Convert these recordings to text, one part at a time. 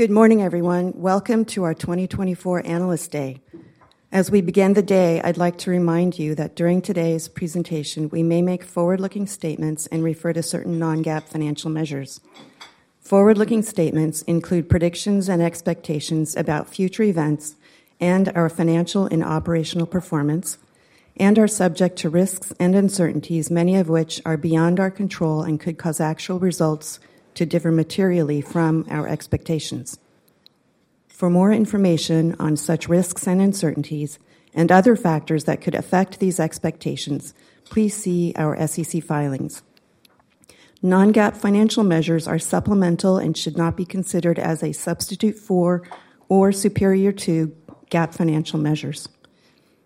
Good morning, everyone. Welcome to our 2024 Analyst Day. As we begin the day, I'd like to remind you that during today's presentation, we may make forward-looking statements and refer to certain non-GAAP financial measures. Forward-looking statements include predictions and expectations about future events and our financial and operational performance, and are subject to risks and uncertainties, many of which are beyond our control and could cause actual results to differ materially from our expectations. For more information on such risks and uncertainties and other factors that could affect these expectations, please see our SEC filings. Non-GAAP financial measures are supplemental and should not be considered as a substitute for or superior to GAAP financial measures.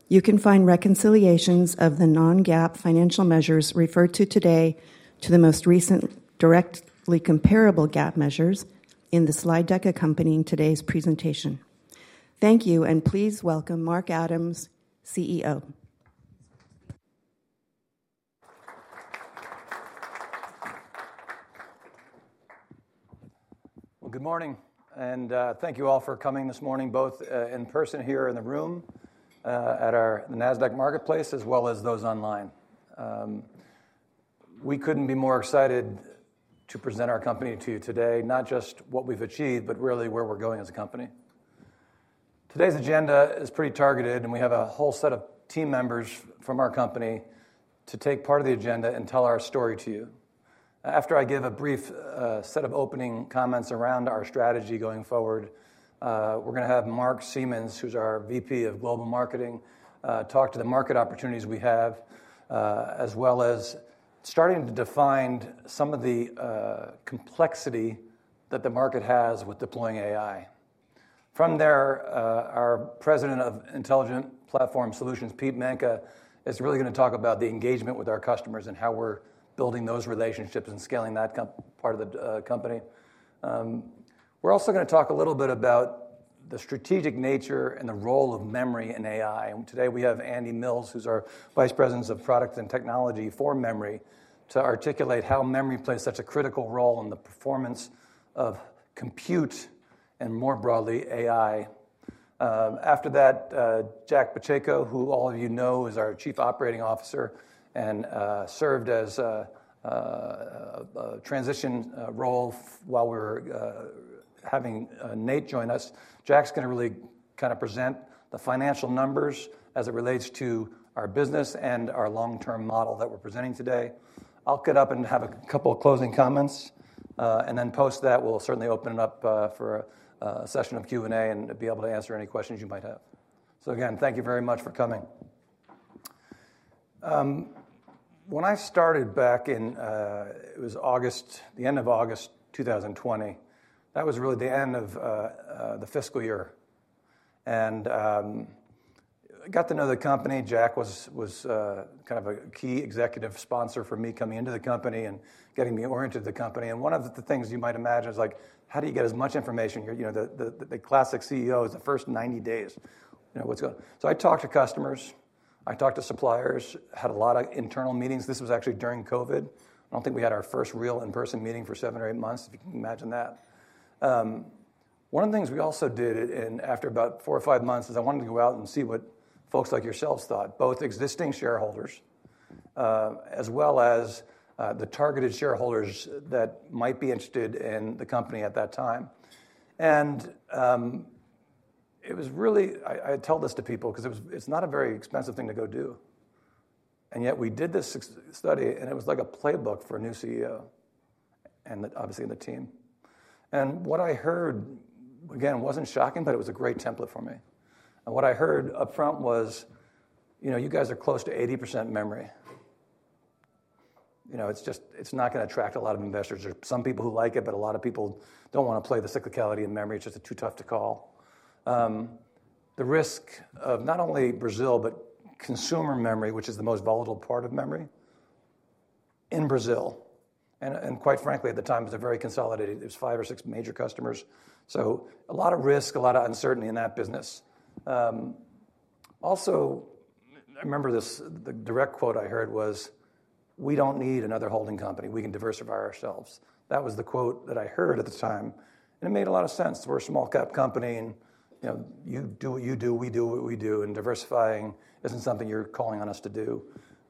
You can find reconciliations of the non-GAAP financial measures referred to today to the most recent directly comparable GAAP measures in the slide deck accompanying today's presentation. Thank you, and please welcome Mark Adams, CEO. Well, good morning, and thank you all for coming this morning, both in person here in the room at our NASDAQ marketplace, as well as those online. We couldn't be more excited to present our company to you today, not just what we've achieved, but really where we're going as a company. Today's agenda is pretty targeted, and we have a whole set of team members from our company to take part of the agenda and tell our story to you. After I give a brief set of opening comments around our strategy going forward, we're gonna have Mark Seamans, who's our VP of Global Marketing, talk to the market opportunities we have, as well as starting to define some of the complexity that the market has with deploying AI. From there, our President of Intelligent Platform Solutions, Pete Manca, is really gonna talk about the engagement with our customers and how we're building those relationships and scaling that part of the company. We're also gonna talk a little bit about the strategic nature and the role of memory in AI. And today, we have Andy Mills, who's our Vice President of Product and Technology for Memory, to articulate how memory plays such a critical role in the performance of compute and, more broadly, AI. After that, Jack Pacheco, who all of you know, is our Chief Operating Officer and served as a transition role while we're having Nate join us. Jack's gonna really kinda present the financial numbers as it relates to our business and our long-term model that we're presenting today. I'll get up and have a couple of closing comments, and then post that, we'll certainly open it up for a session of Q&A, and be able to answer any questions you might have. So again, thank you very much for coming. When I started back in, it was August, the end of August 2020, that was really the end of the fiscal year, and I got to know the company. Jack was kind of a key executive sponsor for me coming into the company and getting me oriented to the company, and one of the things you might imagine is, like, how do you get as much information here? You know, the classic CEO is the first 90 days. So I talked to customers, I talked to suppliers, had a lot of internal meetings. This was actually during COVID. I don't think we had our first real in-person meeting for seven or eight months, if you can imagine that. One of the things we also did, and after about four or five months, is I wanted to go out and see what folks like yourselves thought, both existing shareholders, as well as the targeted shareholders that might be interested in the company at that time. And it was really. I tell this to people 'cause it was. It's not a very expensive thing to go do, and yet we did this study, and it was like a playbook for a new CEO and, obviously, the team. What I heard, again, wasn't shocking, but it was a great template for me. What I heard upfront was, "You know, you guys are close to 80% memory. You know, it's just, it's not gonna attract a lot of investors. There are some people who like it, but a lot of people don't wanna play the cyclicality in memory. It's just too tough to call." The risk of not only Brazil, but consumer memory, which is the most volatile part of memory in Brazil, and quite frankly, at the time, it was a very consolidated. There was five or six major customers. So a lot of risk, a lot of uncertainty in that business. Also, I remember this, the direct quote I heard was, "We don't need another holding company. We can diversify ourselves." That was the quote that I heard at the time, and it made a lot of sense. We're a small-cap company, and, you know, you do what you do, we do what we do, and diversifying isn't something you're calling on us to do.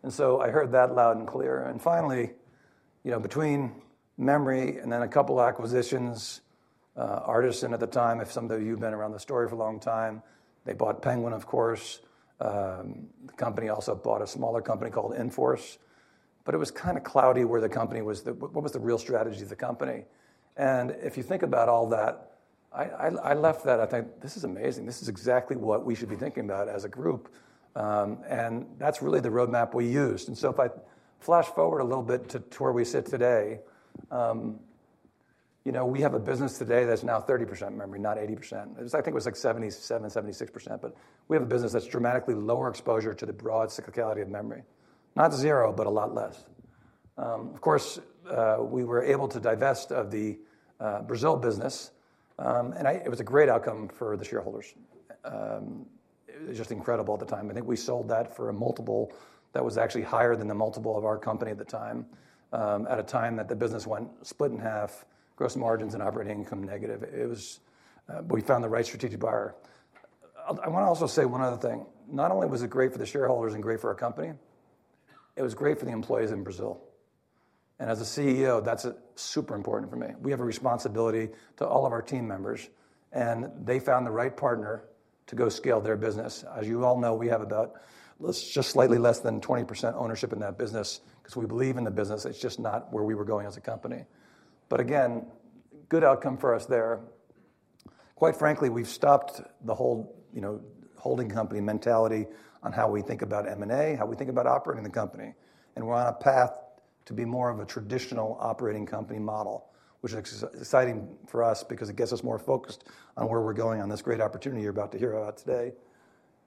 And so I heard that loud and clear. And finally, you know, between memory and then a couple acquisitions, Artesyn at the time, if some of you have been around the story for a long time, they bought Penguin, of course. The company also bought a smaller company called Inforce, but it was kinda cloudy where the company was, what was the real strategy of the company? And if you think about all that, I left that, I think, "This is amazing. This is exactly what we should be thinking about as a group." And that's really the roadmap we used. So if I flash forward a little bit to where we sit today, you know, we have a business today that's now 30% memory, not 80%. It was, like, 77%, 76%, but we have a business that's dramatically lower exposure to the broad cyclicality of memory. Not zero, but a lot less. Of course, we were able to divest of the Brazil business, and it was a great outcome for the shareholders. It was just incredible at the time. I think we sold that for a multiple that was actually higher than the multiple of our company at the time, at a time that the business went split in half, gross margins and operating income negative. It was. But we found the right strategic buyer. I wanna also say one other thing. Not only was it great for the shareholders and great for our company, it was great for the employees in Brazil. And as a CEO, that's super important for me. We have a responsibility to all of our team members, and they found the right partner to go scale their business. As you all know, we have about just slightly less than 20% ownership in that business, 'cause we believe in the business, it's just not where we were going as a company. But again, good outcome for us there. Quite frankly, we've stopped the whole, you know, holding company mentality on how we think about M&A, how we think about operating the company, and we're on a path to be more of a traditional operating company model, which is exciting for us because it gets us more focused on where we're going on this great opportunity you're about to hear about today.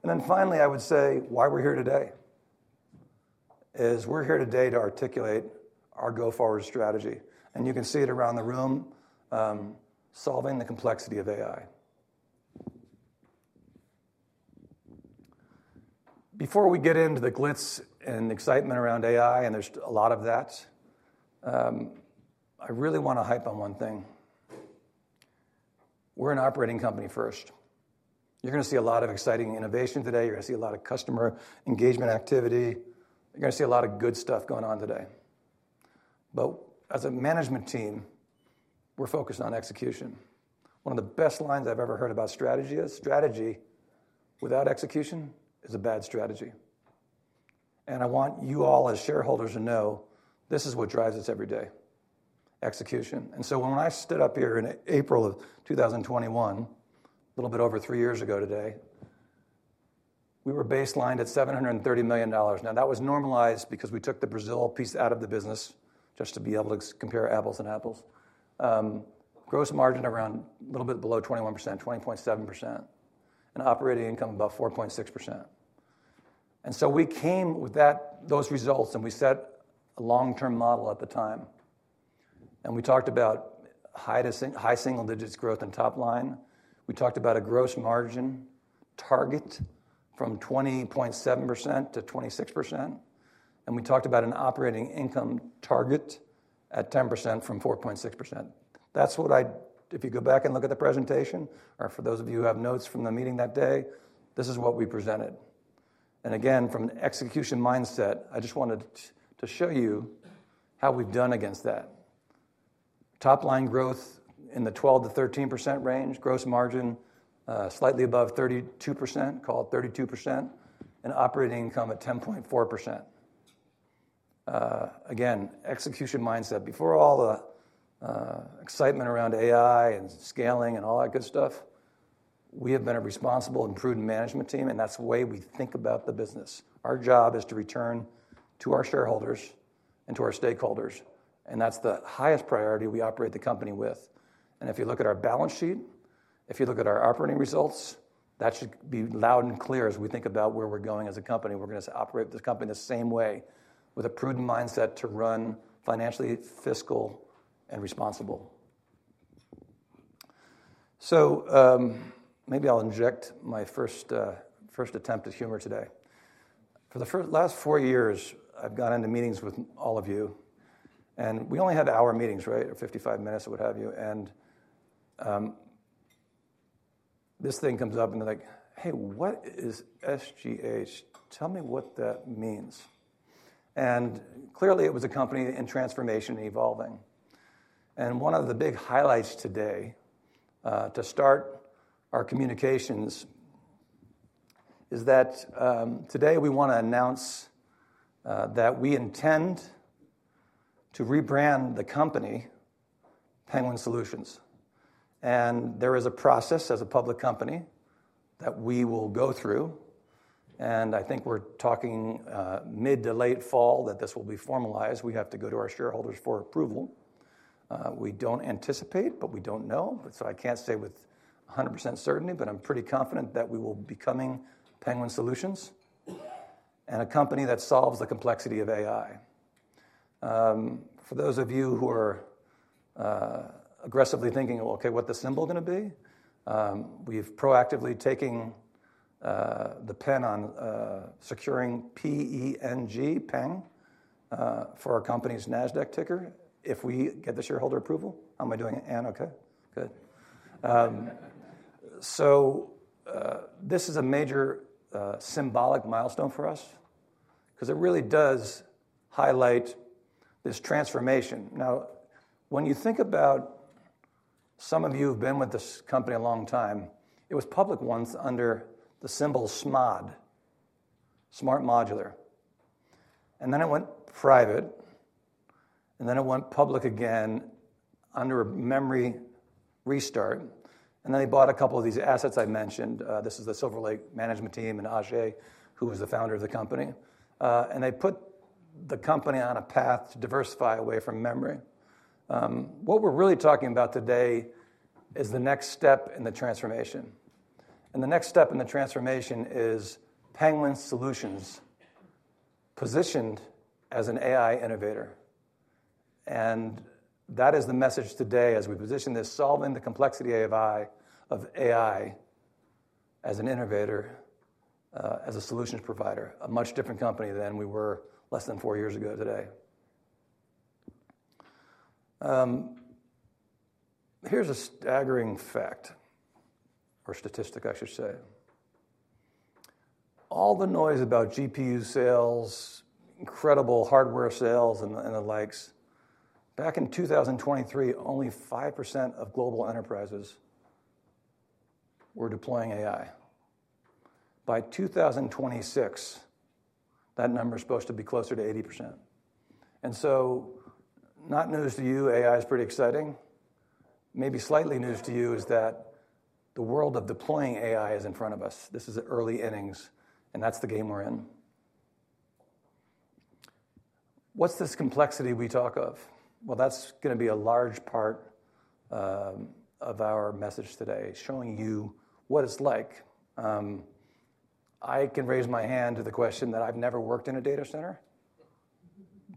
And then finally, I would say, why we're here today, is we're here today to articulate our go-forward strategy, and you can see it around the room, solving the complexity of AI. Before we get into the glitz and excitement around AI, and there's a lot of that, I really wanna hype on one thing. We're an operating company first. You're gonna see a lot of exciting innovation today, you're gonna see a lot of customer engagement activity. You're gonna see a lot of good stuff going on today. But as a management team, we're focused on execution. One of the best lines I've ever heard about strategy is: strategy without execution is a bad strategy. And I want you all, as shareholders, to know this is what drives us every day, execution. And so when I stood up here in April 2021, a little bit over three years ago today, we were baselined at $730 million. Now, that was normalized because we took the Brazil piece out of the business just to be able to compare apples and apples. Gross margin around a little bit below 21%, 20.7%, and operating income, about 4.6%. And so we came with that, those results, and we set a long-term model at the time. We talked about high single digits growth in top line. We talked about a gross margin target from 20.7% to 26%, and we talked about an operating income target at 10% from 4.6%. That's what. If you go back and look at the presentation, or for those of you who have notes from the meeting that day, this is what we presented. Again, from an execution mindset, I just wanted to show you how we've done against that. Top line growth in the 12%-13% range, gross margin slightly above 32%, call it 32%, and operating income at 10.4%. Again, execution mindset. Before all the excitement around AI and scaling and all that good stuff, we have been a responsible and prudent management team, and that's the way we think about the business. Our job is to return to our shareholders and to our stakeholders, and that's the highest priority we operate the company with. And if you look at our balance sheet, if you look at our operating results, that should be loud and clear as we think about where we're going as a company. We're gonna operate this company the same way, with a prudent mindset to run financially, fiscal, and responsible. So, maybe I'll inject my first attempt at humor today. For the last four years, I've gone into meetings with all of you, and we only had hour meetings, right? 55 minutes or what have you, and, this thing comes up, and they're like: "Hey, what is SGH? Tell me what that means." And clearly, it was a company in transformation and evolving. And one of the big highlights today, to start our communications is that, today, we wanna announce, that we intend to rebrand the company Penguin Solutions. And there is a process, as a public company, that we will go through, and I think we're talking, mid to late fall, that this will be formalized. We have to go to our shareholders for approval. We don't anticipate, but we don't know, so I can't say with 100% certainty, but I'm pretty confident that we will be coming Penguin Solutions, and a company that solves the complexity of AI. For those of you who are aggressively thinking, well, okay, what the symbol gonna be? We've proactively taking the pen on securing P-E-N-G, Peng, for our company's NASDAQ ticker. If we get the shareholder approval. How am I doing, Anne? Okay? Good. So, this is a major symbolic milestone for us 'cause it really does highlight this transformation. Now, when you think about some of you who've been with this company a long time, it was public once under the symbol SMOD, SMART Modular, and then it went private, and then it went public again under a memory restart, and then they bought a couple of these assets I mentioned. This is the Silver Lake management team and Ajay, who is the founder of the company. And they put the company on a path to diversify away from memory. What we're really talking about today is the next step in the transformation, and the next step in the transformation is Penguin Solutions, positioned as an AI innovator, and that is the message today as we position this, solving the complexity AI of AI as an innovator, as a solutions provider, a much different company than we were less than four years ago today. Here's a staggering fact, or statistic, I should say. All the noise about GPU sales, incredible hardware sales, and the, and the likes, back in 2023, only 5% of global enterprises were deploying AI. By 2026, that number is supposed to be closer to 80%. And so not news to you, AI is pretty exciting. Maybe slightly news to you is that the world of deploying AI is in front of us. This is the early innings, and that's the game we're in. What's this complexity we talk of? Well, that's gonna be a large part of our message today, showing you what it's like. I can raise my hand to the question that I've never worked in a data center,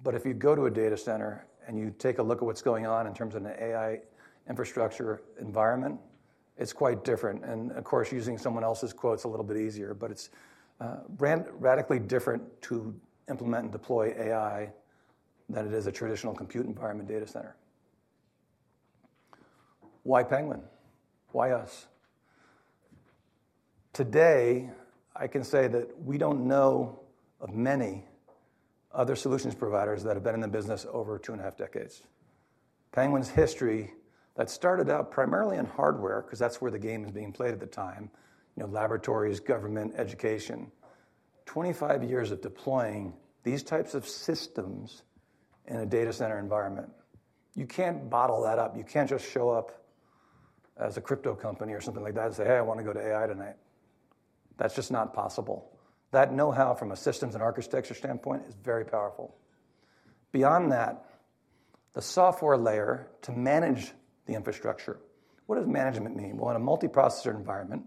but if you go to a data center, and you take a look at what's going on in terms of the AI infrastructure environment, it's quite different. Of course, using someone else's quote is a little bit easier, but it's radically different to implement and deploy AI than it is a traditional compute environment data center. Why Penguin? Why us? Today, I can say that we don't know of many other solutions providers that have been in the business over two and a half decades. Penguin's history that started out primarily in hardware, 'cause that's where the game is being played at the time, you know, laboratories, government, education. 25 years of deploying these types of systems in a data center environment, you can't bottle that up. You can't just show up as a crypto company or something like that and say, "Hey, I wanna go to AI tonight." That's just not possible. That know-how from a systems and architecture standpoint is very powerful. Beyond that, the software layer to manage the infrastructure. What does management mean? Well, in a multiprocessor environment,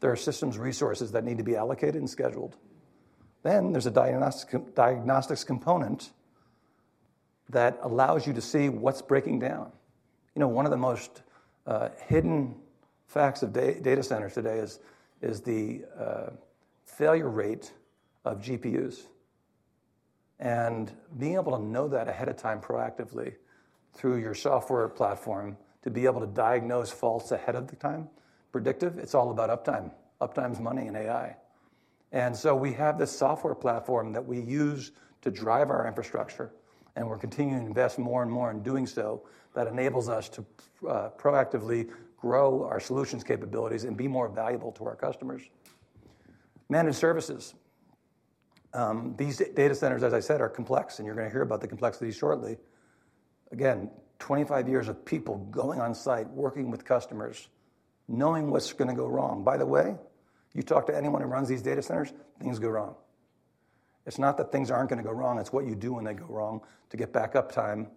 there are systems resources that need to be allocated and scheduled. Then there's a diagnostics, diagnostics component that allows you to see what's breaking down. You know, one of the most hidden facts of data centers today is the failure rate of GPUs, and being able to know that ahead of time, proactively, through your software platform, to be able to diagnose faults ahead of the time, predictive. It's all about uptime. Uptime is money in AI. And so we have this software platform that we use to drive our infrastructure, and we're continuing to invest more and more in doing so. That enables us to proactively grow our solutions capabilities and be more valuable to our customers. Managed services. These data centers, as I said, are complex, and you're gonna hear about the complexity shortly. Again, 25 years of people going on site, working with customers, knowing what's gonna go wrong. By the way, you talk to anyone who runs these data centers, things go wrong. It's not that things aren't gonna go wrong, it's what you do when they go wrong to get back up time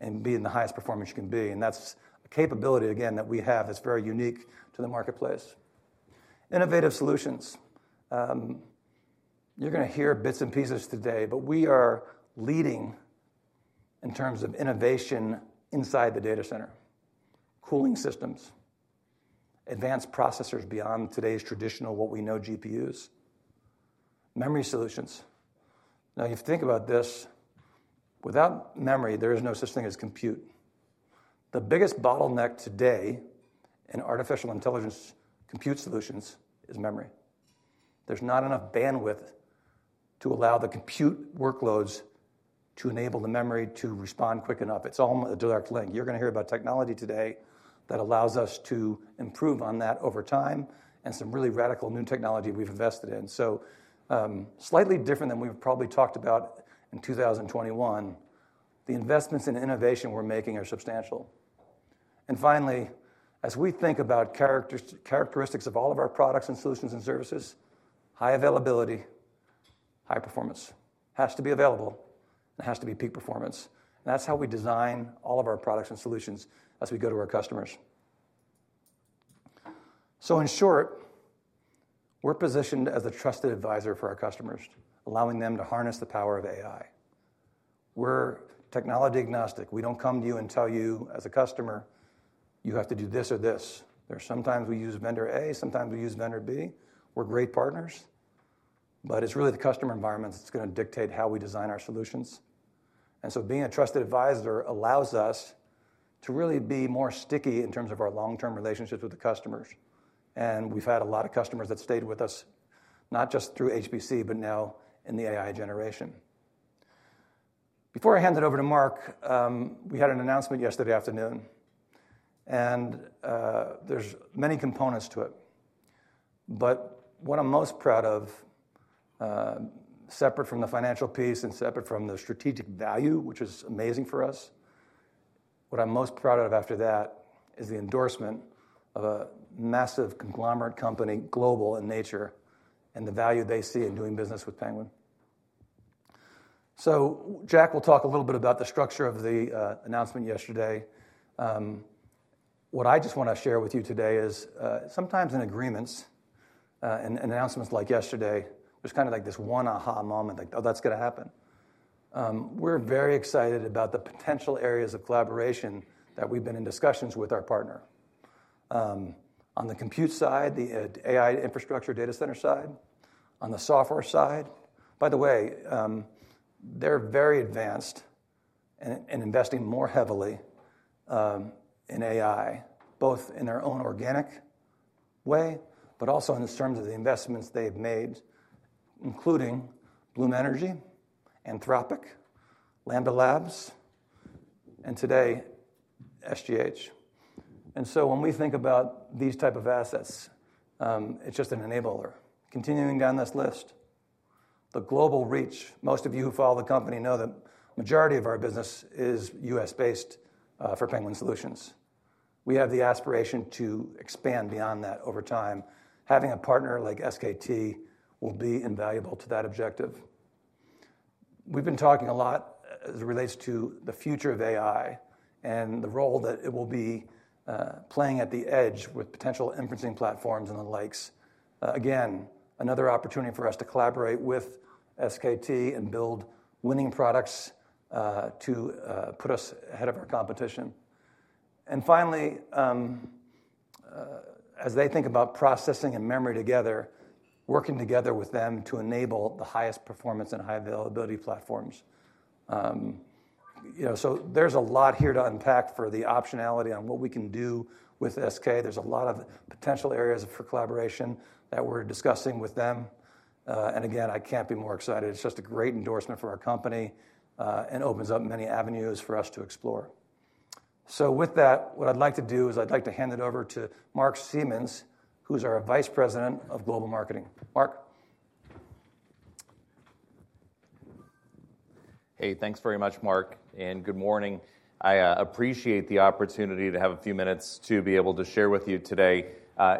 and be in the highest performance you can be, and that's a capability, again, that we have that's very unique to the marketplace. Innovative solutions. You're gonna hear bits and pieces today, but we are leading in terms of innovation inside the data center. Cooling systems, advanced processors beyond today's traditional what we know GPUs, memory solutions. Now, if you think about this, without memory, there is no such thing as compute. The biggest bottleneck today in artificial intelligence compute solutions is memory. There's not enough bandwidth to allow the compute workloads to enable the memory to respond quick enough. It's all a direct link. You're gonna hear about technology today that allows us to improve on that over time and some really radical new technology we've invested in. So, slightly different than we've probably talked about in 2021, the investments in innovation we're making are substantial. Finally, as we think about characteristics of all of our products and solutions and services, high availability, high performance. Has to be available, and it has to be peak performance. That's how we design all of our products and solutions as we go to our customers. So in short, we're positioned as a trusted advisor for our customers, allowing them to harness the power of AI. We're technology agnostic. We don't come to you and tell you, as a customer, "You have to do this or this." There's sometimes we use vendor A, sometimes we use vendor B. We're great partners, but it's really the customer environment that's gonna dictate how we design our solutions. And so being a trusted advisor allows us to really be more sticky in terms of our long-term relationships with the customers, and we've had a lot of customers that stayed with us, not just through HPC, but now in the AI generation. Before I hand it over to Mark, we had an announcement yesterday afternoon, and there's many components to it. But what I'm most proud of, separate from the financial piece and separate from the strategic value, which is amazing for us, what I'm most proud of after that is the endorsement of a massive conglomerate company, global in nature, and the value they see in doing business with Penguin. So Jack will talk a little bit about the structure of the announcement yesterday. What I just want to share with you today is, sometimes in agreements and announcements like yesterday, there's kind of like this one aha moment, like, "Oh, that's going to happen." We're very excited about the potential areas of collaboration that we've been in discussions with our partner. On the compute side, the AI infrastructure data center side, on the software side. By the way, they're very advanced in investing more heavily in AI, both in their own organic way, but also in the terms of the investments they've made, including Bloom Energy, Anthropic, Lambda Labs, and today, SGH. And so, when we think about these type of assets, it's just an enabler. Continuing down this list, the global reach. Most of you who follow the company know that majority of our business is U.S. based for Penguin Solutions. We have the aspiration to expand beyond that over time. Having a partner like SKT will be invaluable to that objective. We've been talking a lot as it relates to the future of AI and the role that it will be playing at the edge with potential inferencing platforms and the likes. Again, another opportunity for us to collaborate with SKT and build winning products to put us ahead of our competition. And finally, as they think about processing and memory together, working together with them to enable the highest performance and high availability platforms. You know, so there's a lot here to unpack for the optionality on what we can do with SK. There's a lot of potential areas for collaboration that we're discussing with them, and again, I can't be more excited. It's just a great endorsement for our company, and opens up many avenues for us to explore. So with that, what I'd like to do is I'd like to hand it over to Mark Seamans, who's our Vice President of Global Marketing. Mark? Hey, thanks very much, Mark, and good morning. I appreciate the opportunity to have a few minutes to be able to share with you today,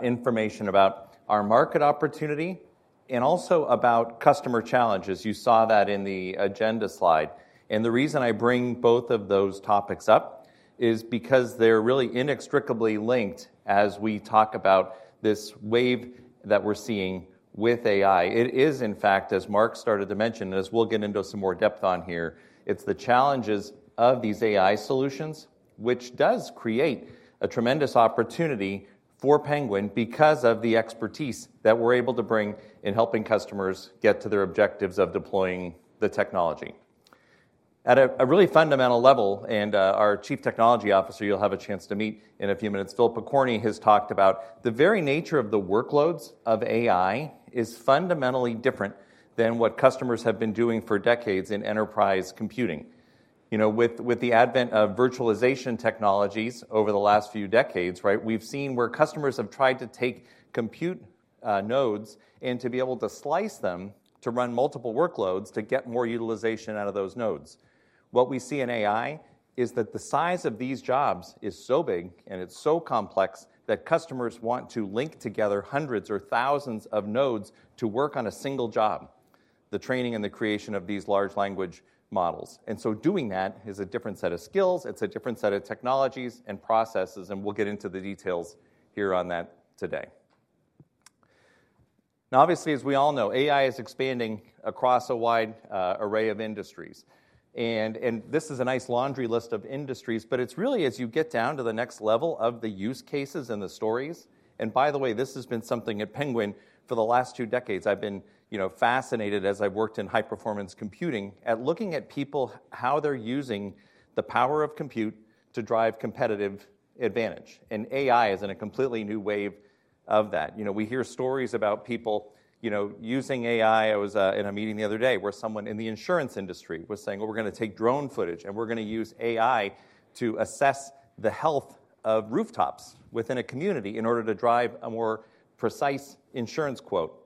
information about our market opportunity and also about customer challenges. You saw that in the agenda slide, and the reason I bring both of those topics up is because they're really inextricably linked as we talk about this wave that we're seeing with AI. It is, in fact, as Mark started to mention, as we'll get into some more depth on here, it's the challenges of these AI solutions, which does create a tremendous opportunity for Penguin because of the expertise that we're able to bring in helping customers get to their objectives of deploying the technology. At a really fundamental level, and our Chief Technology Officer, you'll have a chance to meet in a few minutes, Philip Pokorny, has talked about the very nature of the workloads of AI is fundamentally different than what customers have been doing for decades in enterprise computing. You know, with the advent of virtualization technologies over the last few decades, right? We've seen where customers have tried to take compute nodes and to be able to slice them to run multiple workloads to get more utilization out of those nodes. What we see in AI is that the size of these jobs is so big, and it's so complex that customers want to link together hundreds or thousands of nodes to work on a single job, the training and the creation of these large language models. And so doing that is a different set of skills, it's a different set of technologies and processes, and we'll get into the details here on that today. Now, obviously, as we all know, AI is expanding across a wide array of industries, and this is a nice laundry list of industries, but it's really as you get down to the next level of the use cases and the stories. And by the way, this has been something at Penguin for the last two decades. I've been, you know, fascinated as I've worked in high-performance computing, at looking at people, how they're using the power of compute to drive competitive advantage, and AI is in a completely new wave of that. You know, we hear stories about people, you know, using AI. I was in a meeting the other day, where someone in the insurance industry was saying: Well, we're going to take drone footage, and we're going to use AI to assess the health of rooftops within a community in order to drive a more precise insurance quote.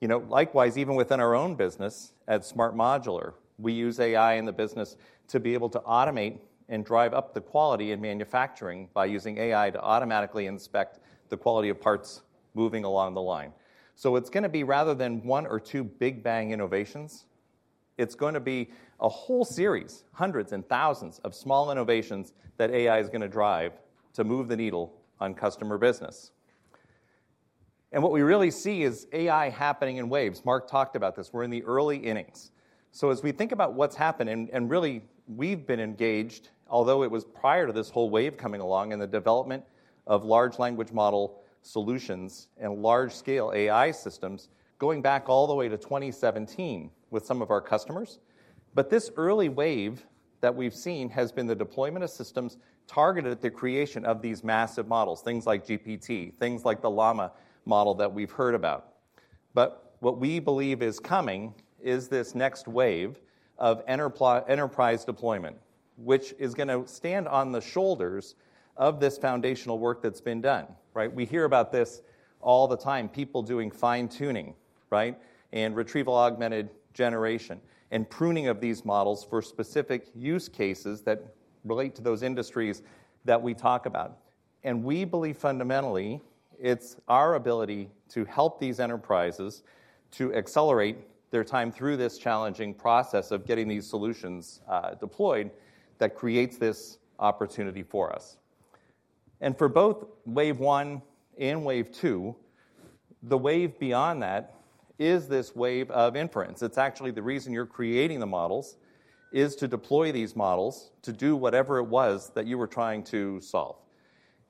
You know, likewise, even within our own business at SMART Modular, we use AI in the business to be able to automate and drive up the quality in manufacturing by using AI to automatically inspect the quality of parts moving along the line. So it's gonna be rather than one or two big bang innovations, it's going to be a whole series, hundreds and thousands of small innovations that AI is gonna drive to move the needle on customer business. And what we really see is AI happening in waves. Mark talked about this. We're in the early innings. So as we think about what's happened, and, and really, we've been engaged, although it was prior to this whole wave coming along in the development of large language model solutions and large-scale AI systems, going back all the way to 2017 with some of our customers. But this early wave that we've seen has been the deployment of systems targeted at the creation of these massive models, things like GPT, things like the Llama model that we've heard about. But what we believe is coming is this next wave of enterprise deployment, which is gonna stand on the shoulders of this foundational work that's been done, right? We hear about this all the time, people doing fine-tuning, right? And retrieval-augmented generation, and pruning of these models for specific use cases that relate to those industries that we talk about. We believe, fundamentally, it's our ability to help these enterprises to accelerate their time through this challenging process of getting these solutions, deployed, that creates this opportunity for us. For both wave one and wave two, the wave beyond that is this wave of inference. It's actually the reason you're creating the models, is to deploy these models to do whatever it was that you were trying to solve.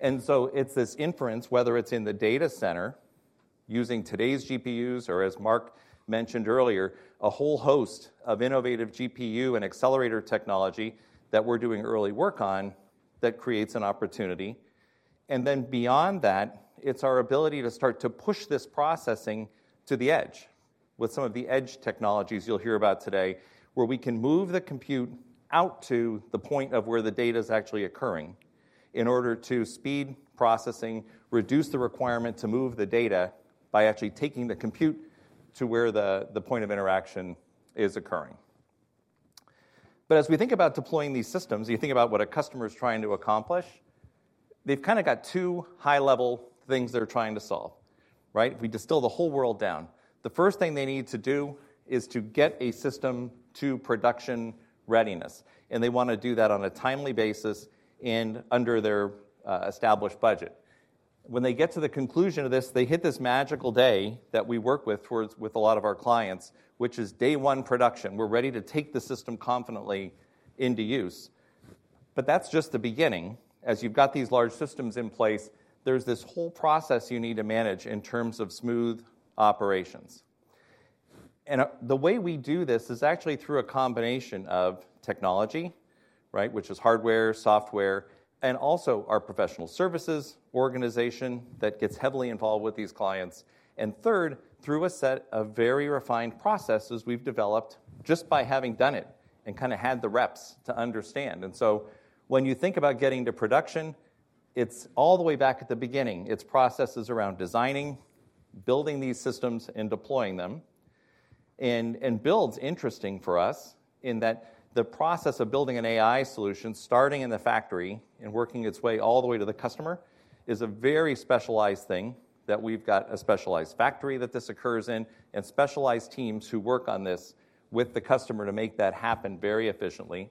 It's this inference, whether it's in the data center using today's GPUs, or as Mark mentioned earlier, a whole host of innovative GPU and accelerator technology that we're doing early work on, that creates an opportunity. And then beyond that, it's our ability to start to push this processing to the edge with some of the edge technologies you'll hear about today, where we can move the compute out to the point of where the data's actually occurring in order to speed processing, reduce the requirement to move the data by actually taking the compute to where the point of interaction is occurring. But as we think about deploying these systems, you think about what a customer is trying to accomplish. They've kinda got two high-level things they're trying to solve, right? If we distill the whole world down, the first thing they need to do is to get a system to production readiness, and they wanna do that on a timely basis and under their established budget. When they get to the conclusion of this, they hit this magical day that we work with towards, with a lot of our clients, which is day one production. We're ready to take the system confidently into use. But that's just the beginning. As you've got these large systems in place, there's this whole process you need to manage in terms of smooth operations. And, the way we do this is actually through a combination of technology, right? Which is hardware, software, and also our professional services organization that gets heavily involved with these clients. And third, through a set of very refined processes we've developed just by having done it and kinda had the reps to understand. And so when you think about getting to production, it's all the way back at the beginning. It's processes around designing, building these systems, and deploying them. Build is interesting for us in that the process of building an AI solution, starting in the factory and working its way all the way to the customer, is a very specialized thing, that we've got a specialized factory that this occurs in, and specialized teams who work on this with the customer to make that happen very efficiently.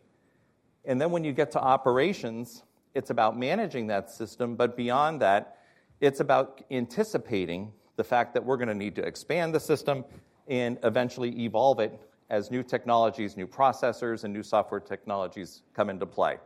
Then, when you get to operations, it's about managing that system, but beyond that, it's about anticipating the fact that we're gonna need to expand the system and eventually evolve it as new technologies, new processors, and new software technologies come into play.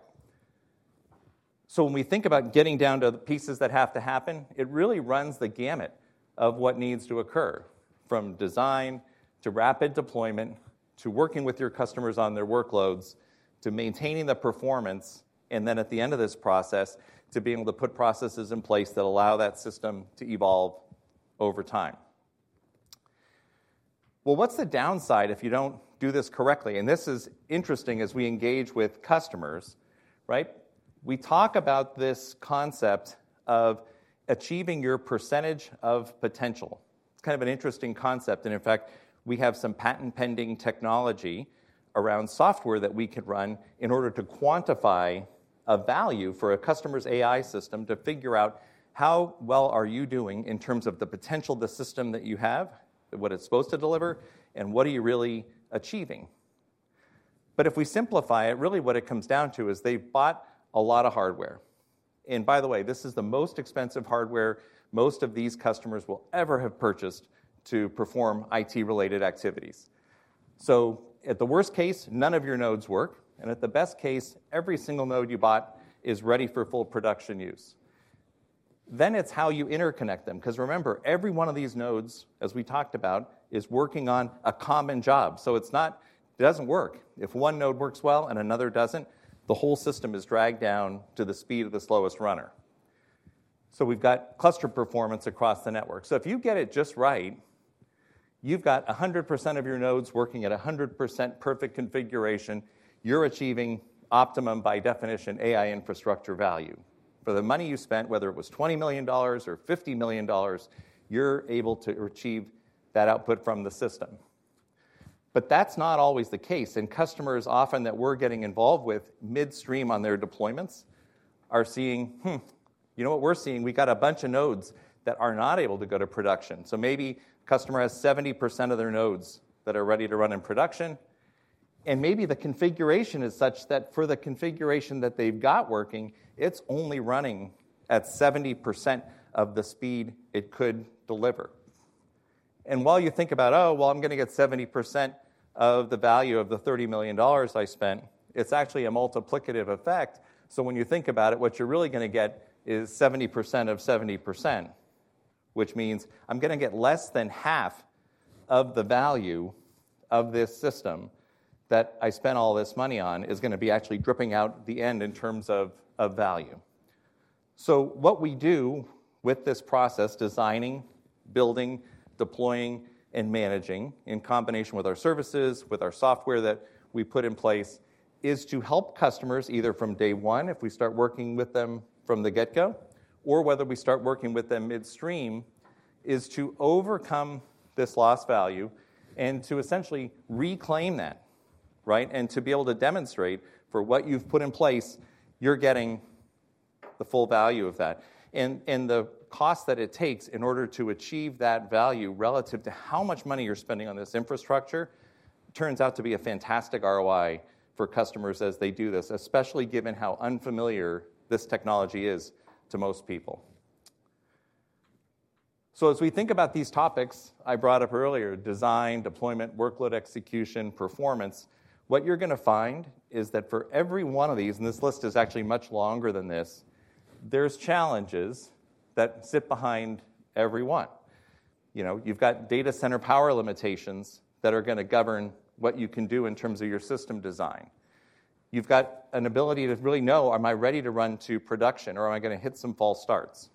When we think about getting down to the pieces that have to happen, it really runs the gamut of what needs to occur, from design to rapid deployment, to working with your customers on their workloads, to maintaining the performance, and then at the end of this process, to being able to put processes in place that allow that system to evolve over time. Well, what's the downside if you don't do this correctly? This is interesting as we engage with customers, right? We talk about this concept of achieving your percentage of potential. It's kind of an interesting concept, and in fact, we have some patent-pending technology around software that we could run in order to quantify a value for a customer's AI system to figure out how well are you doing in terms of the potential of the system that you have, and what it's supposed to deliver, and what are you really achieving? But if we simplify it, really what it comes down to is they bought a lot of hardware. And by the way, this is the most expensive hardware most of these customers will ever have purchased to perform IT-related activities. So at the worst case, none of your nodes work, and at the best case, every single node you bought is ready for full production use. Then it's how you interconnect them, 'cause remember, every one of these nodes, as we talked about, is working on a common job, so it's not. It doesn't work. If one node works well and another doesn't, the whole system is dragged down to the speed of the slowest runner. So we've got cluster performance across the network. So if you get it just right, you've got 100% of your nodes working at a 100% perfect configuration, you're achieving optimum, by definition, AI infrastructure value. For the money you spent, whether it was $20 million or $50 million, you're able to achieve that output from the system. But that's not always the case, and customers often that we're getting involved with midstream on their deployments are seeing, "Hmm, you know what we're seeing? We got a bunch of nodes that are not able to go to production." So maybe customer has 70% of their nodes that are ready to run in production, and maybe the configuration is such that for the configuration that they've got working, it's only running at 70% of the speed it could deliver. And while you think about, "Oh, well, I'm gonna get 70% of the value of the $30 million I spent," it's actually a multiplicative effect. So when you think about it, what you're really gonna get is 70% of 70%, which means I'm gonna get less than half of the value of this system that I spent all this money on, is gonna be actually dripping out the end in terms of, of value. So what we do with this process, designing, building, deploying, and managing, in combination with our services, with our software that we put in place, is to help customers, either from day one, if we start working with them from the get-go, or whether we start working with them midstream, is to overcome this lost value and to essentially reclaim that, right? And to be able to demonstrate for what you've put in place, you're getting the full value of that. And, and the cost that it takes in order to achieve that value relative to how much money you're spending on this infrastructure turns out to be a fantastic ROI for customers as they do this, especially given how unfamiliar this technology is to most people. So as we think about these topics I brought up earlier: design, deployment, workload execution, performance, what you're gonna find is that for every one of these, and this list is actually much longer than this, there's challenges that sit behind every one. You know, you've got data center power limitations that are gonna govern what you can do in terms of your system design. You've got an ability to really know, am I ready to run to production, or am I gonna hit some false starts?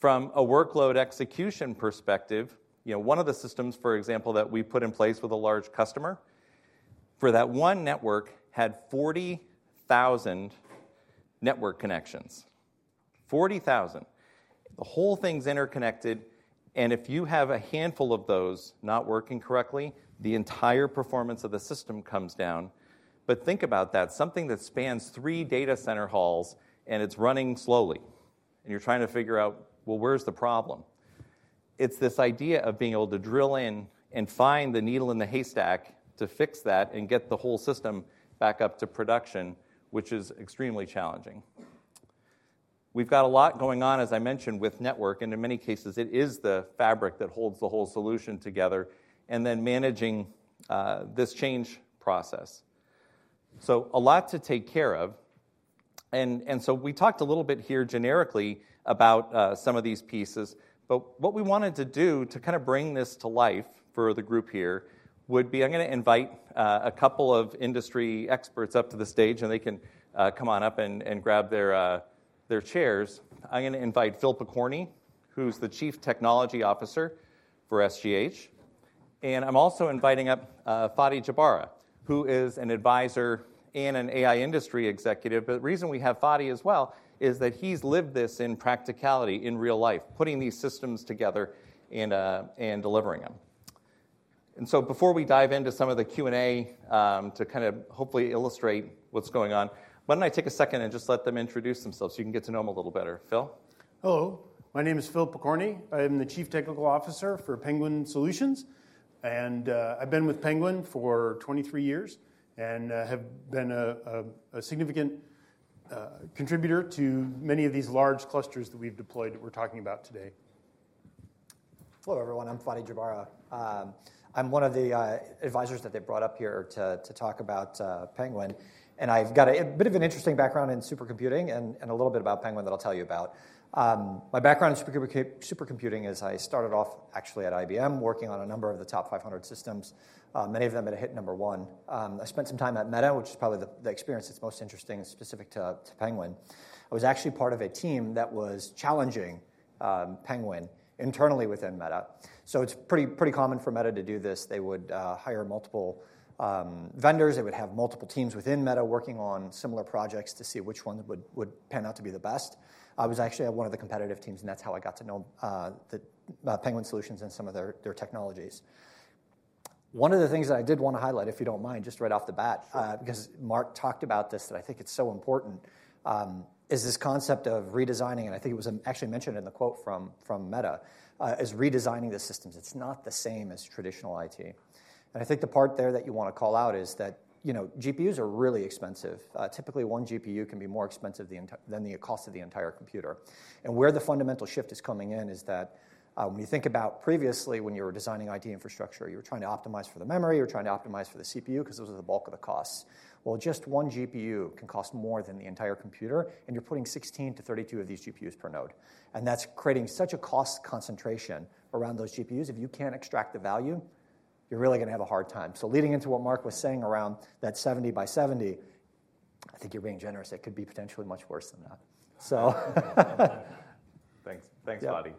From a workload execution perspective, you know, one of the systems, for example, that we put in place with a large customer, for that one network had 40,000 network connections. 40,000. The whole thing's interconnected, and if you have a handful of those not working correctly, the entire performance of the system comes down. But think about that, something that spans three data center halls, and it's running slowly, and you're trying to figure out, well, where's the problem? It's this idea of being able to drill in and find the needle in the haystack to fix that and get the whole system back up to production, which is extremely challenging. We've got a lot going on, as I mentioned, with network, and in many cases, it is the fabric that holds the whole solution together, and then managing this change process. So a lot to take care of, and so we talked a little bit here generically about some of these pieces, but what we wanted to do to kinda bring this to life for the group here would be. I'm gonna invite a couple of industry experts up to the stage, and they can come on up and grab their chairs. I'm gonna invite Phil Pokorny, who's the Chief Technology Officer for SGH, and I'm also inviting up [Fadi Jabara], who is an advisor and an AI industry executive. But the reason we have Fadi as well is that he's lived this in practicality, in real life, putting these systems together and delivering them. And so before we dive into some of the Q&A, to kind of hopefully illustrate what's going on, why don't I take a second and just let them introduce themselves so you can get to know them a little better. Phil? Hello, my name is Phil Pokorny. I am the Chief Technical Officer for Penguin Solutions, and I've been with Penguin for 23 years and have been a significant contributor to many of these large clusters that we've deployed that we're talking about today. Hello, everyone. I'm [Fadi Jabara]. I'm one of the advisors that they brought up here to talk about Penguin, and I've got a bit of an interesting background in supercomputing and a little bit about Penguin that I'll tell you about. My background in supercomputing is I started off actually at IBM, working on a number of the top 500 systems, many of them that hit number one. I spent some time at Meta, which is probably the experience that's most interesting and specific to Penguin. I was actually part of a team that was challenging Penguin internally within Meta. So it's pretty common for Meta to do this. They would hire multiple vendors. They would have multiple teams within Meta working on similar projects to see which one would pan out to be the best. I was actually at one of the competitive teams, and that's how I got to know the Penguin Solutions and some of their technologies. One of the things that I did wanna highlight, if you don't mind, just right off the bat because Mark talked about this, that I think it's so important is this concept of redesigning, and I think it was actually mentioned in the quote from Meta is redesigning the systems. It's not the same as traditional IT. And I think the part there that you wanna call out is that, you know, GPUs are really expensive. Typically, one GPU can be more expensive than the cost of the entire computer, and where the fundamental shift is coming in is that, when you think about previously when you were designing IT infrastructure, you were trying to optimize for the memory, you were trying to optimize for the CPU, 'cause those are the bulk of the costs. Well, just one GPU can cost more than the entire computer, and you're putting 16-32 of these GPUs per node, and that's creating such a cost concentration around those GPUs. If you can't extract the value, you're really gonna have a hard time. So leading into what Mark was saying around that 70 by 70, I think you're being generous. It could be potentially much worse than that. So. Thanks. Thanks, Fadi.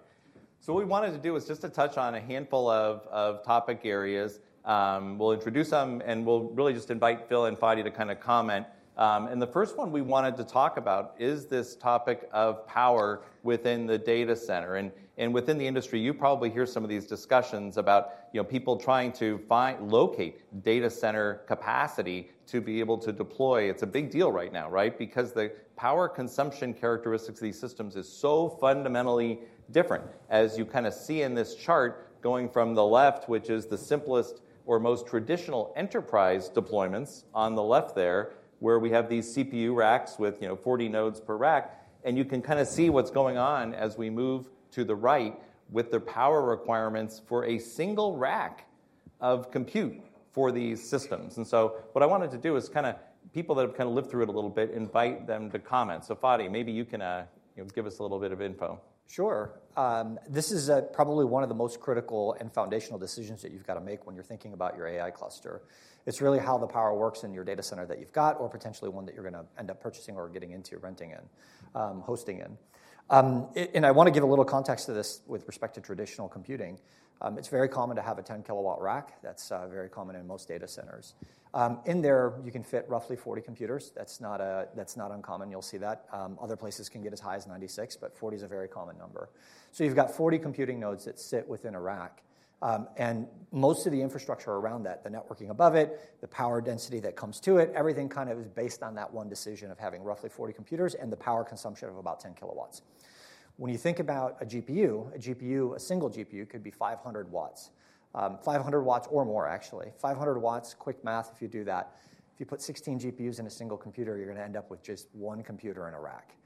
So what we wanted to do was just to touch on a handful of topic areas. We'll introduce them, and we'll really just invite Phil and Fadi to kinda comment. And the first one we wanted to talk about is this topic of power within the data center, and within the industry, you probably hear some of these discussions about, you know, people trying to find, locate data center capacity to be able to deploy. It's a big deal right now, right? Because the power consumption characteristics of these systems is so fundamentally different. As you kinda see in this chart, going from the left, which is the simplest or most traditional enterprise deployments on the left there, where we have these CPU racks with, you know, 40 nodes per rack, and you can kinda see what's going on as we move to the right with the power requirements for a single rack of compute for these systems. So what I wanted to do is kind of, people that have kind of lived through it a little bit, invite them to comment. So, Fadi, maybe you can, you know, give us a little bit of info. Sure. This is probably one of the most critical and foundational decisions that you've got to make when you're thinking about your AI cluster. It's really how the power works in your data center that you've got or potentially one that you're gonna end up purchasing or getting into, renting in, hosting in. And I want to give a little context to this with respect to traditional computing. It's very common to have a 10 kW rack. That's very common in most data centers. In there, you can fit roughly 40 computers. That's not uncommon. You'll see that. Other places can get as high as 96, but 40 is a very common number. So you've got 40 computing nodes that sit within a rack, and most of the infrastructure around that, the networking above it, the power density that comes to it, everything kind of is based on that one decision of having roughly 40 computers and the power consumption of about 10 kW. When you think about a GPU, a GPU, a single GPU could be 500 W. 500 W or more, actually. 500 W, quick math if you do that, if you put 16 GPUs in a single computer, you're gonna end up with just one computer in a rack.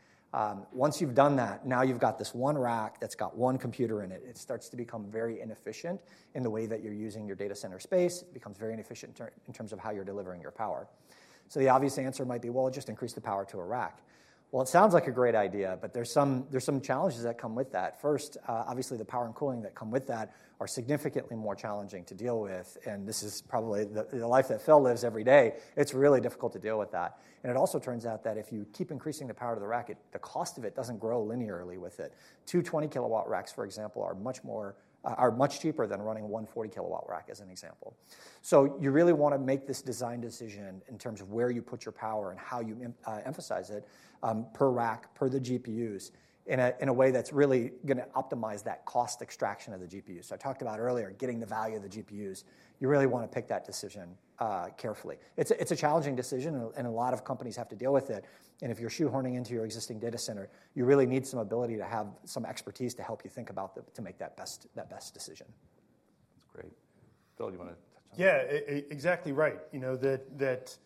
Once you've done that, now you've got this one rack that's got one computer in it. It starts to become very inefficient in the way that you're using your data center space. It becomes very inefficient in terms of how you're delivering your power. So the obvious answer might be, "Well, just increase the power to a rack." Well, it sounds like a great idea, but there's some challenges that come with that. First, obviously, the power and cooling that come with that are significantly more challenging to deal with, and this is probably the life that Phil lives every day. It's really difficult to deal with that. And it also turns out that if you keep increasing the power to the rack, the cost of it doesn't grow linearly with it. Two 20-kW racks, for example, are much more cheaper than running one 40-kW rack, as an example. So you really wanna make this design decision in terms of where you put your power and how you emphasize it, per rack, per the GPUs, in a way that's really gonna optimize that cost extraction of the GPU. So I talked about earlier, getting the value of the GPUs, you really wanna pick that decision, carefully. It's a challenging decision, and a lot of companies have to deal with it, and if you're shoehorning into your existing data center, you really need some ability to have some expertise to help you think about the to make that best, that best decision. That's great. Phil, do you wanna touch on that? Yeah, exactly right. You know, that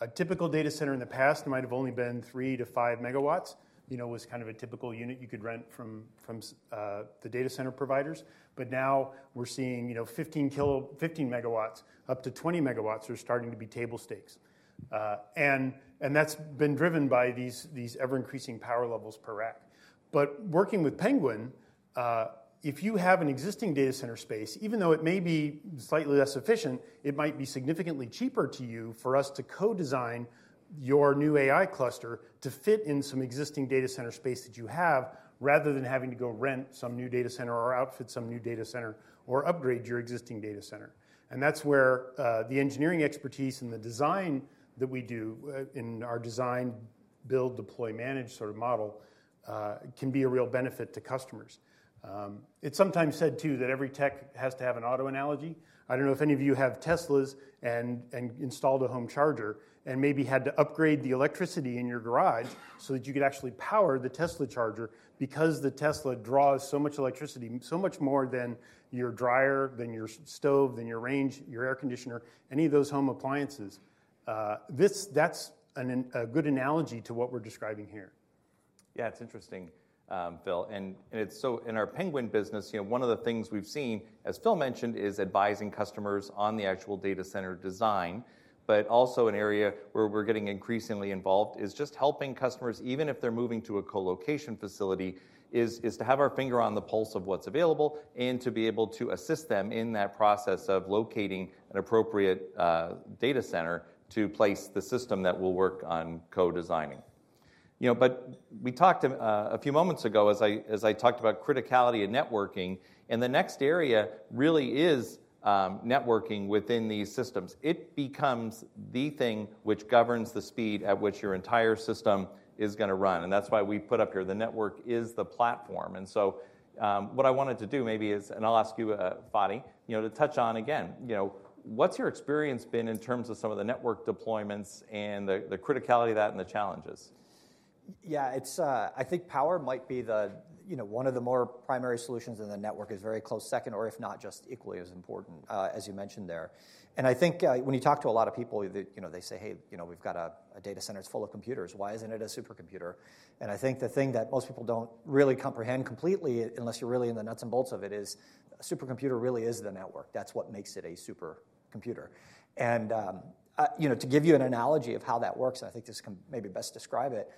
a typical data center in the past might have only been 3-5 megawatts. You know, it was kind of a typical unit you could rent from the data center providers, but now we're seeing, you know, 15 megawatts, up to 20 megawatts are starting to be table stakes. And that's been driven by these ever-increasing power levels per rack. But working with Penguin, if you have an existing data center space, even though it may be slightly less efficient, it might be significantly cheaper to you for us to co-design your new AI cluster to fit in some existing data center space that you have, rather than having to go rent some new data center or outfit some new data center or upgrade your existing data center. And that's where the engineering expertise and the design that we do in our design, build, deploy, manage sort of model can be a real benefit to customers. It's sometimes said, too, that every tech has to have an auto analogy. I don't know if any of you have Teslas and installed a home charger and maybe had to upgrade the electricity in your garage so that you could actually power the Tesla charger because the Tesla draws so much electricity, so much more than your dryer, than your stove, than your range, your air conditioner, any of those home appliances. This, that's a good analogy to what we're describing here. Yeah, it's interesting, Phil, and it's. So in our Penguin business, you know, one of the things we've seen, as Phil mentioned, is advising customers on the actual data center design, but also an area where we're getting increasingly involved is just helping customers, even if they're moving to a colocation facility, to have our finger on the pulse of what's available and to be able to assist them in that process of locating an appropriate data center to place the system that we'll work on co-designing. You know, but we talked a few moments ago, as I talked about criticality and networking, and the next area really is networking within these systems. It becomes the thing which governs the speed at which your entire system is gonna run, and that's why we put up here, "The network is the platform." So, what I wanted to do maybe is, I'll ask you, Fadi, you know, to touch on again, you know, what's your experience been in terms of some of the network deployments and the criticality of that and the challenges? Yeah, it's, I think power might be the, you know, one of the more primary solutions, and the network is very close second, or if not, just equally as important, as you mentioned there. And I think, when you talk to a lot of people, they, you know, they say, "Hey, you know, we've got a data center that's full of computers. Why isn't it a supercomputer?" And I think the thing that most people don't really comprehend completely, unless you're really in the nuts and bolts of it, is a supercomputer really is the network. That's what makes it a supercomputer. And, you know, to give you an analogy of how that works, and I think this can maybe best describe it,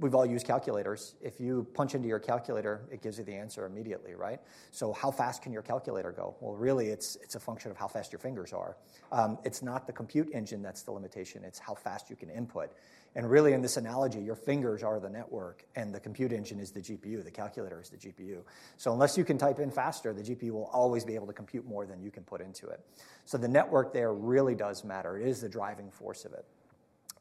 we've all used calculators. If you punch into your calculator, it gives you the answer immediately, right? So how fast can your calculator go? Well, really, it's a function of how fast your fingers are. It's not the compute engine that's the limitation, it's how fast you can input. And really, in this analogy, your fingers are the network, and the compute engine is the GPU, the calculator is the GPU. So unless you can type in faster, the GPU will always be able to compute more than you can put into it. So the network there really does matter. It is the driving force of it.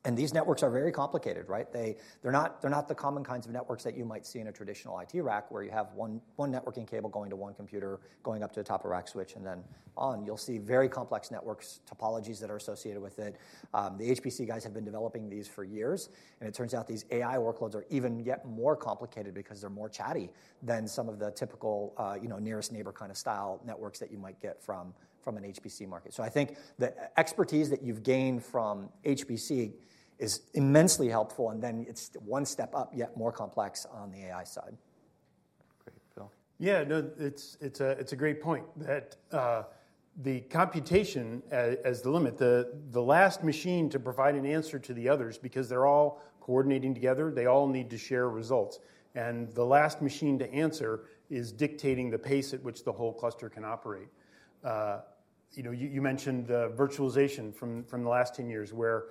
And these networks are very complicated, right? They're not the common kinds of networks that you might see in a traditional IT rack, where you have one networking cable going to one computer, going up to the top of rack switch, and then on. You'll see very complex networks, topologies that are associated with it. The HPC guys have been developing these for years, and it turns out these AI workloads are even yet more complicated because they're more chatty than some of the typical, you know, nearest neighbor kind of style networks that you might get from an HPC market. So I think the expertise that you've gained from HPC is immensely helpful, and then it's one step up, yet more complex on the AI side. Yeah, no, it's, it's a, it's a great point, that, the computation, as the limit, the, the last machine to provide an answer to the others, because they're all coordinating together, they all need to share results. And the last machine to answer is dictating the pace at which the whole cluster can operate. You know, you, you mentioned the virtualization from, from the last 10 years, where,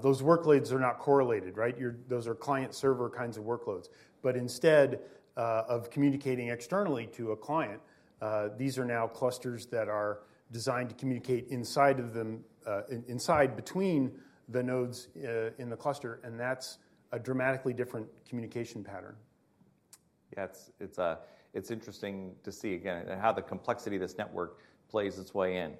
those workloads are not correlated, right? Those are client-server kinds of workloads. But instead, of communicating externally to a client, these are now clusters that are designed to communicate inside of them, inside between the nodes, in the cluster, and that's a dramatically different communication pattern. Yeah, it's, it's interesting to see again, how the complexity of this network plays its way in.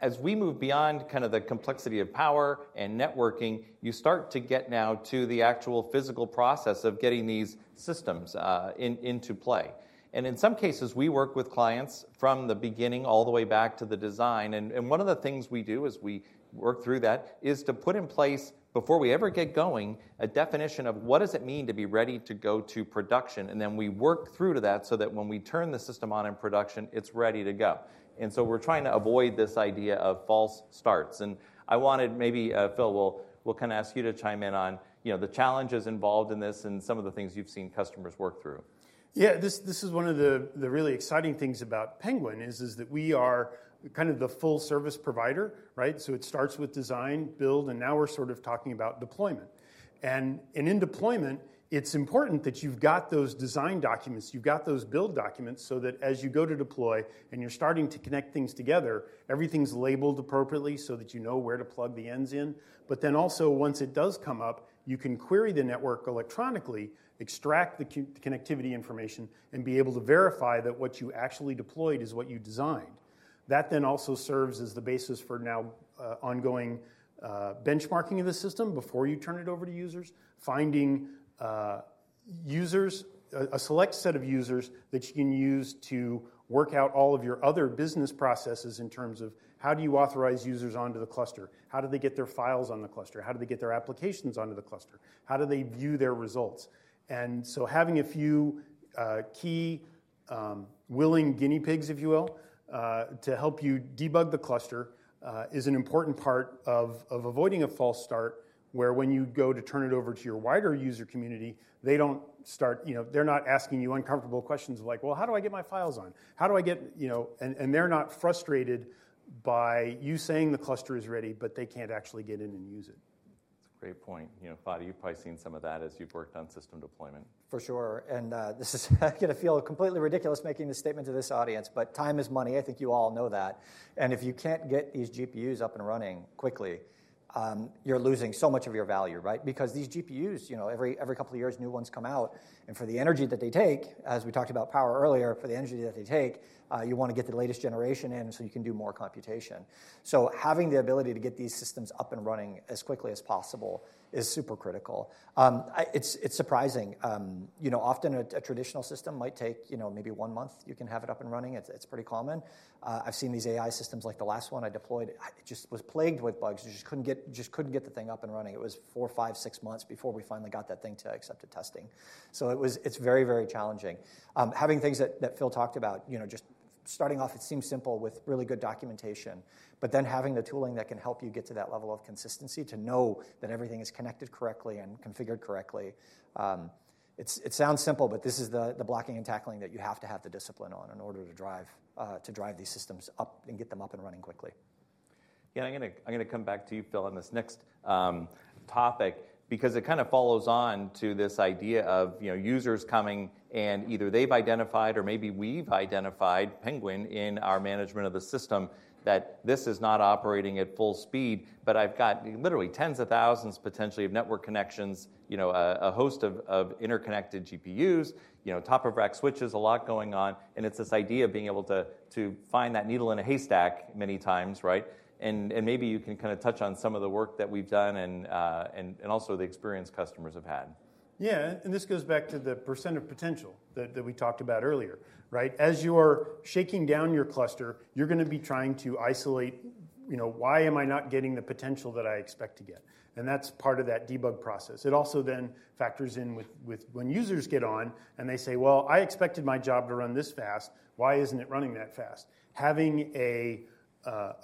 But as we move beyond kind of the complexity of power and networking, you start to get now to the actual physical process of getting these systems into play. And in some cases, we work with clients from the beginning all the way back to the design, and one of the things we do is we work through that, is to put in place, before we ever get going, a definition of what does it mean to be ready to go to production? And then we work through to that so that when we turn the system on in production, it's ready to go. And so we're trying to avoid this idea of false starts. I wanted maybe, Phil, we'll kinda ask you to chime in on, you know, the challenges involved in this and some of the things you've seen customers work through. Yeah, this is one of the really exciting things about Penguin, is that we are kind of the full service provider, right? So it starts with design, build, and now we're sort of talking about deployment. And in deployment, it's important that you've got those design documents, you've got those build documents, so that as you go to deploy and you're starting to connect things together, everything's labeled appropriately so that you know where to plug the ends in. But then also, once it does come up, you can query the network electronically, extract the connectivity information, and be able to verify that what you actually deployed is what you designed. That then also serves as the basis for now, ongoing, benchmarking of the system before you turn it over to users, finding users, a select set of users that you can use to work out all of your other business processes in terms of how do you authorize users onto the cluster? How do they get their files on the cluster? How do they get their applications onto the cluster? How do they view their results? And so having a few, key, willing guinea pigs, if you will, to help you debug the cluster, is an important part of avoiding a false start, where when you go to turn it over to your wider user community, they don't start... You know, they're not asking you uncomfortable questions like: Well, how do I get my files on? How do I get, you know. And they're not frustrated by you saying the cluster is ready, but they can't actually get in and use it. That's a great point. You know, Fadi, you've probably seen some of that as you've worked on system deployment. For sure, and this is gonna feel completely ridiculous making this statement to this audience, but time is money. I think you all know that. And if you can't get these GPUs up and running quickly, you're losing so much of your value, right? Because these GPUs, you know, every couple of years, new ones come out, and for the energy that they take, as we talked about power earlier, for the energy that they take, you wanna get the latest generation in so you can do more computation. So having the ability to get these systems up and running as quickly as possible is super critical. It's surprising, you know, often a traditional system might take, you know, maybe one month, you can have it up and running. It's pretty common. I've seen these AI systems, like the last one I deployed, it just was plagued with bugs. You just couldn't get, just couldn't get the thing up and running. It was 4, 5, 6 months before we finally got that thing to acceptance testing. So it was. It's very, very challenging. Having things that Phil talked about, you know, just starting off, it seems simple with really good documentation, but then having the tooling that can help you get to that level of consistency, to know that everything is connected correctly and configured correctly, it sounds simple, but this is the blocking and tackling that you have to have the discipline on in order to drive these systems up and get them up and running quickly. Yeah, I'm gonna come back to you, Phil, on this next topic, because it kinda follows on to this idea of, you know, users coming, and either they've identified or maybe we've identified, Penguin, in our management of the system, that this is not operating at full speed. But I've got literally tens of thousands, potentially, of network connections, you know, a host of interconnected GPUs, you know, top-of-rack switches, a lot going on, and it's this idea of being able to find that needle in a haystack many times, right? And maybe you can kinda touch on some of the work that we've done and the experience customers have had. Yeah, and this goes back to the percent of potential that we talked about earlier, right? As you're shaking down your cluster, you're gonna be trying to isolate, you know, why am I not getting the potential that I expect to get? And that's part of that debug process. It also then factors in with when users get on, and they say, "Well, I expected my job to run this fast. Why isn't it running that fast?" Having a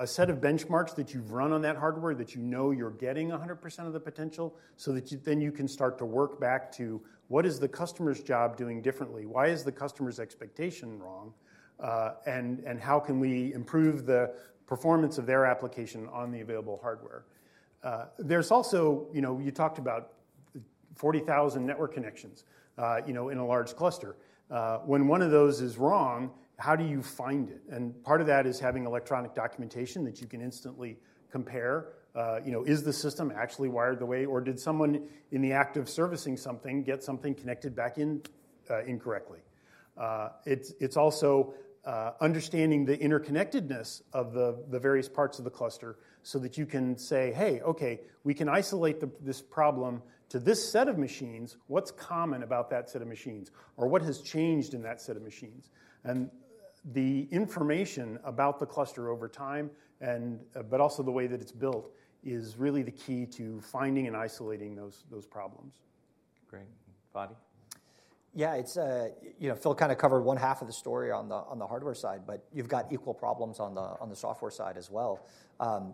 set of benchmarks that you've run on that hardware, that you know you're getting 100% of the potential, so that you then can start to work back to: What is the customer's job doing differently? Why is the customer's expectation wrong? And how can we improve the performance of their application on the available hardware? There's also, you know, you talked about 40,000 network connections, you know, in a large cluster. When one of those is wrong, how do you find it? And part of that is having electronic documentation that you can instantly compare. You know, is the system actually wired the way, or did someone, in the act of servicing something, get something connected back in incorrectly? It's also understanding the interconnectedness of the various parts of the cluster so that you can say, "Hey, okay, we can isolate this problem to this set of machines. What's common about that set of machines? Or what has changed in that set of machines?" And the information about the cluster over time and, but also the way that it's built, is really the key to finding and isolating those problems. Great. Fadi? Yeah, you know, Phil kinda covered one half of the story on the hardware side, but you've got equal problems on the software side as well.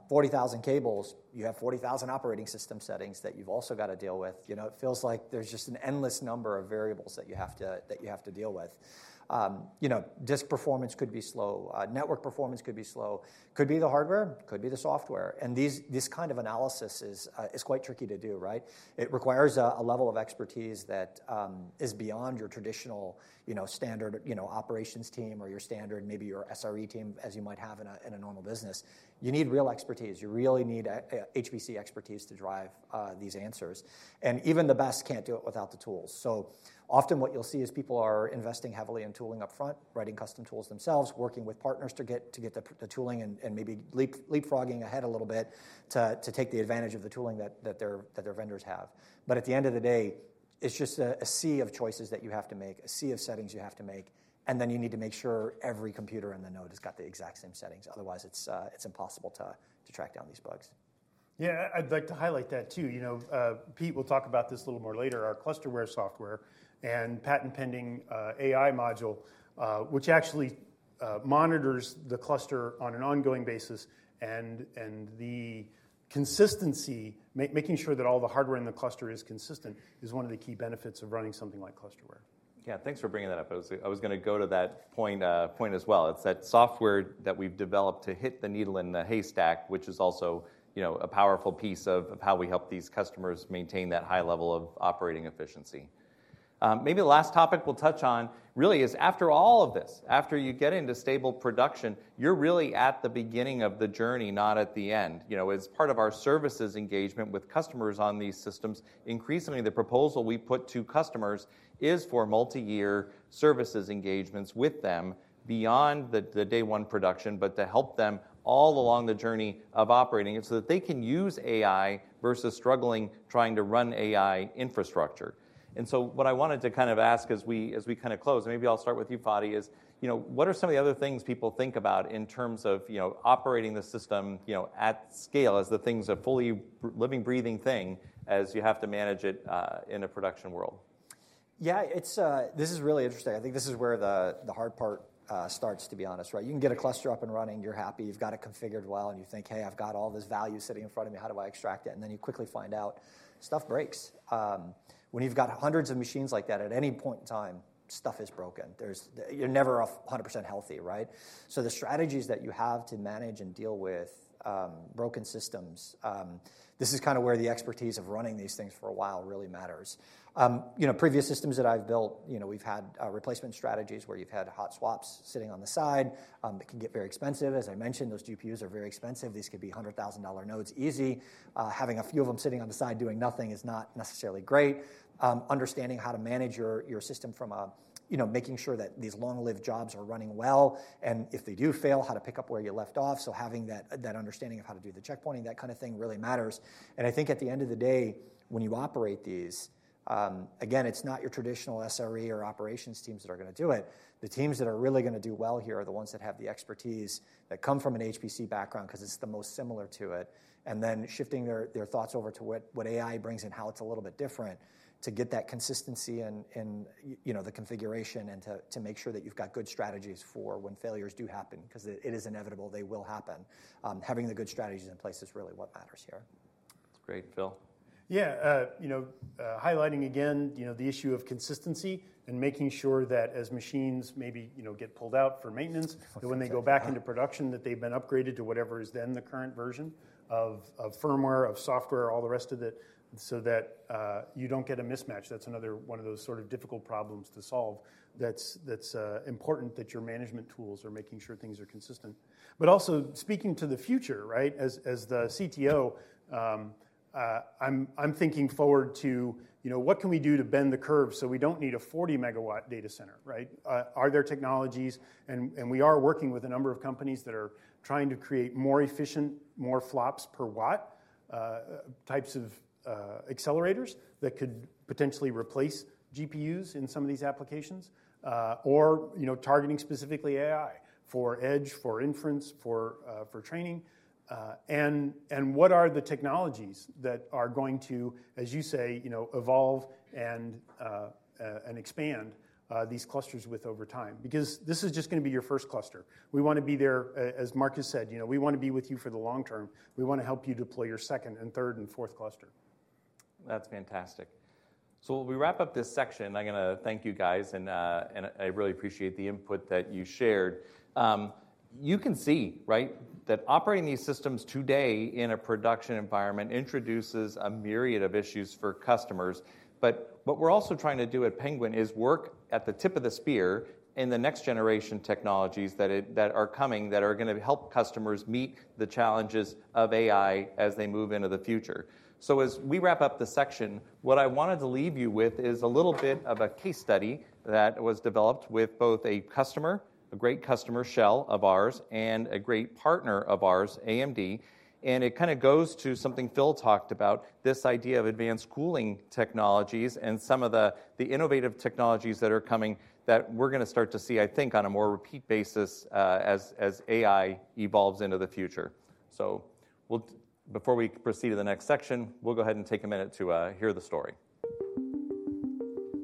40,000 cables, you have 40,000 operating system settings that you've also gotta deal with. You know, it feels like there's just an endless number of variables that you have to, that you have to deal with. You know, disk performance could be slow, network performance could be slow, could be the hardware, could be the software, and these, this kind of analysis is quite tricky to do, right? It requires a level of expertise that is beyond your traditional, you know, standard, you know, operations team or your standard, maybe your SRE team, as you might have in a normal business. You need real expertise. You really need an HPC expertise to drive these answers, and even the best can't do it without the tools. So often, what you'll see is people are investing heavily in tooling up front, writing custom tools themselves, working with partners to get the tooling, and maybe leapfrogging ahead a little bit to take the advantage of the tooling that their vendors have. But at the end of the day, it's just a sea of choices that you have to make, a sea of settings you have to make, and then you need to make sure every computer in the node has got the exact same settings. Otherwise, it's impossible to track down these bugs. Yeah, I'd like to highlight that, too. You know, Pete will talk about this a little more later. Our Clusterware software and patent-pending AI module, which actually monitors the cluster on an ongoing basis, and the consistency, making sure that all the hardware in the cluster is consistent, is one of the key benefits of running something like Clusterware. Yeah, thanks for bringing that up. I was gonna go to that point as well. It's that software that we've developed to hit the needle in the haystack, which is also, you know, a powerful piece of how we help these customers maintain that high level of operating efficiency. Maybe the last topic we'll touch on really is, after all of this, after you get into stable production, you're really at the beginning of the journey, not at the end. You know, as part of our services engagement with customers on these systems, increasingly, the proposal we put to customers is for multi-year services engagements with them beyond the day one production, but to help them all along the journey of operating it, so that they can use AI versus struggling trying to run AI infrastructure. So what I wanted to kind of ask as we, as we kinda close, and maybe I'll start with you, Fadi, is, you know, what are some of the other things people think about in terms of, you know, operating the system, you know, at scale as the thing's a fully living, breathing thing, as you have to manage it in a production world? Yeah, it's. This is really interesting. I think this is where the hard part starts, to be honest, right? You can get a cluster up and running. You're happy. You've got it configured well, and you think, "Hey, I've got all this value sitting in front of me. How do I extract it?" And then you quickly find out, stuff breaks. When you've got hundreds of machines like that, at any point in time, stuff is broken. There's, you're never 100% healthy, right? So the strategies that you have to manage and deal with broken systems, this is kinda where the expertise of running these things for a while really matters. You know, previous systems that I've built, you know, we've had replacement strategies, where you've had hot swaps sitting on the side. It can get very expensive. As I mentioned, those GPUs are very expensive. These could be $100,000-dollar nodes easy. Having a few of them sitting on the side doing nothing is not necessarily great. Understanding how to manage your system from a you know, making sure that these long-lived jobs are running well, and if they do fail, how to pick up where you left off, so having that understanding of how to do the checkpointing, that kind of thing really matters. And I think at the end of the day, when you operate these, again, it's not your traditional SRE or operations teams that are gonna do it. The teams that are really gonna do well here are the ones that have the expertise, that come from an HPC background, 'cause it's the most similar to it, and then shifting their thoughts over to what AI brings and how it's a little bit different, to get that consistency and, you know, the configuration and to make sure that you've got good strategies for when failures do happen, 'cause it is inevitable they will happen. Having the good strategies in place is really what matters here. That's great. Phil? Yeah, you know, highlighting again, you know, the issue of consistency and making sure that as machines maybe, you know, get pulled out for maintenance, that when they go back into production, that they've been upgraded to whatever is then the current version of, of firmware, of software, all the rest of it, so that, you don't get a mismatch. That's another one of those sort of difficult problems to solve that's important that your management tools are making sure things are consistent. But also, speaking to the future, right? As the CTO, I'm thinking forward to, you know, what can we do to bend the curve so we don't need a 40-megawatt data center, right? Are there technologies, and we are working with a number of companies that are trying to create more efficient, more FLOPS per watt, types of accelerators that could potentially replace GPUs in some of these applications. Or, you know, targeting specifically AI, for edge, for inference, for training. And what are the technologies that are going to, as you say, you know, evolve and expand these clusters with over time? Because this is just gonna be your first cluster. We wanna be there, as Mark has said, you know, we wanna be with you for the long term. We wanna help you deploy your second and third and fourth cluster. That's fantastic. So we wrap up this section, I'm gonna thank you guys, and, and I really appreciate the input that you shared. You can see, right, that operating these systems today in a production environment introduces a myriad of issues for customers. But what we're also trying to do at Penguin is work at the tip of the spear in the next-generation technologies that it, that are coming, that are gonna help customers meet the challenges of AI as they move into the future. So as we wrap up this section, what I wanted to leave you with is a little bit of a case study that was developed with both a customer, a great customer, Shell, of ours, and a great partner of ours, AMD, and it kinda goes to something Phil talked about, this idea of advanced cooling technologies and some of the innovative technologies that are coming that we're gonna start to see, I think, on a more repeat basis, as AI evolves into the future. So, we'll, before we proceed to the next section, we'll go ahead and take a minute to hear the story.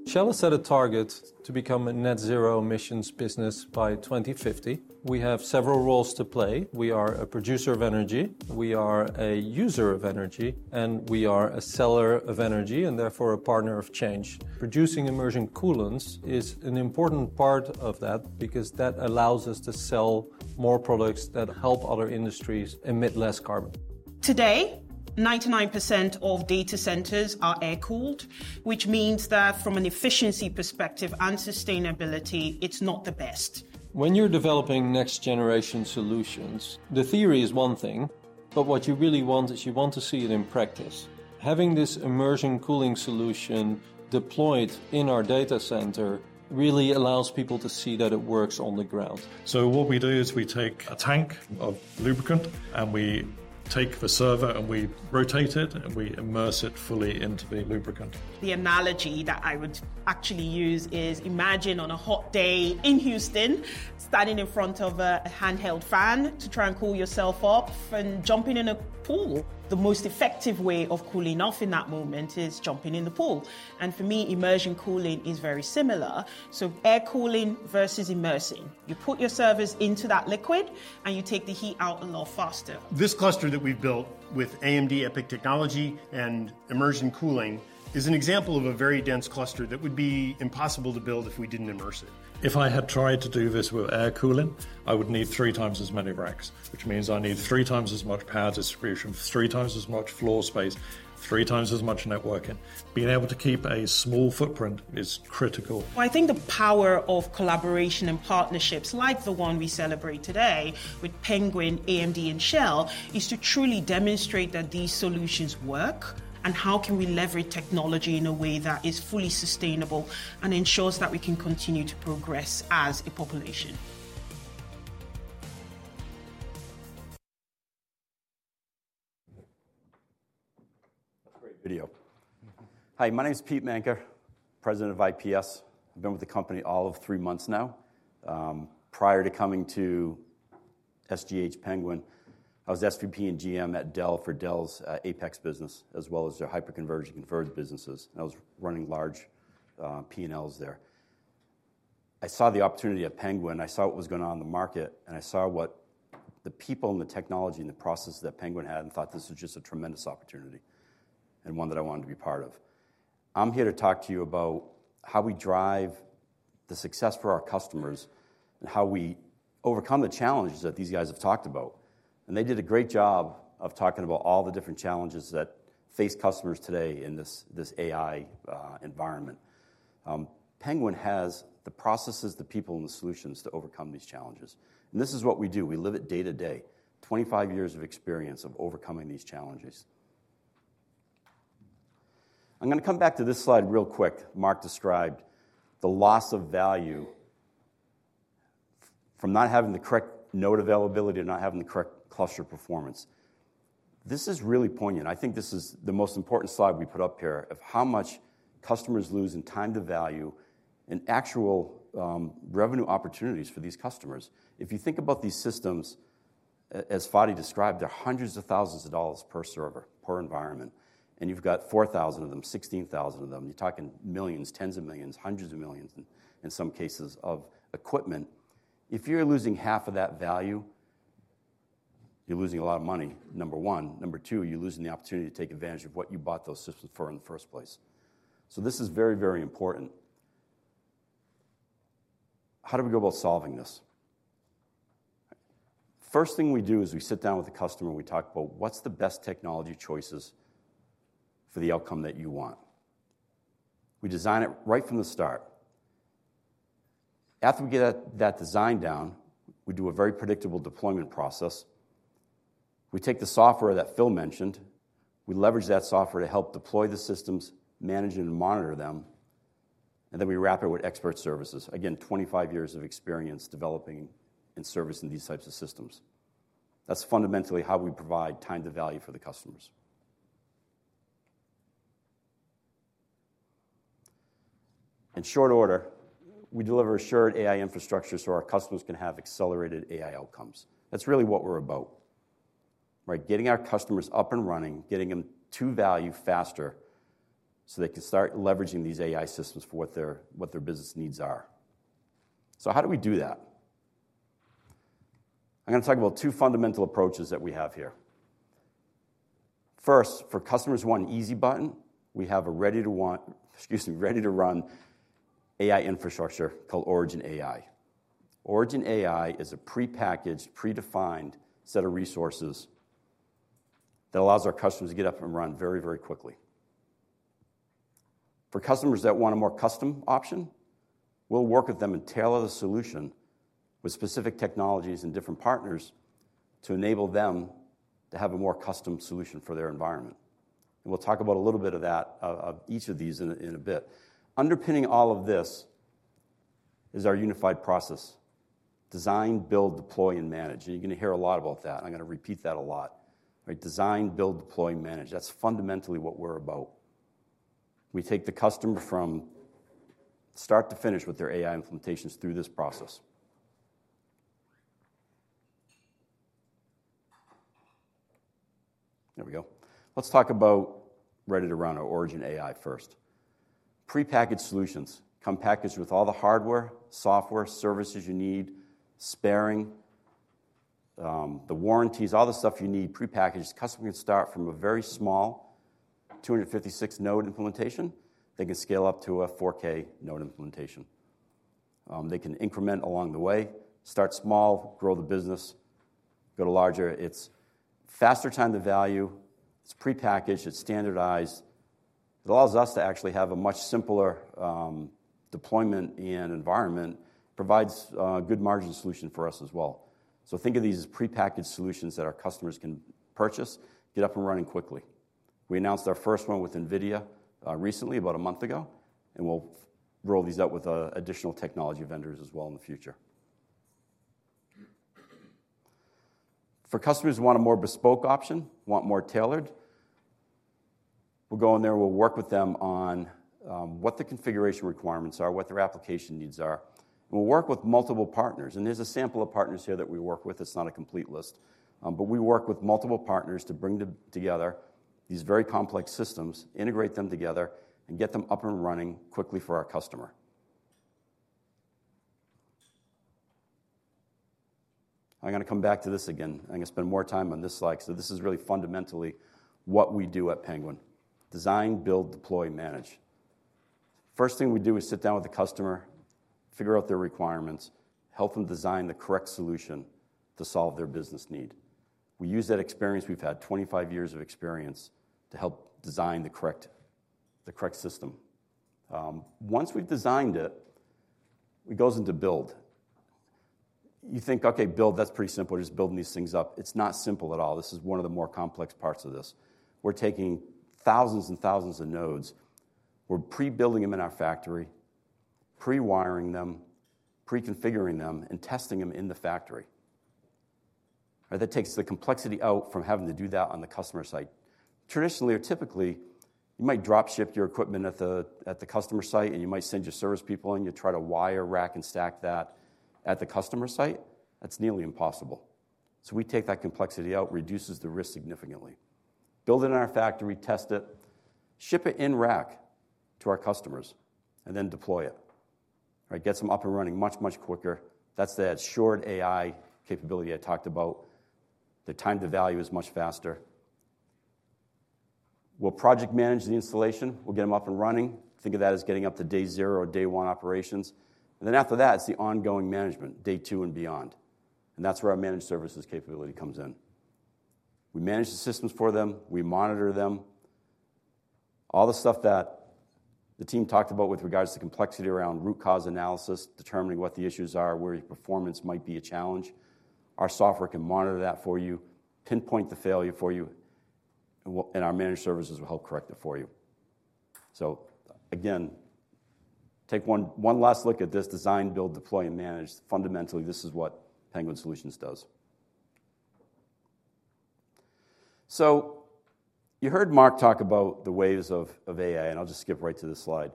Shell has set a target to become a net zero emissions business by 2050. We have several roles to play. We are a producer of energy, we are a user of energy, and we are a seller of energy, and therefore, a partner of change. Producing immersion coolants is an important part of that, because that allows us to sell more products that help other industries emit less carbon. Today, 99% of data centers are air-cooled, which means that from an efficiency perspective and sustainability, it's not the best. When you're developing next generation solutions, the theory is one thing, but what you really want is you want to see it in practice. Having this immersion cooling solution deployed in our data center really allows people to see that it works on the ground. What we do is we take a tank of lubricant, and we take the server, and we rotate it, and we immerse it fully into the lubricant. The analogy that I would actually use is, imagine on a hot day in Houston, standing in front of a handheld fan to try and cool yourself off and jumping in a pool. The most effective way of cooling off in that moment is jumping in the pool, and for me, immersion cooling is very similar. So air cooling versus immersing. You put your servers into that liquid, and you take the heat out a lot faster. This cluster that we've built with AMD EPYC technology and immersion cooling is an example of a very dense cluster that would be impossible to build if we didn't immerse it. If I had tried to do this with air cooling, I would need three times as many racks, which means I need three times as much power distribution, three times as much floor space, three times as much networking. Being able to keep a small footprint is critical. I think the power of collaboration and partnerships like the one we celebrate today with Penguin, AMD, and Shell, is to truly demonstrate that these solutions work, and how can we leverage technology in a way that is fully sustainable and ensures that we can continue to progress as a population? That's a great video. Hi, my name is Pete Manca, President of IPS. I've been with the company all of three months now. Prior to coming to SGH Penguin, I was SVP and GM at Dell for Dell's APEX business, as well as their hyperconverged and converged businesses. I was running large P&Ls there. I saw the opportunity at Penguin, I saw what was going on in the market, and I saw what the people, and the technology, and the process that Penguin had, and thought this was just a tremendous opportunity, and one that I wanted to be part of. I'm here to talk to you about how we drive the success for our customers and how we overcome the challenges that these guys have talked about. They did a great job of talking about all the different challenges that face customers today in this, this AI environment. Penguin has the processes, the people, and the solutions to overcome these challenges. And this is what we do. We live it day to day, 25 years of experience of overcoming these challenges. I'm going to come back to this slide real quick. Mark described the loss of value from not having the correct node availability to not having the correct cluster performance. This is really poignant. I think this is the most important slide we put up here, of how much customers lose in time to value and actual revenue opportunities for these customers. If you think about these systems, as Fadi described, they're hundreds of thousands of dollars per server, per environment, and you've got 4,000 of them, 16,000 of them. You're talking millions, tens of millions, hundreds of millions, in some cases, of equipment. If you're losing half of that value, you're losing a lot of money, number one. Number two, you're losing the opportunity to take advantage of what you bought those systems for in the first place. So this is very, very important. How do we go about solving this? First thing we do is we sit down with the customer, and we talk about what's the best technology choices for the outcome that you want. We design it right from the start. After we get that, that design down, we do a very predictable deployment process. We take the software that Phil mentioned, we leverage that software to help deploy the systems, manage and monitor them, and then we wrap it with expert services. Again, 25 years of experience developing and servicing these types of systems. That's fundamentally how we provide time to value for the customers. In short order, we deliver assured AI infrastructure, so our customers can have accelerated AI outcomes. That's really what we're about, right? Getting our customers up and running, getting them to value faster, so they can start leveraging these AI systems for what their, what their business needs are. So how do we do that? I'm gonna talk about two fundamental approaches that we have here. First, for customers who want an easy button, we have a, excuse me, ready-to-run AI infrastructure called Origin AI. Origin AI is a prepackaged, predefined set of resources that al lows our customers to get up and run very, very quickly. For customers that want a more custom option, we'll work with them and tailor the solution with specific technologies and different partners to enable them to have a more custom solution for their environment. And we'll talk about a little bit of that, of each of these in a bit. Underpinning all of this is our unified process: design, build, deploy, and manage. And you're going to hear a lot about that. I'm going to repeat that a lot. Right, design, build, deploy, and manage. That's fundamentally what we're about. We take the customer from start to finish with their AI implementations through this process. There we go. Let's talk about ready-to-run or Origin AI first. Prepackaged solutions come packaged with all the hardware, software, services you need, sparing, the warranties, all the stuff you need prepackaged. Customer can start from a very small 256-node implementation. They can scale up to a 4K node implementation. They can increment along the way, start small, grow the business, go to larger. It's faster time to value. It's prepackaged, it's standardized. It allows us to actually have a much simpler, deployment and environment, provides a good margin solution for us as well. So think of these as prepackaged solutions that our customers can purchase, get up and running quickly. We announced our first one with NVIDIA, recently, about a month ago, and we'll roll these out with, additional technology vendors as well in the future. For customers who want a more bespoke option, want more tailored, we'll go in there, and we'll work with them on what the configuration requirements are, what their application needs are. We'll work with multiple partners, and there's a sample of partners here that we work with. It's not a complete list, but we work with multiple partners to bring together these very complex systems, integrate them together, and get them up and running quickly for our customer. I'm gonna come back to this again. I'm gonna spend more time on this slide. So this is really fundamentally what we do at Penguin: design, build, deploy, manage. First thing we do is sit down with the customer, figure out their requirements, help them design the correct solution to solve their business need. We use that experience. We've had 25 years of experience to help design the correct system. Once we've designed it, it goes into build. You think, okay, build, that's pretty simple, just building these things up. It's not simple at all. This is one of the more complex parts of this. We're taking thousands and thousands of nodes. We're pre-building them in our factory, pre-wiring them, pre-configuring them, and testing them in the factory. That takes the complexity out from having to do that on the customer site. Traditionally or typically, you might drop ship your equipment at the customer site, and you might send your service people in. You try to wire, rack, and stack that at the customer site. That's nearly impossible. So we take that complexity out, reduces the risk significantly. Build it in our factory, test it, ship it in rack to our customers, and then deploy it. Right, gets them up and running much, much quicker. That's that assured AI capability I talked about. The time to value is much faster. We'll project manage the installation. We'll get them up and running. Think of that as getting up to day zero or day one operations. And then after that, it's the ongoing management, day two and beyond, and that's where our managed services capability comes in. We manage the systems for them. We monitor them. All the stuff that the team talked about with regards to complexity around root cause analysis, determining what the issues are, where your performance might be a challenge, our software can monitor that for you, pinpoint the failure for you, and our managed services will help correct it for you. So again, take one last look at this design, build, deploy, and manage. Fundamentally, this is what Penguin Solutions does. So you heard Mark talk about the waves of AI, and I'll just skip right to this slide.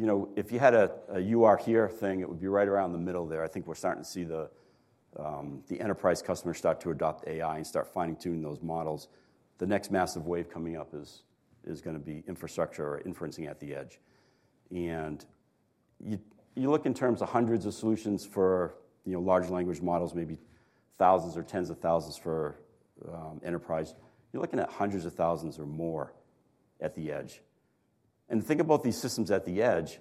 You know, if you had a You Are Here thing, it would be right around the middle there. I think we're starting to see the enterprise customer start to adopt AI and start fine-tuning those models. The next massive wave coming up is gonna be infrastructure or inferencing at the edge. And you look in terms of hundreds of solutions for large language models, maybe thousands or tens of thousands for enterprise. You're looking at hundreds of thousands or more at the edge. And think about these systems at the edge.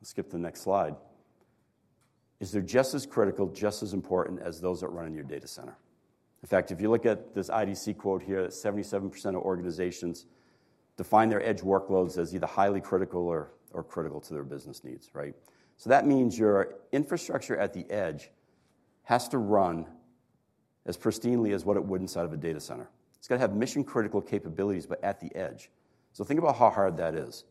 I'll skip to the next slide. They're just as critical, just as important as those that run in your data center. In fact, if you look at this IDC quote here, 77% of organizations define their edge workloads as either highly critical or, or critical to their business needs, right? So that means your infrastructure at the edge has to run as pristinely as what it would inside of a data center. It's got to have mission-critical capabilities, but at the edge. So think about how hard that is.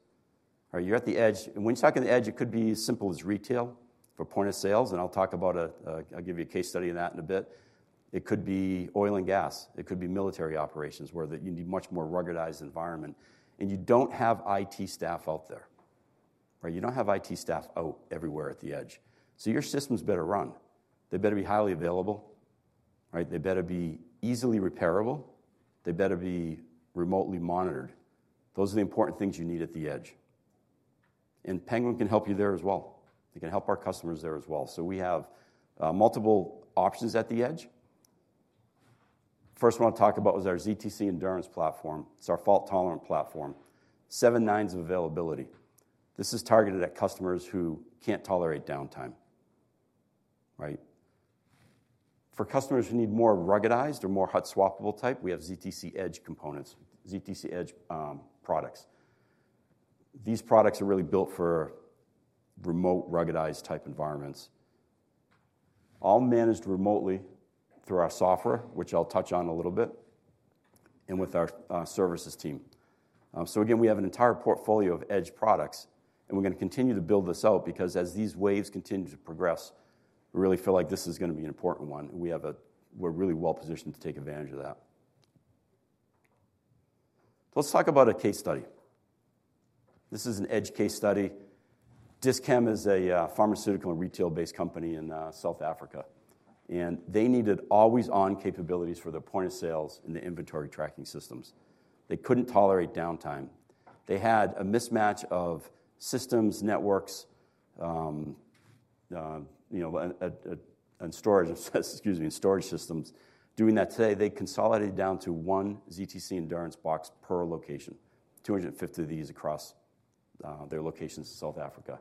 Are you at the edge? And when you talk at the edge, it could be as simple as retail for point of sales, and I'll talk about a. I'll give you a case study on that in a bit. It could be oil and gas. It could be military operations, where that you need much more ruggedized environment, and you don't have IT staff out there, right? You don't have IT staff out everywhere at the edge. So your systems better run. They better be highly available, right? They better be easily repairable. They better be remotely monitored. Those are the important things you need at the edge, and Penguin can help you there as well. They can help our customers there as well. So we have multiple options at the edge. First I want to talk about is our ztC Endurance platform. It's our fault-tolerant platform, seven nines of availability. This is targeted at customers who can't tolerate downtime, right? For customers who need more ruggedized or more hot-swappable type, we have ztC Edge components, ztC Edge products. These products are really built for remote, ruggedized type environments, all managed remotely through our software, which I'll touch on a little bit, and with our services team. So again, we have an entire portfolio of Edge products, and we're gonna continue to build this out because as these waves continue to progress. We really feel like this is going to be an important one, and we have a—we're really well positioned to take advantage of that. Let's talk about a case study. This is an edge case study. Dis-Chem is a pharmaceutical and retail-based company in South Africa, and they needed always-on capabilities for their point of sales and the inventory tracking systems. They couldn't tolerate downtime. They had a mismatch of systems, networks, you know, and storage, excuse me, and storage systems. Doing that today, they consolidated down to one ztC Endurance box per location, 250 of these across their locations in South Africa.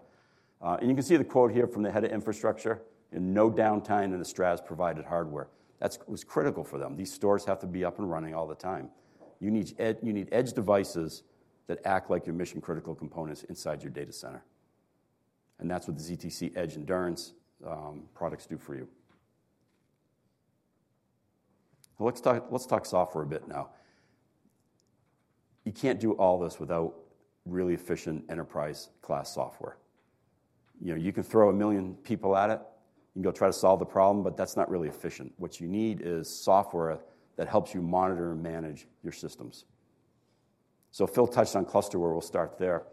And you can see the quote here from the Head of Infrastructure, "And no downtime in the Stratus-provided hardware." That was critical for them. These stores have to be up and running all the time. You need edge devices that act like your mission-critical components inside your data center, and that's what the ztC Edge Endurance products do for you. Let's talk software a bit now. You can't do all this without really efficient enterprise-class software. You know, you can throw a million people at it, and you'll try to solve the problem, but that's not really efficient. What you need is software that helps you monitor and manage your systems. So Phil touched on ClusterWare. We'll start there.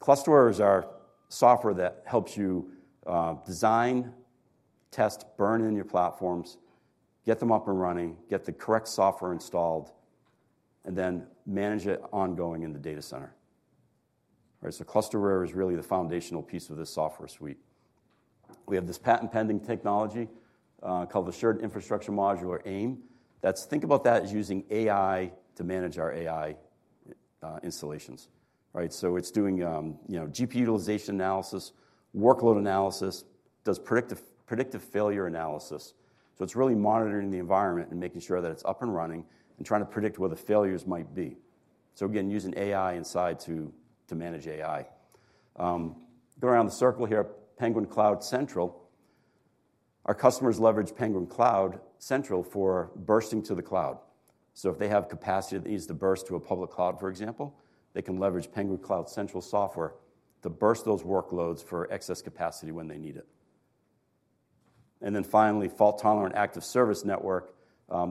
ClusterWare is our software that helps you design, test, burn in your platforms, get them up and running, get the correct software installed, and then manage it ongoing in the data center. Right, so ClusterWare is really the foundational piece of this software suite. We have this patent-pending technology called the Shared Infrastructure Modular, AIM. Think about that as using AI to manage our AI installations. Right, so it's doing, you know, GP utilization analysis, workload analysis, does predictive failure analysis. So it's really monitoring the environment and making sure that it's up and running and trying to predict where the failures might be. So again, using AI inside to manage AI. Go around the circle here, Penguin Cloud Central. Our customers leverage Penguin Cloud Central for bursting to the cloud. So if they have capacity that needs to burst to a public cloud, for example, they can leverage Penguin Cloud Central software to burst those workloads for excess capacity when they need it. And then finally, Fault-Tolerant ActiveService Network,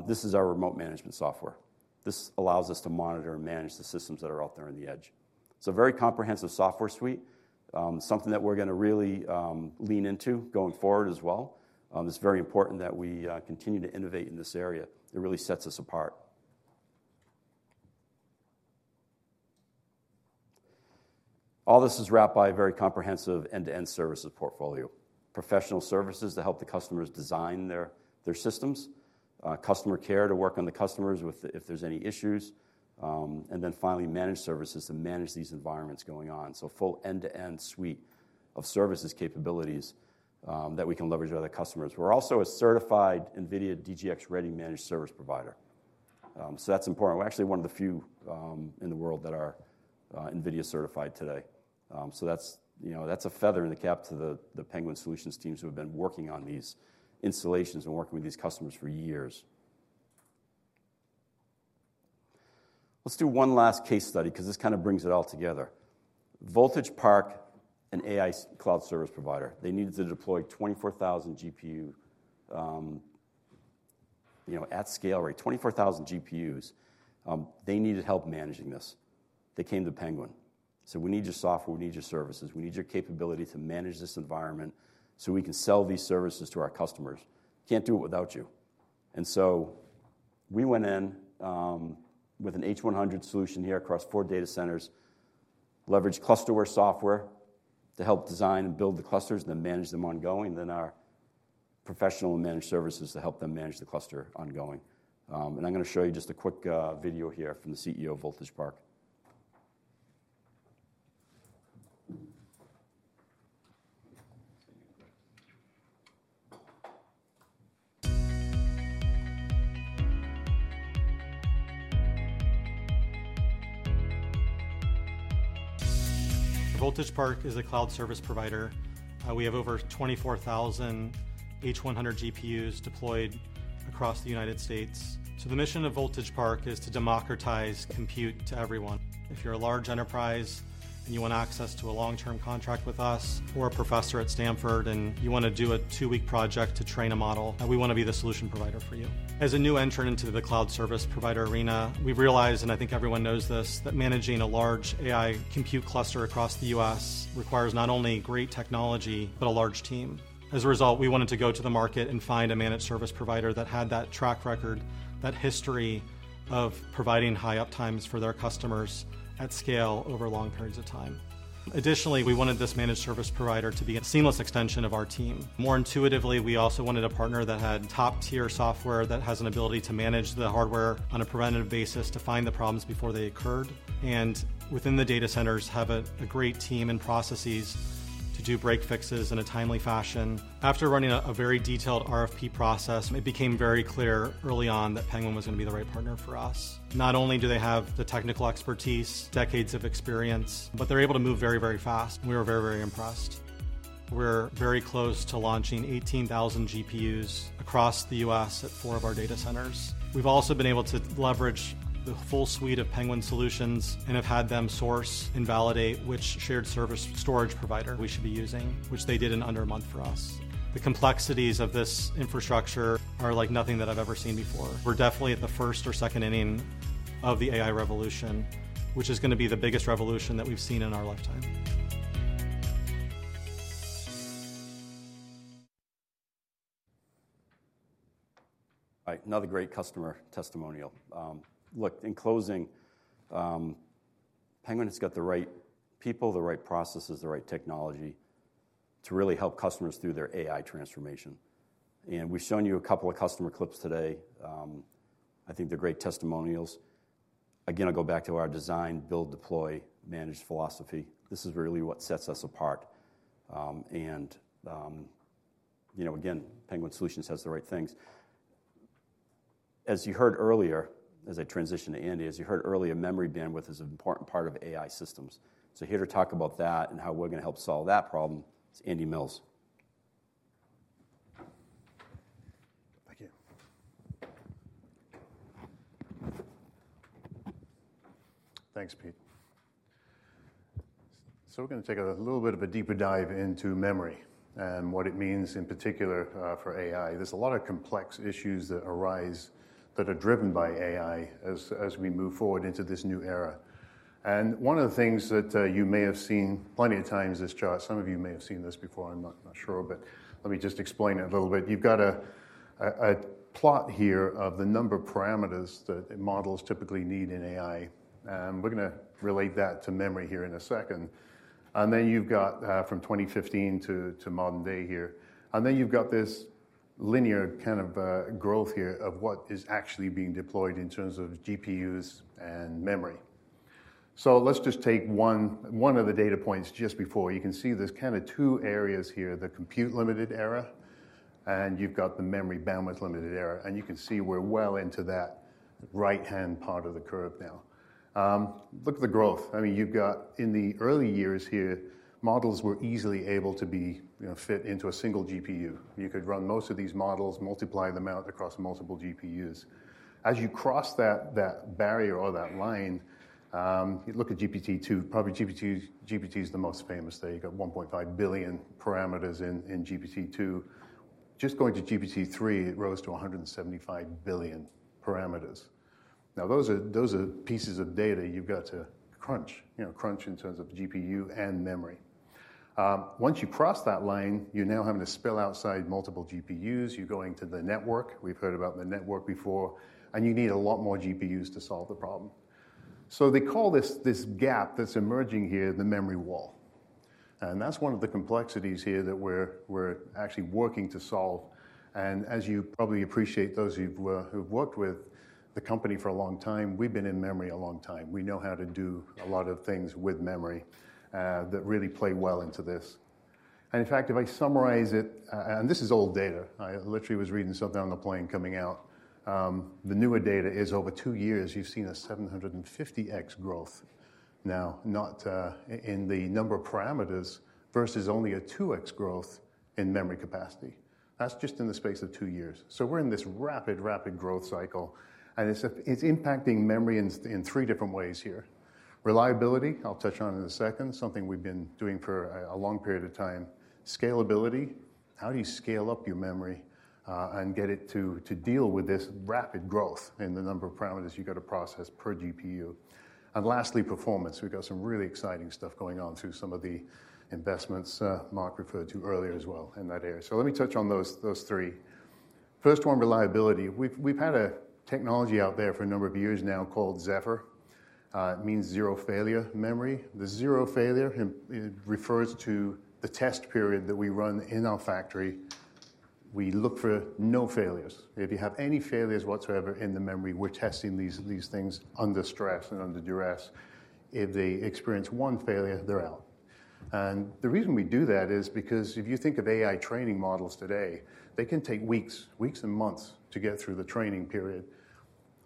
this is our remote management software. This allows us to monitor and manage the systems that are out there on the edge. It's a very comprehensive software suite, something that we're gonna really lean into going forward as well. It's very important that we continue to innovate in this area. It really sets us apart. All this is wrapped by a very comprehensive end-to-end services portfolio. Professional services to help the customers design their systems, customer care to work on the customers with, if there's any issues, and then finally, managed services to manage these environments going on. So a full end-to-end suite of services capabilities that we can leverage with other customers. We're also a certified NVIDIA DGX-Ready Managed Service Provider. So that's important. We're actually one of the few in the world that are NVIDIA certified today. So that's, you know, that's a feather in the cap to the Penguin Solutions teams who have been working on these installations and working with these customers for years. Let's do one last case study, 'cause this kind of brings it all together. Voltage Park, an AI cloud service provider. They needed to deploy 24,000 GPUs, you know, at scale, right? 24,000 GPUs. They needed help managing this. They came to Penguin. Said, "We need your software, we need your services, we need your capability to manage this environment so we can sell these services to our customers. Can't do it without you." And so we went in with an H100 solution here across 4 data centers, leveraged ClusterWare software to help design and build the clusters, then manage them ongoing, then our professional managed services to help them manage the cluster ongoing. And I'm gonna show you just a quick video here from the CEO of Voltage Park. Voltage Park is a cloud service provider. We have over 24,000 H100 GPUs deployed across the United States. So the mission of Voltage Park is to democratize compute to everyone. If you're a large enterprise and you want access to a long-term contract with us, or a professor at Stanford and you wanna do a two-week project to train a model, we wanna be the solution provider for you. As a new entrant into the cloud service provider arena, we've realized, and I think everyone knows this, that managing a large AI compute cluster across the U.S. requires not only great technology, but a large team. As a result, we wanted to go to the market and find a managed service provider that had that track record, that history of providing high uptimes for their customers at scale over long periods of time. Additionally, we wanted this managed service provider to be a seamless extension of our team. More intuitively, we also wanted a partner that had top-tier software that has an ability to manage the hardware on a preventative basis to find the problems before they occurred, and within the data centers, have a great team and processes to do break fixes in a timely fashion. After running a very detailed RFP process, it became very clear early on that Penguin was gonna be the right partner for us. Not only do they have the technical expertise, decades of experience, but they're able to move very, very fast. We were very, very impressed. We're very close to launching 18,000 GPUs across the U.S. at four of our data centers. We've also been able to leverage the full suite of Penguin Solutions and have had them source and validate which shared service storage provider we should be using, which they did in under a month for us. The complexities of this infrastructure are like nothing that I've ever seen before. We're definitely at the first or second inning of the AI revolution, which is gonna be the biggest revolution that we've seen in our lifetime. All right, another great customer testimonial. Look, in closing, Penguin has got the right people, the right processes, the right technology to really help customers through their AI transformation. We've shown you a couple of customer clips today. I think they're great testimonials. Again, I'll go back to our design, build, deploy, manage philosophy. This is really what sets us apart. You know, again, Penguin Solutions has the right things. As you heard earlier, as I transition to Andy, as you heard earlier, memory bandwidth is an important part of AI systems. So here to talk about that and how we're gonna help solve that problem is Andy Mills. Thank you. Thanks, Pete. So we're gonna take a little bit of a deeper dive into memory and what it means in particular for AI. There's a lot of complex issues that arise that are driven by AI as we move forward into this new era. And one of the things that you may have seen plenty of times, this chart, some of you may have seen this before, I'm not sure, but let me just explain it a little bit. You've got a plot here of the number of parameters that models typically need in AI, and we're gonna relate that to memory here in a second. And then you've got from 2015 to modern day here. Then you've got this linear kind of growth here of what is actually being deployed in terms of GPUs and memory. So let's just take one of the data points just before. You can see there's kind of two areas here, the compute-limited era, and you've got the memory bandwidth-limited era, and you can see we're well into that right-hand part of the curve now. Look at the growth. I mean, you've got in the early years here, models were easily able to be, you know, fit into a single GPU. You could run most of these models, multiply them out across multiple GPUs. As you cross that, that barrier or that line, you look at GPT-2, probably GPT, GPT is the most famous. There you've got 1.5 billion parameters in GPT-2. Just going to GPT-3, it rose to 175 billion parameters. Now, those are, those are pieces of data you've got to crunch, you know, crunch in terms of GPU and memory. Once you cross that line, you're now having to spill outside multiple GPUs. You're going to the network. We've heard about the network before, and you need a lot more GPUs to solve the problem. So they call this, this gap that's emerging here, the memory wall, and that's one of the complexities here that we're, we're actually working to solve. And as you probably appreciate, those of you who, who've worked with the company for a long time, we've been in memory a long time. We know how to do a lot of things with memory, that really play well into this. And in fact, if I summarize it. This is old data. I literally was reading something on the plane coming out. The newer data is over two years, you've seen a 750x growth now, not, in the number of parameters, versus only a 2x growth in memory capacity. That's just in the space of two years. We're in this rapid, rapid growth cycle, and it's impacting memory in three different ways here. Reliability, I'll touch on in a second, something we've been doing for a long period of time. Scalability: how do you scale up your memory, and get it to deal with this rapid growth in the number of parameters you've got to process per GPU? And lastly, performance. We've got some really exciting stuff going on through some of the investments, Mark referred to earlier as well in that area. So let me touch on those, those three. First one, reliability. We've, we've had a technology out there for a number of years now called Zefr. It means zero failure memory. The zero failure refers to the test period that we run in our factory. We look for no failures. If you have any failures whatsoever in the memory, we're testing these, these things under stress and under duress. If they experience one failure, they're out. And the reason we do that is because if you think of AI training models today, they can take weeks, weeks and months to get through the training period.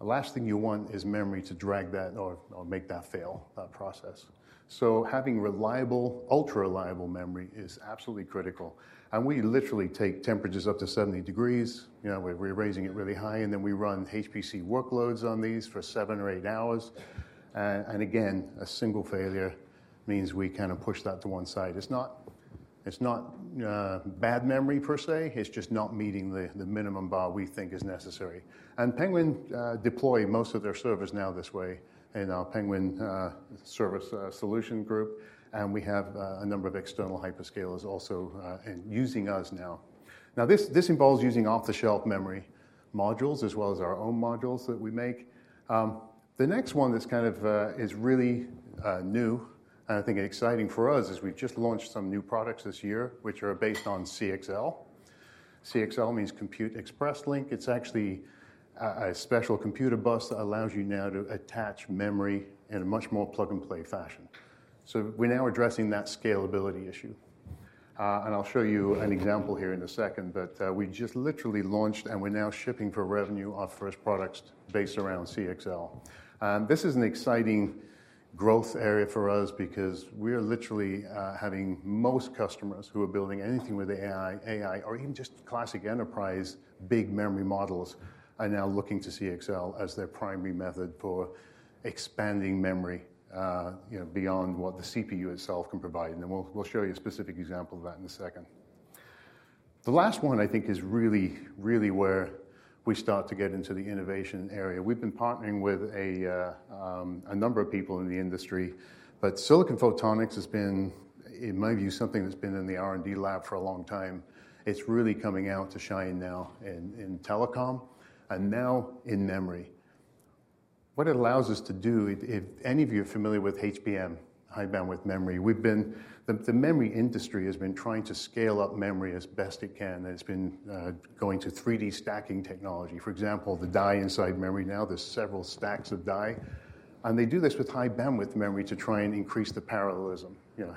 The last thing you want is memory to drag that or, or make that fail, that process. So having reliable, ultra-reliable memory is absolutely critical. We literally take temperatures up to 70 degrees. You know, we're raising it really high, and then we run HPC workloads on these for seven or eight hours. And again, a single failure means we kind of push that to one side. It's not bad memory per se, it's just not meeting the minimum bar we think is necessary. And Penguin deploy most of their servers now this way in our Penguin server solution group, and we have a number of external hyperscalers also using us now. Now, this involves using off-the-shelf memory modules, as well as our own modules that we make. The next one that's kind of is really new, and I think exciting for us, is we've just launched some new products this year, which are based on CXL. CXL means Compute Express Link. It's actually a special computer bus that allows you now to attach memory in a much more plug-and-play fashion. So we're now addressing that scalability issue. And I'll show you an example here in a second, but we just literally launched, and we're now shipping for revenue, our first products based around CXL. And this is an exciting growth area for us because we are literally having most customers who are building anything with AI, AI or even just classic enterprise, big memory models, are now looking to CXL as their primary method for expanding memory, you know, beyond what the CPU itself can provide. And we'll show you a specific example of that in a second. The last one I think is really, really where we start to get into the innovation area. We've been partnering with a number of people in the industry, but Silicon Photonics has been, in my view, something that's been in the R&D lab for a long time. It's really coming out to shine now in telecom and now in memory. What it allows us to do, if any of you are familiar with HBM, high bandwidth memory, we've been, the memory industry has been trying to scale up memory as best it can, and it's been going to 3D stacking technology. For example, the die inside memory, now there's several stacks of die, and they do this with high bandwidth memory to try and increase the parallelism. You know,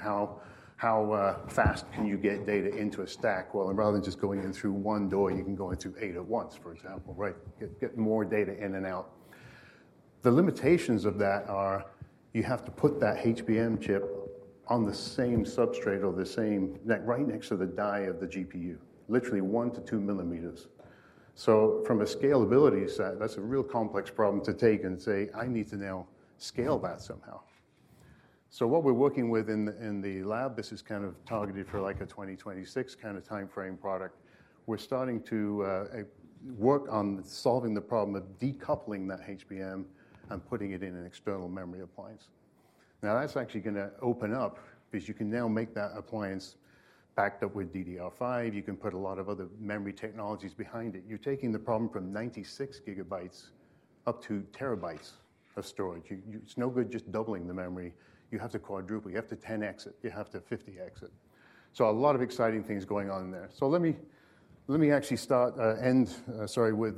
how fast can you get data into a stack? Well, rather than just going in through one door, you can go in through 8 at once, for example, right? Get more data in and out. The limitations of that are you have to put that HBM chip on the same substrate or the same net, right next to the die of the GPU, literally 1 to 2 millimeters. So from a scalability side, that's a real complex problem to take and say, "I need to now scale that somehow." So what we're working with in the lab, this is kind of targeted for, like, a 2026 kind of time frame product. We're starting to work on solving the problem of decoupling that HBM and putting it in an external memory appliance. Now, that's actually gonna open up, because you can now make that appliance backed up with DDR5. You can put a lot of other memory technologies behind it. You're taking the problem from 96 gigabytes up to terabytes of storage. It's no good just doubling the memory. You have to quadruple it. You have to 10x it. You have to 50x it. So a lot of exciting things going on in there. So let me actually start with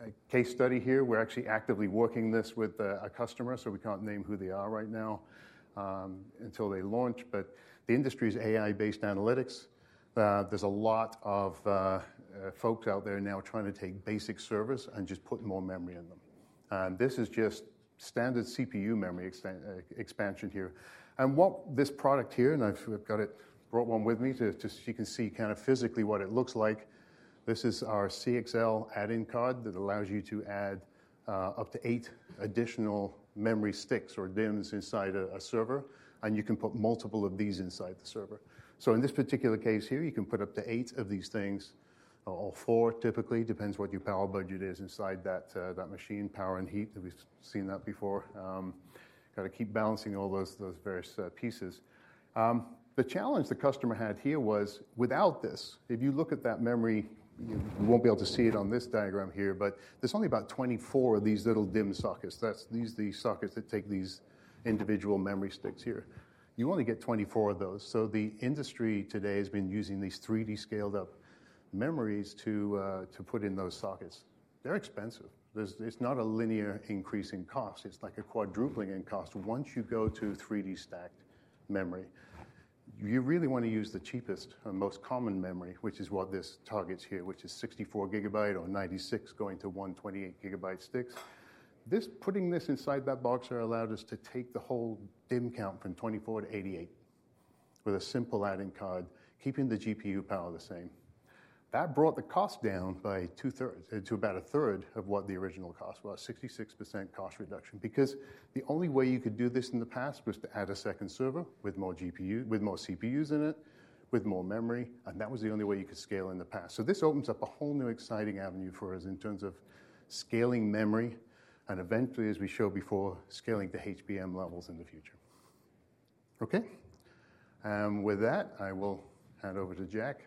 a case study here. We're actually actively working this with a customer, so we can't name who they are right now until they launch. But the industry's AI-based analytics. There's a lot of folks out there now trying to take basic servers and just put more memory in them. This is just standard CPU memory extension here. What this product here, and I've got it, brought one with me to, just so you can see kind of physically what it looks like. This is our CXL add-in card that allows you to add up to 8 additional memory sticks or DIMMs inside a server, and you can put multiple of these inside the server. So in this particular case here, you can put up to 8 of these things, or 4 typically. Depends what your power budget is inside that machine, power and heat. We've seen that before. Got to keep balancing all those, those various pieces. The challenge the customer had here was, without this, if you look at that memory, you won't be able to see it on this diagram here, but there's only about 24 of these little DIMM sockets. That's. These are the sockets that take these individual memory sticks here. You only get 24 of those. So the industry today has been using these 3D scaled-up memories to put in those sockets. They're expensive. There's, it's not a linear increase in cost. It's like a quadrupling in cost. Once you go to 3D stacked memory, you really want to use the cheapest or most common memory, which is what this targets here, which is 64 GB or 96 GB, going to 128 GB sticks. This, putting this inside that box here allowed us to take the whole DIMM count from 24 to 88 with a simple add-in card, keeping the GPU power the same. That brought the cost down by 2/3 to about a 1/3 of what the original cost was, 66% cost reduction. Because the only way you could do this in the past was to add a second server with more GPU with more CPUs in it, with more memory, and that was the only way you could scale in the past. So this opens up a whole new exciting avenue for us in terms of scaling memory and eventually, as we showed before, scaling to HBM levels in the future. Okay, and with that, I will hand over to Jack,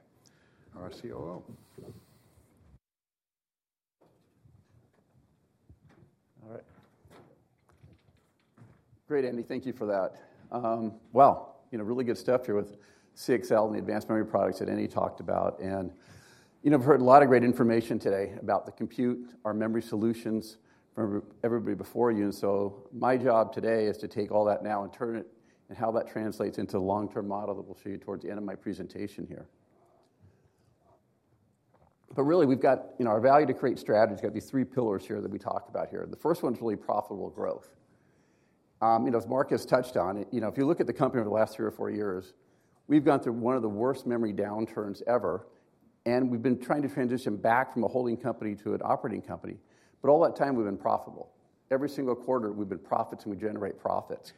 our COO. All right. Great, Andy, thank you for that. Well, you know, really good stuff here with CXL and the advanced memory products that Andy talked about. And, you know, we've heard a lot of great information today about the compute, our memory solutions from everybody before you. And so my job today is to take all that now and turn it, and how that translates into the long-term model that we'll show you towards the end of my presentation here. But really, we've got, you know, our Value to Create strategy has got these three pillars here that we talked about here. The first one is really profitable growth. You know, as Mark has touched on, you know, if you look at the company over the last three or four years, we've gone through one of the worst memory downturns ever, and we've been trying to transition back from a holding company to an operating company, but all that time we've been profitable. Every single quarter, we've been profits, and we generate profits.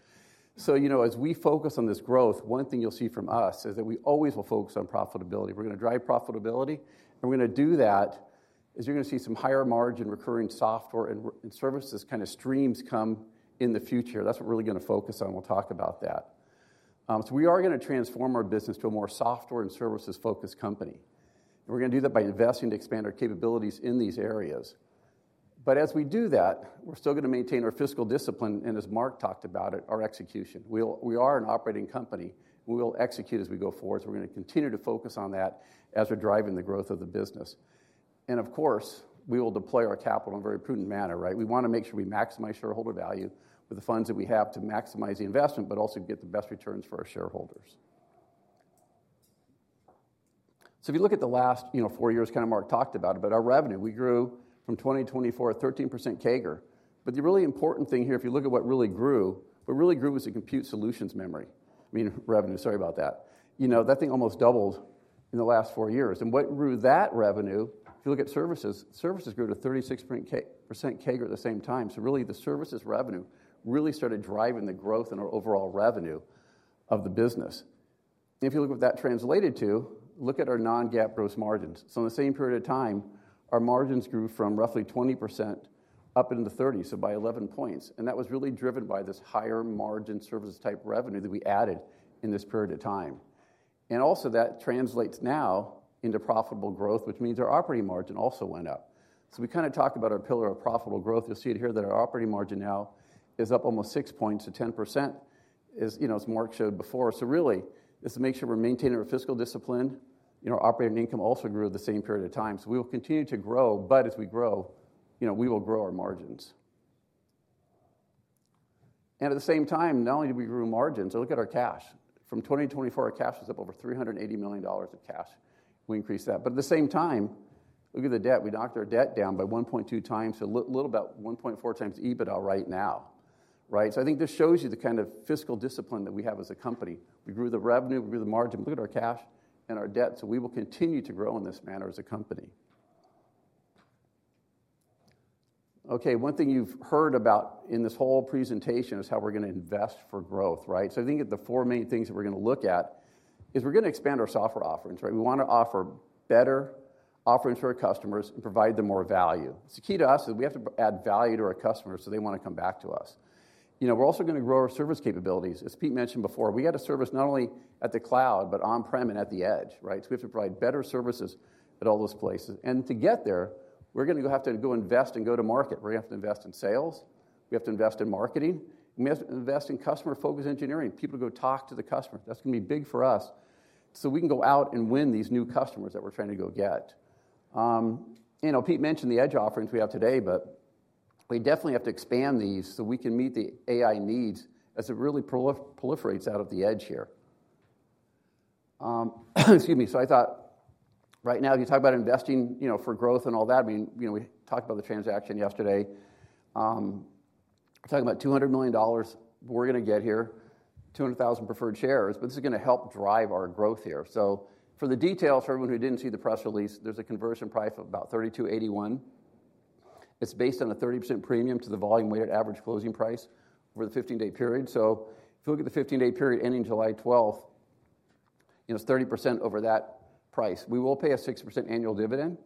So, you know, as we focus on this growth, one thing you'll see from us is that we always will focus on profitability. We're going to drive profitability, and we're going to do that, as you're going to see some higher margin recurring software and services, kind of streams come in the future. That's what we're really going to focus on. We'll talk about that. So we are going to transform our business to a more software and services-focused company, and we're going to do that by investing to expand our capabilities in these areas. But as we do that, we're still going to maintain our fiscal discipline, and as Mark talked about it, our execution. We are an operating company. We will execute as we go forward, so we're going to continue to focus on that as we're driving the growth of the business. And of course, we will deploy our capital in a very prudent manner, right? We want to make sure we maximize shareholder value with the funds that we have to maximize the investment, but also get the best returns for our shareholders. So if you look at the last four years, you know, kind of Mark talked about it, but our revenue, we grew from 2024, a 13% CAGR. But the really important thing here, if you look at what really grew, what really grew was the compute solutions memory. I mean, revenue, sorry about that. You know, that thing almost doubled in the last four years. And what grew that revenue, if you look at services, services grew at a 36% CAGR at the same time. So really, the services revenue really started driving the growth in our overall revenue of the business. If you look at what that translated to, look at our non-GAAP gross margins. So in the same period of time, our margins grew from roughly 20% up into 30, so by 11 points. That was really driven by this higher margin services type revenue that we added in this period of time. Also, that translates now into profitable growth, which means our operating margin also went up. We kind of talked about our pillar of profitable growth. You'll see it here, that our operating margin now is up almost 6 points to 10%, as, you know, as Mark showed before. Really, just to make sure we're maintaining our fiscal discipline, you know, operating income also grew at the same period of time. We will continue to grow, but as we grow, you know, we will grow our margins. At the same time, not only did we grow margins, so look at our cash. From 2024, our cash was up over $380 million of cash. We increased that. But at the same time, look at the debt. We knocked our debt down by 1.2 times to little about 1.4 times EBITDA right now, right? So I think this shows you the kind of fiscal discipline that we have as a company. We grew the revenue, we grew the margin. Look at our cash and our debt. So we will continue to grow in this manner as a company. Okay, one thing you've heard about in this whole presentation is how we're going to invest for growth, right? So I think that the four main things that we're going to look at is we're going to expand our software offerings, right? We want to offer better offerings to our customers and provide them more value. It's the key to us is we have to add value to our customers, so they want to come back to us. You know, we're also going to grow our service capabilities. As Pete mentioned before, we had a service not only at the cloud, but on-prem and at the edge, right? So we have to provide better services at all those places. And to get there, we're going to have to go invest and go to market, where we have to invest in sales, we have to invest in marketing, we have to invest in customer-focused engineering. People go talk to the customer. That's going to be big for us, so we can go out and win these new customers that we're trying to go get. You know, Pete mentioned the edge offerings we have today, but we definitely have to expand these so we can meet the AI needs as it really proliferates out of the edge here. Excuse me. So I thought right now, if you talk about investing, you know, for growth and all that, I mean, you know, we talked about the transaction yesterday. We're talking about $200 million we're going to get here, 200,000 preferred shares, but this is going to help drive our growth here. So for the details, for everyone who didn't see the press release, there's a conversion price of about $32.81. It's based on a 30% premium to the volume-weighted average closing price over the 15-day period. So if you look at the 15-day period ending July 12, you know, it's 30% over that price. We will pay a 6% annual dividend,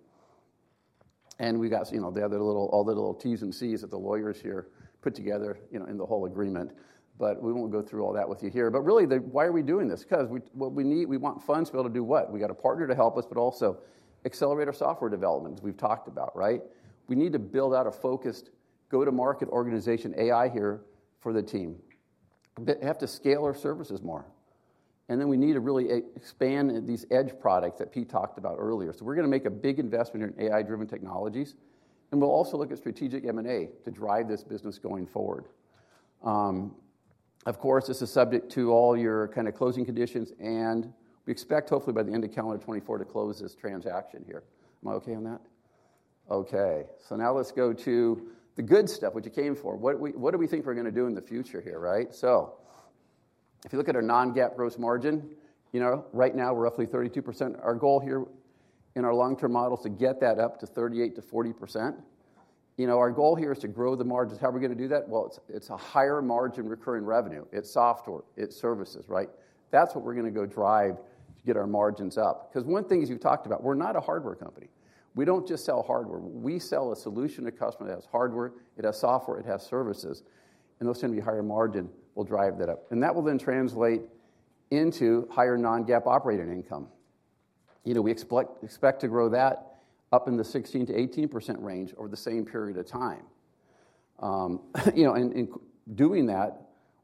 and we got, you know, the other little all the little T's and C's that the lawyers here put together, you know, in the whole agreement, but we won't go through all that with you here. But really, why are we doing this? Because what we need, we want funds to be able to do what? We got a partner to help us, but also accelerate our software development, as we've talked about, right? We need to build out a focused, go-to-market organization, AI here, for the team. But have to scale our services more. And then we need to really expand these edge products that Pete talked about earlier. So we're going to make a big investment in AI-driven technologies, and we'll also look at strategic M&A to drive this business going forward. Of course, this is subject to all your kind of closing conditions, and we expect, hopefully, by the end of calendar 2024 to close this transaction here. Am I okay on that? Okay, so now let's go to the good stuff, what you came for. What we, what do we think we're going to do in the future here, right? So if you look at our non-GAAP gross margin, you know, right now, we're roughly 32%. Our goal here in our long-term model is to get that up to 38%-40%. You know, our goal here is to grow the margins. How are we going to do that? Well, it's, it's a higher margin recurring revenue. It's software, it's services, right? That's what we're going to go drive to get our margins up. Because one thing, as you talked about, we're not a hardware company. We don't just sell hardware. We sell a solution to customer that has hardware, it has software, it has services, and those tend to be higher margin will drive that up. And that will then translate into higher non-GAAP operating income. You know, we expect to grow that up in the 16%-18% range over the same period of time. You know, and in doing that,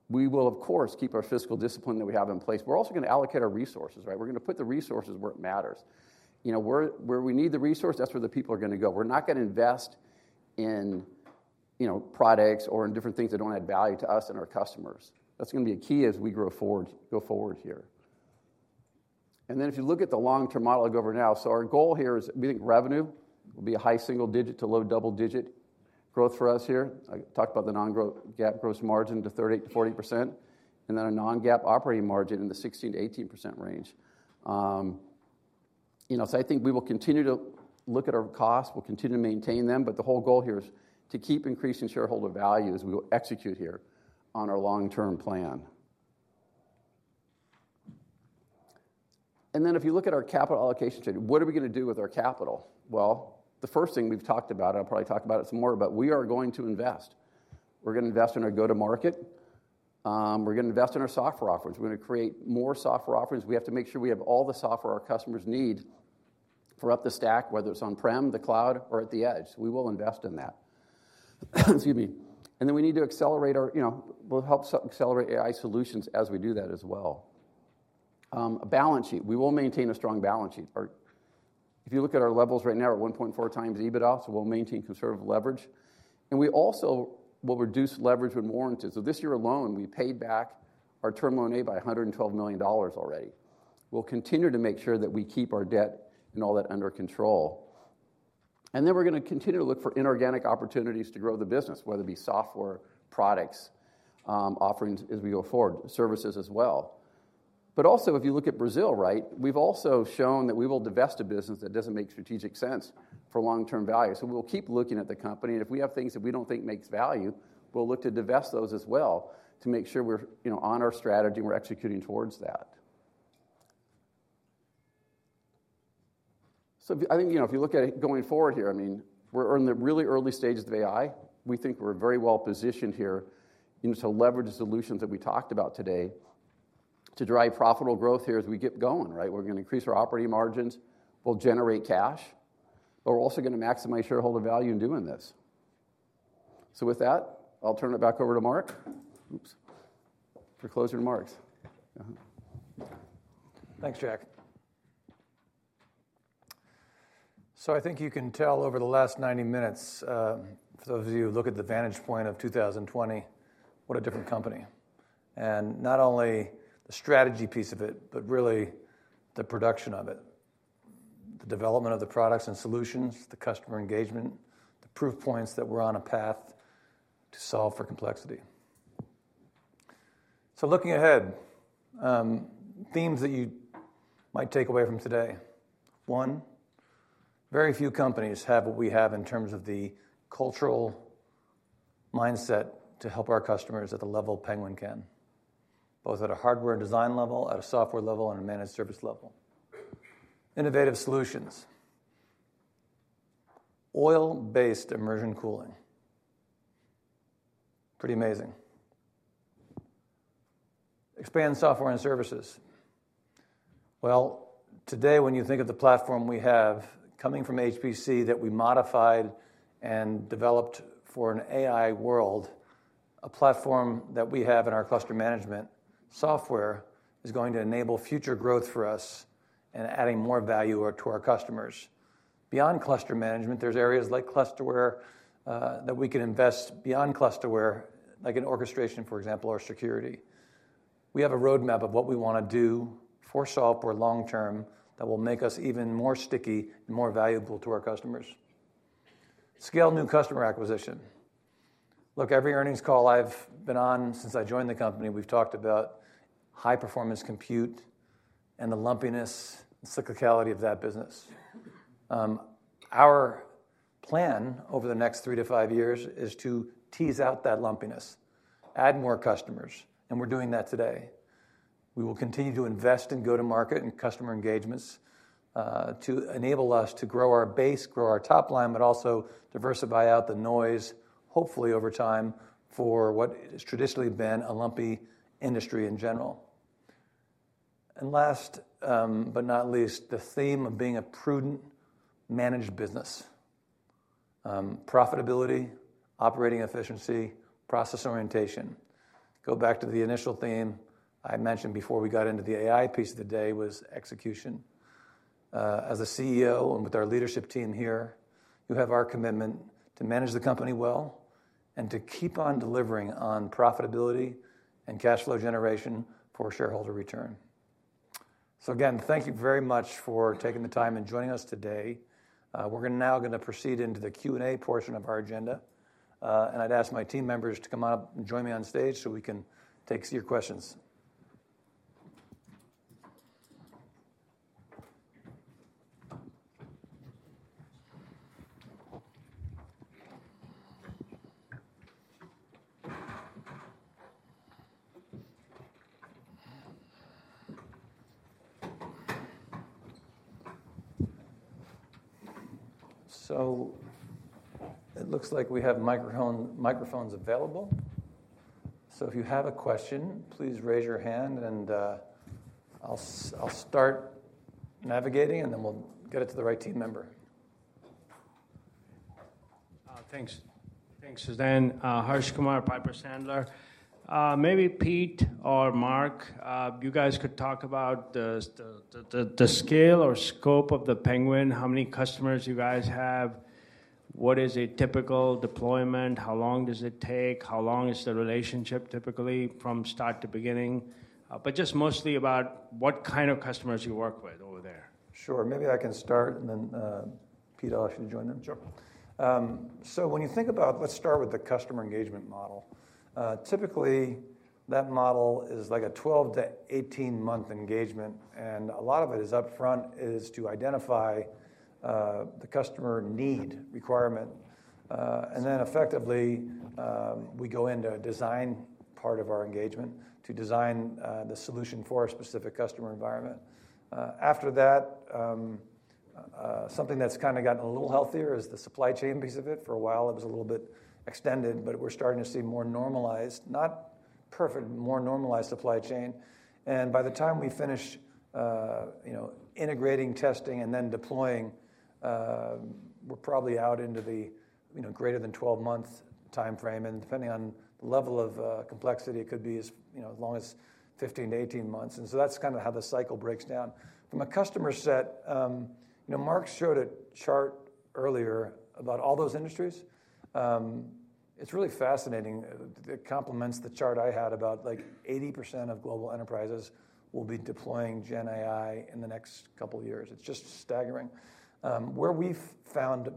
we will of course, keep our fiscal discipline that we have in place. We're also going to allocate our resources, right? We're going to put the resources where it matters. You know, where we need the resource, that's where the people are going to go. We're not going to invest in, you know, products or in different things that don't add value to us and our customers. That's going to be a key as we grow forward, go forward here. And then, if you look at the long-term model go over now, so our goal here is we think revenue will be a high single-digit to low double-digit growth for us here. I talked about the non-GAAP gross margin to 38%-40%, and then a non-GAAP operating margin in the 16%-18% range. You know, so I think we will continue to look at our costs. We'll continue to maintain them, but the whole goal here is to keep increasing shareholder value as we will execute here on our long-term plan. And then, if you look at our capital allocation strategy, what are we going to do with our capital? Well, the first thing we've talked about, I'll probably talk about it some more, but we are going to invest. We're going to invest in our go-to-market. We're going to invest in our software offerings. We're going to create more software offerings. We have to make sure we have all the software our customers need for up the stack, whether it's on-prem, the cloud, or at the edge. We will invest in that. Excuse me. And then we need to accelerate our. You know, we'll help accelerate AI solutions as we do that as well. A balance sheet. We will maintain a strong balance sheet. Our. If you look at our levels right now, we're at 1.4 times EBITDA, so we'll maintain conservative leverage, and we also will reduce leverage with warranties. So this year alone, we paid back our Term Loan A by $112 million already. We'll continue to make sure that we keep our debt and all that under control, and then we're gonna continue to look for inorganic opportunities to grow the business, whether it be software, products, offerings as we go forward, services as well. But also, if you look at Brazil, right? We've also shown that we will divest a business that doesn't make strategic sense for long-term value. So we'll keep looking at the company, and if we have things that we don't think makes value, we'll look to divest those as well to make sure we're, you know, on our strategy, and we're executing towards that. So, if I think, you know, if you look at it going forward here, I mean, we're in the really early stages of AI. We think we're very well positioned here and to leverage the solutions that we talked about today to drive profitable growth here as we get going, right? We're gonna increase our operating margins. We'll generate cash, but we're also gonna maximize shareholder value in doing this. So with that, I'll turn it back over to Mark for closing remarks. Thanks, Jack. So I think you can tell over the last 90 minutes, for those of you who look at the vantage point of 2020, what a different company, and not only the strategy piece of it but really the production of it, the development of the products and solutions, the customer engagement, the proof points that we're on a path to solve for complexity. Looking ahead, themes that you might take away from today. One, very few companies have what we have in terms of the cultural mindset to help our customers at the level Penguin can, both at a hardware design level, at a software level, and a managed service level. Innovative solutions. Oil-based immersion cooling, pretty amazing. Expand software and services. Well, today, when you think of the platform we have, coming from HPC, that we modified and developed for an AI world, a platform that we have in our cluster management software is going to enable future growth for us and adding more value to our customers. Beyond cluster management, there's areas like Clusterware that we can invest beyond Clusterware, like in orchestration, for example, or security. We have a roadmap of what we wanna do for software long term that will make us even more sticky and more valuable to our customers. Scale new customer acquisition. Look, every earnings call I've been on since I joined the company, we've talked about high-performance compute and the lumpiness and cyclicality of that business. Our plan over the next 3-5 years is to tease out that lumpiness, add more customers, and we're doing that today. We will continue to invest in go-to-market and customer engagements, to enable us to grow our base, grow our top line, but also diversify out the noise, hopefully over time, for what has traditionally been a lumpy industry in general. And last, but not least, the theme of being a prudent, managed business. Profitability, operating efficiency, process orientation. Go back to the initial theme I mentioned before we got into the AI piece of the day was execution. As a CEO and with our leadership team here, you have our commitment to manage the company well and to keep on delivering on profitability and cash flow generation for shareholder return. So again, thank you very much for taking the time and joining us today. We're gonna proceed into the Q&A portion of our agenda, and I'd ask my team members to come on up and join me on stage, so we can take some of your questions. So it looks like we have microphone, microphones available. So if you have a question, please raise your hand, and I'll start navigating, and then we'll get it to the right team member. Thanks. Thanks, Suzanne. Harsh Kumar, Piper Sandler. Maybe Pete or Mark, you guys could talk about the scale or scope of the Penguin, how many customers you guys have? What is a typical deployment? How long does it take? How long is the relationship typically from start to beginning? But just mostly about what kind of customers you work with over there. Sure. Maybe I can start, and then, Pete, I'll ask you to join in. So when you think about. Let's start with the customer engagement model. Typically, that model is like a 12-18 month engagement, and a lot of it is upfront, is to identify the customer need requirement. And then effectively, we go into a design part of our engagement to design the solution for a specific customer environment. After that, something that's kinda gotten a little healthier is the supply chain piece of it. For a while, it was a little bit extended, but we're starting to see more normalized, not perfect, more normalized supply chain, and by the time we finish, you know, integrating, testing, and then deploying, we're probably out into the, you know, greater than 12-month timeframe, and depending on the level of, complexity, it could be as, you know, as long as 15-18 months, and so that's kinda how the cycle breaks down. From a customer set, you know, Mark showed a chart earlier about all those industries. It's really fascinating. It complements the chart I had about, like, 80% of global enterprises will be deploying GenAI in the next couple of years. It's just staggering. Where we've found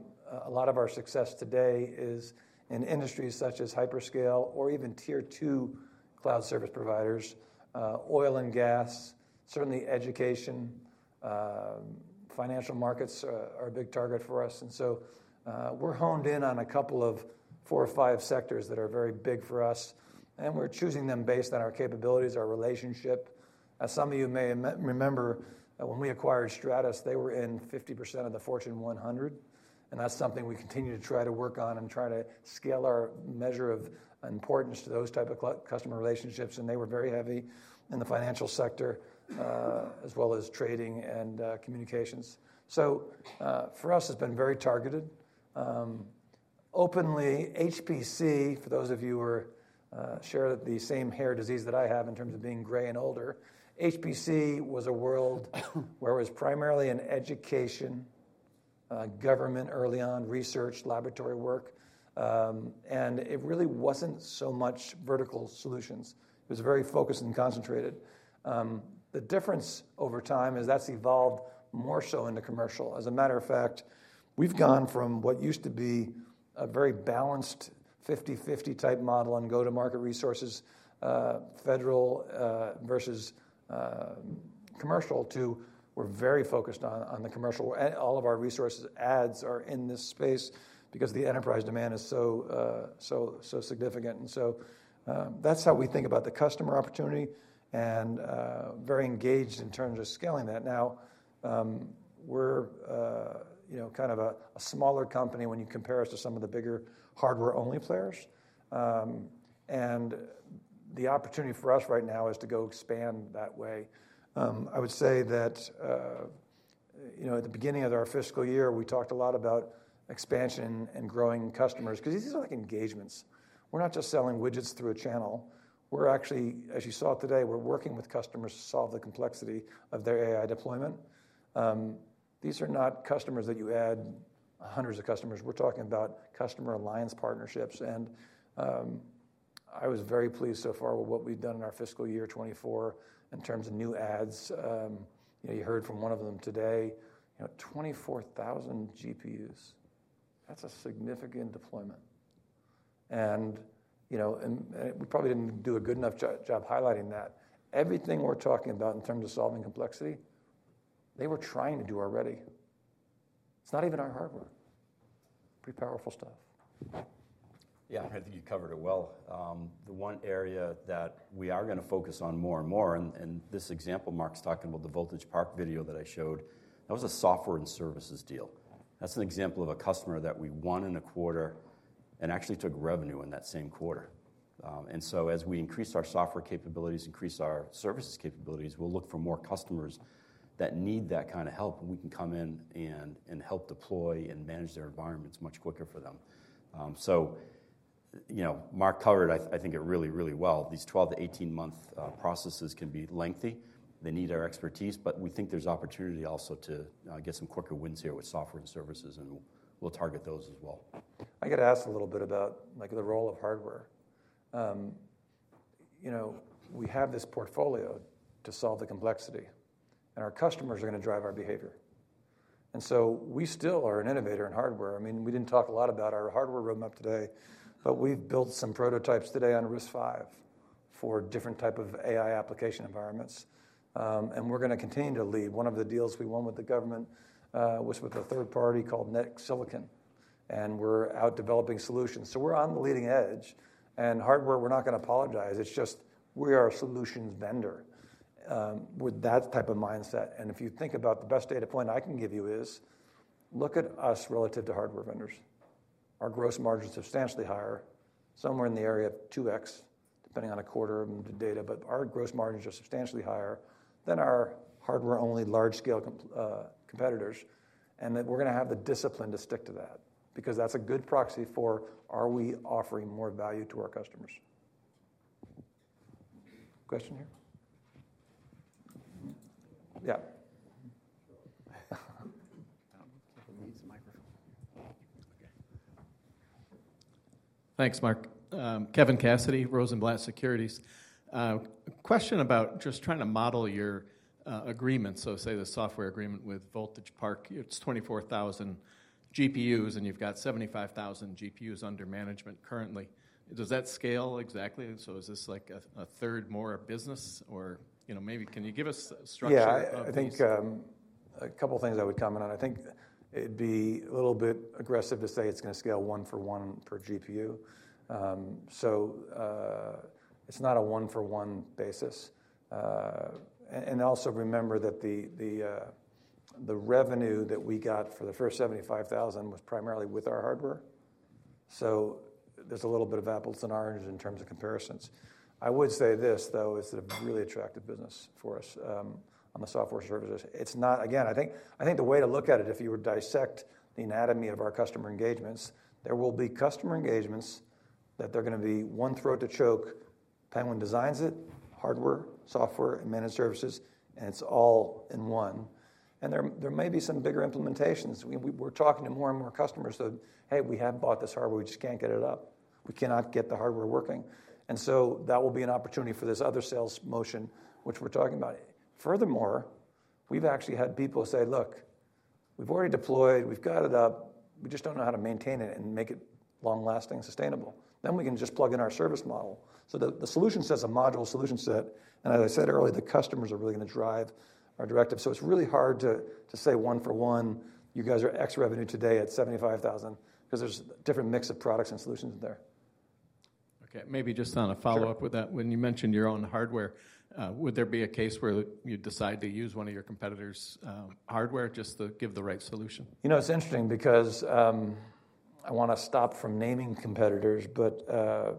a lot of our success today is in industries such as hyperscale or even tier two cloud service providers, oil and gas, certainly education, financial markets are a big target for us. So, we're honed in on a couple of four or five sectors that are very big for us, and we're choosing them based on our capabilities, our relationship. As some of you may remember, that when we acquired Stratus, they were in 50% of the Fortune 100, and that's something we continue to try to work on and try to scale our measure of importance to those type of customer relationships, and they were very heavy in the financial sector, as well as trading and communications. So, for us, it's been very targeted. Openly, HPC, for those of you who are share the same hair disease that I have in terms of being gray and older, HPC was a world where it was primarily in education, government early on, research, laboratory work, and it really wasn't so much vertical solutions. It was very focused and concentrated. The difference over time is that's evolved more so into commercial. As a matter of fact, we've gone from what used to be a very balanced 50/50 type model on go-to-market resources, federal, versus, commercial, to we're very focused on, on the commercial. All of our resources adds are in this space because the enterprise demand is so, so significant, and so, that's how we think about the customer opportunity and, very engaged in terms of scaling that. Now, we're, you know, kind of a smaller company when you compare us to some of the bigger hardware-only players. And the opportunity for us right now is to go expand that way. I would say that, you know, at the beginning of our fiscal year, we talked a lot about expansion and growing customers 'cause these are like engagements. We're not just selling widgets through a channel. We're actually, as you saw today, we're working with customers to solve the complexity of their AI deployment. These are not customers that you add hundreds of customers. We're talking about customer alliance partnerships, and I was very pleased so far with what we've done in our fiscal year 2024 in terms of new adds. You know, you heard from one of them today, you know, 24,000 GPUs. That's a significant deployment. You know, we probably didn't do a good enough job highlighting that. Everything we're talking about in terms of solving complexity, they were trying to do already. It's not even our hardware. Pretty powerful stuff. Yeah, I think you covered it well. The one area that we are gonna focus on more and more, and this example Mark's talking about, the Voltage Park video that I showed, that was a software and services deal. That's an example of a customer that we won in a quarter and actually took revenue in that same quarter. And so as we increase our software capabilities, increase our services capabilities, we'll look for more customers that need that kind of help, and we can come in and help deploy and manage their environments much quicker for them. So, you know, Mark covered it really, really well. These 12-18 month processes can be lengthy. They need our expertise, but we think there's opportunity also to get some quicker wins here with software and services, and we'll target those as well. I got to ask a little bit about, like, the role of hardware. You know, we have this portfolio to solve the complexity, and our customers are gonna drive our behavior. And so we still are an innovator in hardware. I mean, we didn't talk a lot about our hardware roadmap today, but we've built some prototypes today on RISC-V for different type of AI application environments, and we're gonna continue to lead. One of the deals we won with the government was with a third party called NextSilicon, and we're out developing solutions. So we're on the leading edge, and hardware, we're not gonna apologize. It's just we are a solutions vendor with that type of mindset, and if you think about the best data point I can give you is: look at us relative to hardware vendors. Our gross margin is substantially higher, somewhere in the area of 2x, depending on a quarter and the data, but our gross margins are substantially higher than our hardware-only, large-scale comp, competitors, and that we're gonna have the discipline to stick to that because that's a good proxy for: are we offering more value to our customers? Question here? Yeah. Thanks, Mark. Kevin Cassidy, Rosenblatt Securities. Question about just trying to model your agreement, so say, the software agreement with Voltage Park. It's 24,000 GPUs, and you've got 75,000 GPUs under management currently. Does that scale exactly? So is this like a third more of business, or, you know, maybe can you give us structure. Yeah, I think a couple of things I would comment on. I think it'd be a little bit aggressive to say it's gonna scale one for one per GPU. So, it's not a one-for-one basis. And also remember that the revenue that we got for the first 75,000 was primarily with our hardware, so there's a little bit of apples and oranges in terms of comparisons. I would say this, though, it's a really attractive business for us on the software services. Again, I think the way to look at it, if you were to dissect the anatomy of our customer engagements, there will be customer engagements that they're gonna be one throat to choke. Penguin designs it, hardware, software, and managed services, and it's all in one. And there may be some bigger implementations. We're talking to more and more customers, so, "Hey, we have bought this hardware, we just can't get it up. We cannot get the hardware working." And so, that will be an opportunity for this other sales motion, which we're talking about. Furthermore, we've actually had people say: Look, we've already deployed, we've got it up, we just don't know how to maintain it and make it long-lasting and sustainable. Then we can just plug in our service model. So the solution set's a module solution set, and as I said earlier, the customers are really gonna drive our directive. So it's really hard to say one for one, you guys are X revenue today at $75,000, 'cause there's different mix of products and solutions in there. Okay, maybe just on a follow-up with that. When you mentioned your own hardware, would there be a case where you'd decide to use one of your competitors', hardware, just to give the right solution? You know, it's interesting because I wanna stop from naming competitors, but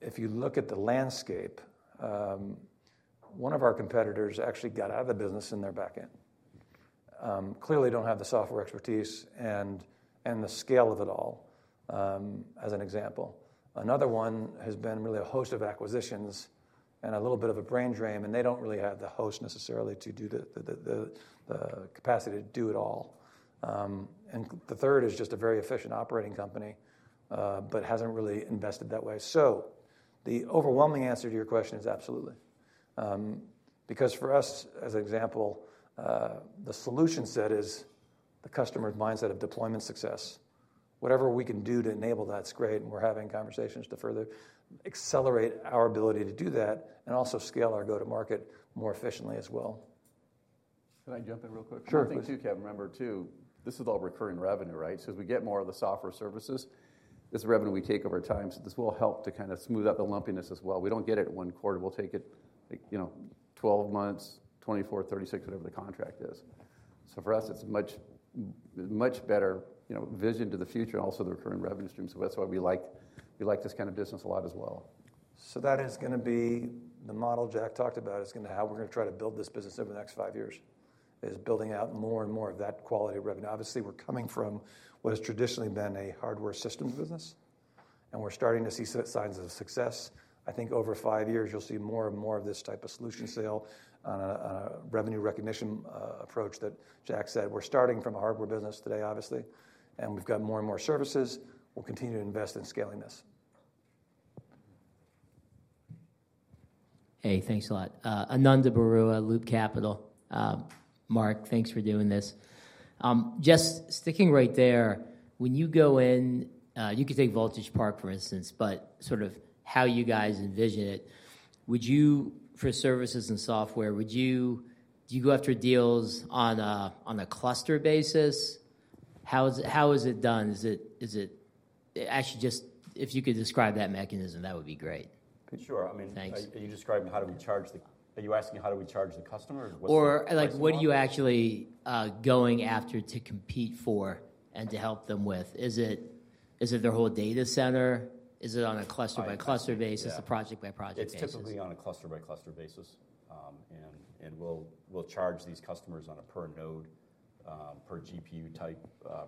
if you look at the landscape, one of our competitors actually got out of the business, and they're back in. Clearly don't have the software expertise and the scale of it all, as an example. Another one has been really a host of acquisitions and a little bit of a brain drain, and they don't really have the host necessarily to do the capacity to do it all. And the third is just a very efficient operating company, but hasn't really invested that way. So the overwhelming answer to your question is absolutely. Because for us, as an example, the solution set is the customer's mindset of deployment success. Whatever we can do to enable, that's great, and we're having conversations to further accelerate our ability to do that and also scale our go-to-market more efficiently as well. Can I jump in real quick? Sure. I think, too, Kevin, remember, too, this is all recurring revenue, right? So as we get more of the software services, this is the revenue we take over time, so this will help to kinda smooth out the lumpiness as well. We don't get it in one quarter. We'll take it, like, you know, 12 months, 24, 36, whatever the contract is. So for us, it's much better, you know, vision to the future and also the recurring revenue stream, so that's why we like, we like this kind of business a lot as well. So that is gonna be the model Jack talked about. How we're gonna try to build this business over the next 5 years, is building out more and more of that quality of revenue. Obviously, we're coming from what has traditionally been a hardware system business, and we're starting to see signs of success. I think over 5 years, you'll see more and more of this type of solution sale on a revenue recognition approach that Jack said. We're starting from a hardware business today, obviously, and we've got more and more services. We'll continue to invest in scaling this. Hey, thanks a lot. Ananda Baruah, Loop Capital. Mark, thanks for doing this. Just sticking right there, when you go in, you can take Voltage Park, for instance, but sort of how you guys envision it, would you, for services and software, would you—do you go after deals on a, on a cluster basis? How is it done? Actually, just if you could describe that mechanism, that would be great. Sure. I mean. Thanks. Are you asking how do we charge the customer? What's the pricing model? Or, like, what are you actually going after to compete for and to help them with? Is it, is it their whole data center? Is it on a cluster-by-cluster basis- a project-by-project basis? It's typically on a cluster-by-cluster basis. And we'll charge these customers on a per node, per GPU type,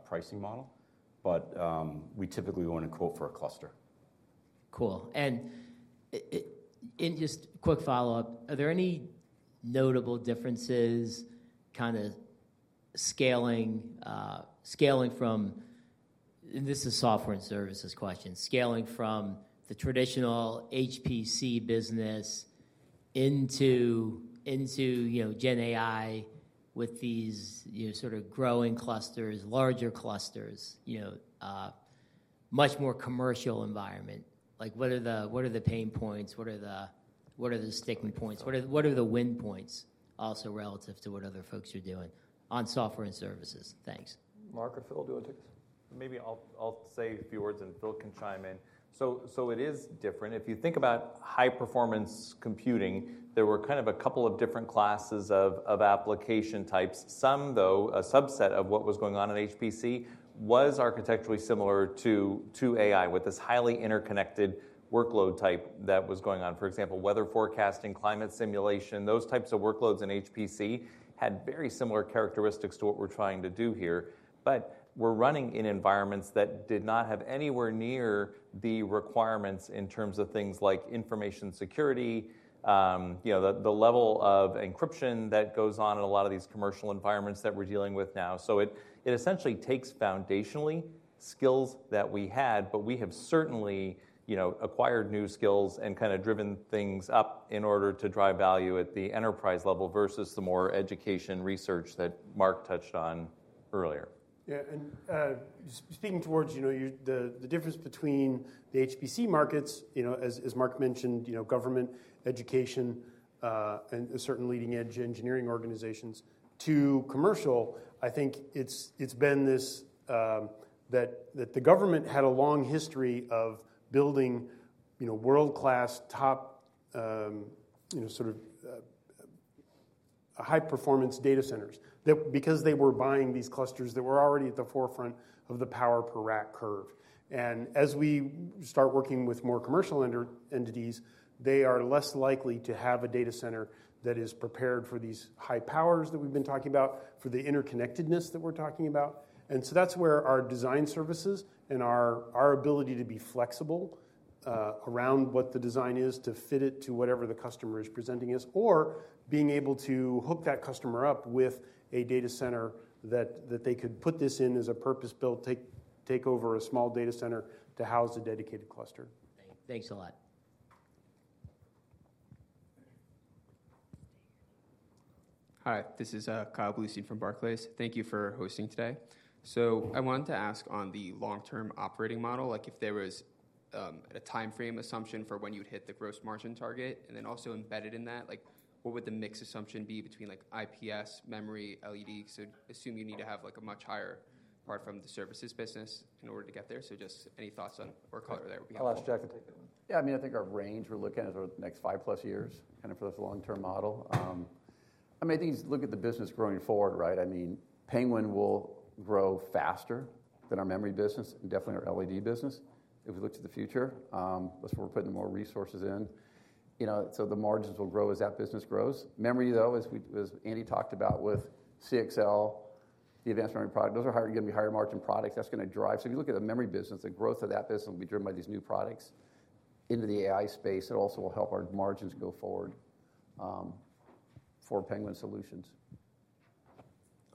pricing model, but we typically want to quote for a cluster. Cool, and just quick follow-up: Are there any notable differences kinda scaling from, and this is software and services question, scaling from the traditional HPC business into, into, you know, GenAI with these, you know, sort of growing clusters, larger clusters, you know, much more commercial environment? Like, what are the, what are the pain points? What are the, what are the sticking points? What are the, what are the win points, also relative to what other folks are doing on software and services? Thanks. Mark or Phil, do you want to take this? Maybe I'll say a few words, and Phil can chime in. So it is different. If you think about high-performance computing, there were kind of a couple of different classes of application types. Some, though, a subset of what was going on in HPC was architecturally similar to AI, with this highly interconnected workload type that was going on. For example, weather forecasting, climate simulation, those types of workloads in HPC had very similar characteristics to what we're trying to do here, but were running in environments that did not have anywhere near the requirements in terms of things like information security, you know, the level of encryption that goes on in a lot of these commercial environments that we're dealing with now. So it essentially takes foundational skills that we had, but we have certainly, you know, acquired new skills and kinda driven things up in order to drive value at the enterprise level versus the more educational research that Mark touched on earlier. Yeah, and, speaking towards, you know, your, the, the difference between the HPC markets, you know, as, as Mark mentioned, you know, government, education, and certain leading-edge engineering organizations, to commercial, I think it's, it's been this, that, that the government had a long history of building, you know, world-class, top, you know, sort of, high-performance data centers. That, because they were buying these clusters, they were already at the forefront of the power per rack curve. And as we start working with more commercial entities, they are less likely to have a data center that is prepared for these high powers that we've been talking about, for the interconnectedness that we're talking about. So that's where our design services and our ability to be flexible around what the design is, to fit it to whatever the customer is presenting us, or being able to hook that customer up with a data center that they could put this in as a purpose-built, take over a small data center to house a dedicated cluster. Thanks a lot. Hi, this is Kyle Bleustein from Barclays. Thank you for hosting today. So I wanted to ask on the long-term operating model, like, if there was a timeframe assumption for when you'd hit the gross margin target, and then also embedded in that, like, what would the mix assumption be between, like, IPS, memory, LED? So assume you need to have, like, a much higher part from the services business in order to get there. So just any thoughts on or color there would be helpful. I'll ask Jack to take that one. Yeah, I mean, I think our range we're looking at over the next 5+ years, kind of for the long-term model. I mean, I think look at the business growing forward, right? I mean, Penguin will grow faster than our memory business and definitely our LED business. If we look to the future, that's where we're putting more resources in. You know, so the margins will grow as that business grows. Memory, though, as Andy talked about with CXL, the advanced memory product, those are higher, gonna be higher margin products. That's gonna drive. So if you look at the memory business, the growth of that business will be driven by these new products into the AI space. It also will help our margins go forward, for Penguin Solutions.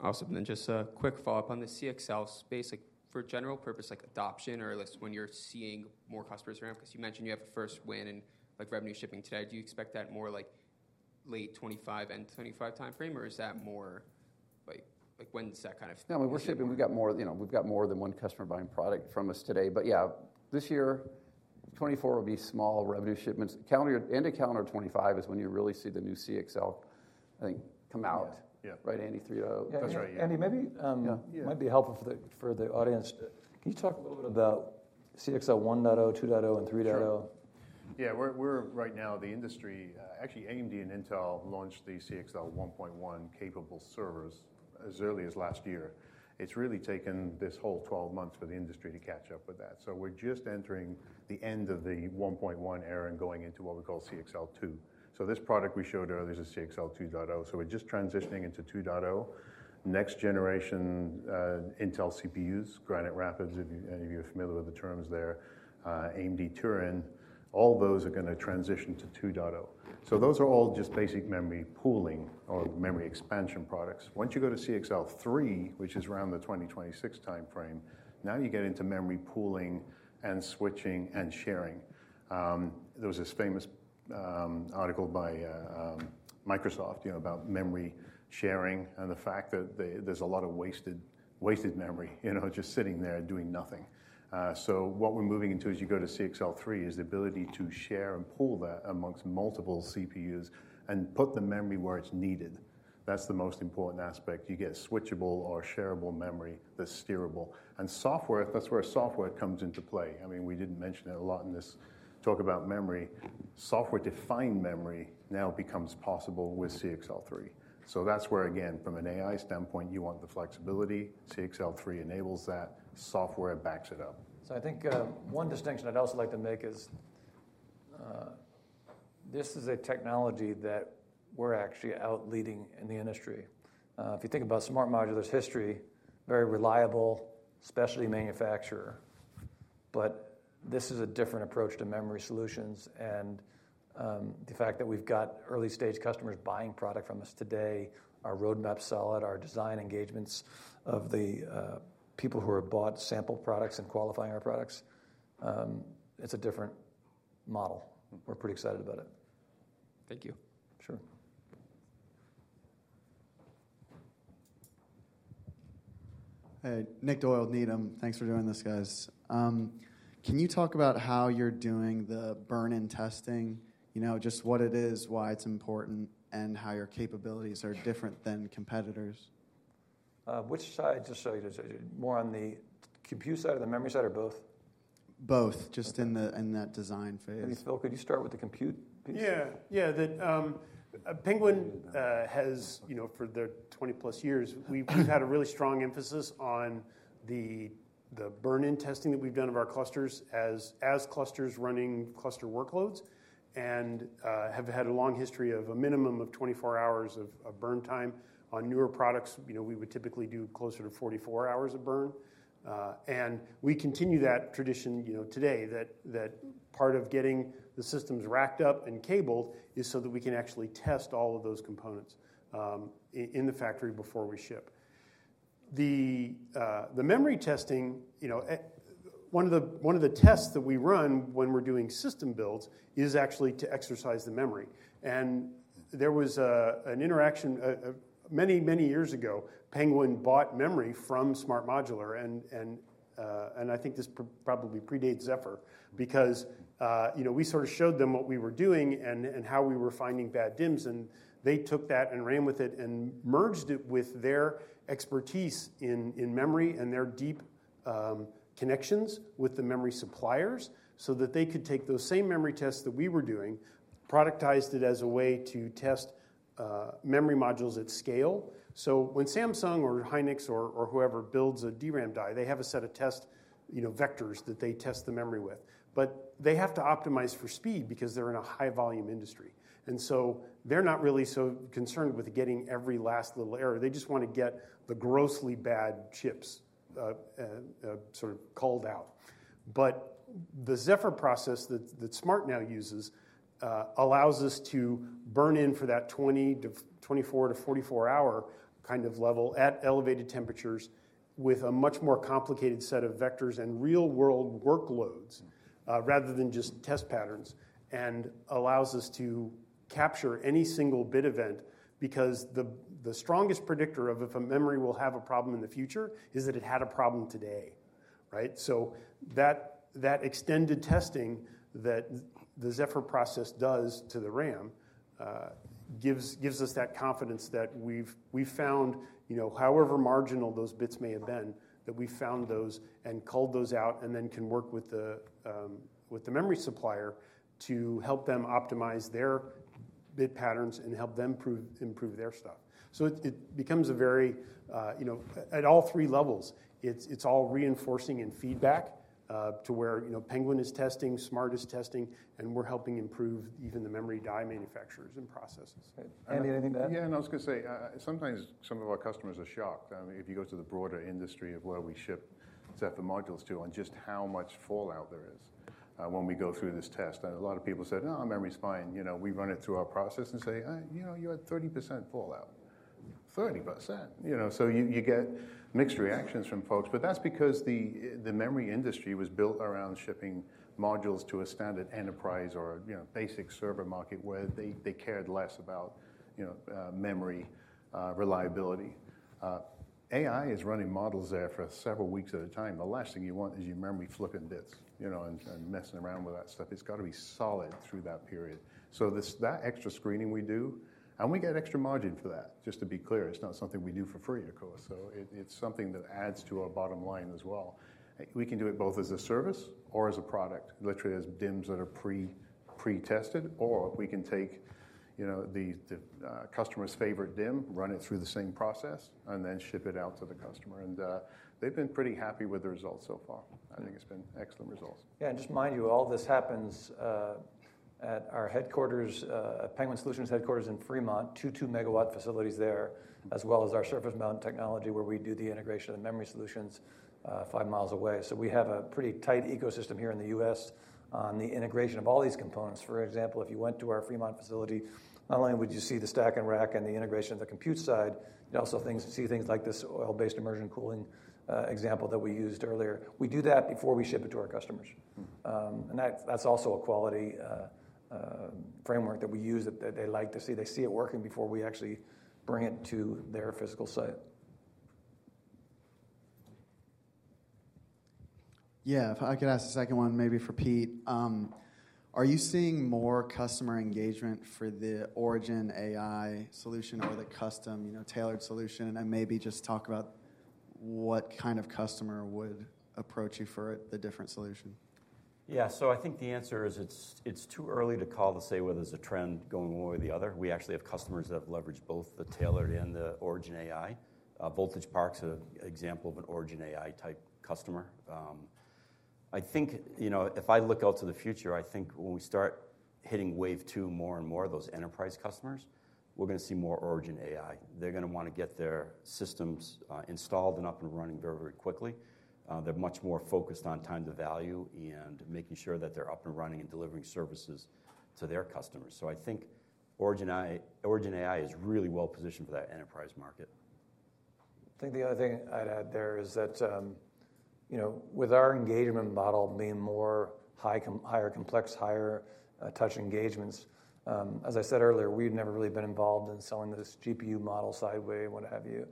Awesome. Then just a quick follow-up on the CXL space. Like, for general purpose, like adoption or at least when you're seeing more customers around, 'cause you mentioned you have a first win in, like, revenue shipping today. Do you expect that more, like, late 2025, end 2025 timeframe, or is that more like... Like, when does that kind of. No, I mean, we're shipping. We've got more, you know, we've got more than one customer buying product from us today, but yeah, this year, 2024 will be small revenue shipments. Calendar, end of calendar 2025 is when you'll really see the new CXL, I think, come out. Yeah. Right, Andy, 3.0? That's right. Andy, maybe, might be helpful for the audience. Can you talk a little bit about CXL 1.0, 2.0, and 3.0? Sure. Yeah, we're right now the industry actually AMD and Intel launched the CXL 1.1 capable servers as early as last year. It's really taken this whole 12 months for the industry to catch up with that. So we're just entering the end of the 1.1 era and going into what we call CXL 2. So this product we showed earlier is a CXL 2.0, so we're just transitioning into 2.0. Next generation Intel CPUs, Granite Rapids, if any of you are familiar with the terms there, AMD Turin, all those are gonna transition to 2.0. So those are all just basic memory pooling or memory expansion products. Once you go to CXL 3, which is around the 2026 timeframe, now you get into memory pooling and switching and sharing. There was this famous article by Microsoft, you know, about memory sharing and the fact that there's a lot of wasted, wasted memory, you know, just sitting there doing nothing. So what we're moving into as you go to CXL three is the ability to share and pool that amongst multiple CPUs and put the memory where it's needed. That's the most important aspect. You get switchable or shareable memory that's steerable. And software, that's where software comes into play. I mean, we didn't mention it a lot in this talk about memory. Software-defined memory now becomes possible with CXL three. So that's where, again, from an AI standpoint, you want the flexibility. CXL three enables that. Software backs it up. So I think, one distinction I'd also like to make is, this is a technology that we're actually out leading in the industry. If you think about SMART Modular's history, very reliable, specialty manufacturer, but this is a different approach to memory solutions and, the fact that we've got early-stage customers buying product from us today, our roadmap's solid, our design engagements of the, people who have bought sample products and qualifying our products, it's a different model. We're pretty excited about it. Thank you. Sure. Hey, Nick Doyle, Needham. Thanks for doing this, guys. Can you talk about how you're doing the burn-in testing? You know, just what it is, why it's important, and how your capabilities are different than competitors? Which side? More on the compute side or the memory side, or both? Both, just in that design phase. Andy Phil, could you start with the compute piece? Yeah. Yeah, that Penguin has, you know, for their 20+ years, we've had a really strong emphasis on the, the burn-in testing that we've done of our clusters as, as clusters running cluster workloads, and have had a long history of a minimum of 24 hours of burn time. On newer products, you know, we would typically do closer to 44 hours of burn. And we continue that tradition, you know, today, that, that part of getting the systems racked up and cabled is so that we can actually test all of those components in the factory before we ship. The memory testing, you know, one of the, one of the tests that we run when we're doing system builds is actually to exercise the memory. And there was an interaction. Many, many years ago, Penguin bought memory from SMART Modular, and I think this probably predates Zefr because, you know, we sort of showed them what we were doing and how we were finding bad DIMMs, and they took that and ran with it and merged it with their expertise in memory and their deep connections with the memory suppliers so that they could take those same memory tests that we were doing, productized it as a way to test memory modules at scale. So when Samsung or Hynix or whoever builds a DRAM die, they have a set of test, you know, vectors that they test the memory with. But they have to optimize for speed because they're in a high-volume industry, and so they're not really so concerned with getting every last little error. They just want to get the grossly bad chips sort of culled out. But the Zefr process that SMART now uses allows us to burn in for that 20-24 to 44-hour kind of level at elevated temperatures with a much more complicated set of vectors and real-world workloads rather than just test patterns, and allows us to capture any single bit event because the strongest predictor of if a memory will have a problem in the future is that it had a problem today. Right. So that extended testing that the Zefr process does to the RAM gives us that confidence that we've found, you know, however marginal those bits may have been, that we found those and culled those out, and then can work with the memory supplier to help them optimize their bit patterns and help them improve their stuff. So it becomes a very, you know, at all three levels, it's all reinforcing and feedback to where, you know, Penguin is testing, SMART is testing, and we're helping improve even the memory die manufacturers and processes. Andy, anything to add? Yeah, and I was going to say, sometimes some of our customers are shocked. I mean, if you go to the broader industry of where we ship Zefr modules to, on just how much fallout there is, when we go through this test. And a lot of people said, "Oh, our memory's fine." You know, we run it through our process and say, "You know, you had 30% fallout." 30%! You know, so you get mixed reactions from folks, but that's because the memory industry was built around shipping modules to a standard enterprise or, you know, basic server market, where they cared less about, you know, memory reliability. AI is running models there for several weeks at a time. The last thing you want is your memory flipping bits, you know, and messing around with that stuff. It's got to be solid through that period. So, that extra screening we do, and we get extra margin for that, just to be clear. It's not something we do for free, of course, so it's something that adds to our bottom line as well. We can do it both as a service or as a product, literally as DIMs that are pre-tested, or we can take, you know, the customer's favorite DIMM, run it through the same process, and then ship it out to the customer, and they've been pretty happy with the results so far. I think it's been excellent results. Yeah, and just to remind you, all this happens at our headquarters at Penguin Solutions headquarters in Fremont, two 2 MW facilities there, as well as our surface mount technology, where we do the integration of the memory solutions, five miles away. So we have a pretty tight ecosystem here in the U.S. on the integration of all these components. For example, if you went to our Fremont facility, not only would you see the stack and rack and the integration of the compute side, you'd also see things like this oil-based immersion cooling example that we used earlier. We do that before we ship it to our customers. And that's also a quality framework that we use that they like to see. They see it working before we actually bring it to their physical site. Yeah, if I could ask a second one, maybe for Pete. Are you seeing more customer engagement for the Origin AI solution or the custom, you know, tailored solution? And then maybe just talk about what kind of customer would approach you for the different solution. Yeah, so I think the answer is it's too early to call to say whether there's a trend going one way or the other. We actually have customers that have leveraged both the tailored and the Origin AI. Voltage Park's an example of an Origin AI-type customer. I think, you know, if I look out to the future, I think when we start hitting wave two more and more of those enterprise customers, we're going to see more Origin AI. They're going to want to get their systems installed and up and running very, very quickly. They're much more focused on time to value and making sure that they're up and running and delivering services to their customers. So I think Origin AI is really well positioned for that enterprise market. I think the other thing I'd add there is that, you know, with our engagement model being more higher complex, higher touch engagements, as I said earlier, we've never really been involved in selling this GPU model sideways, what have you.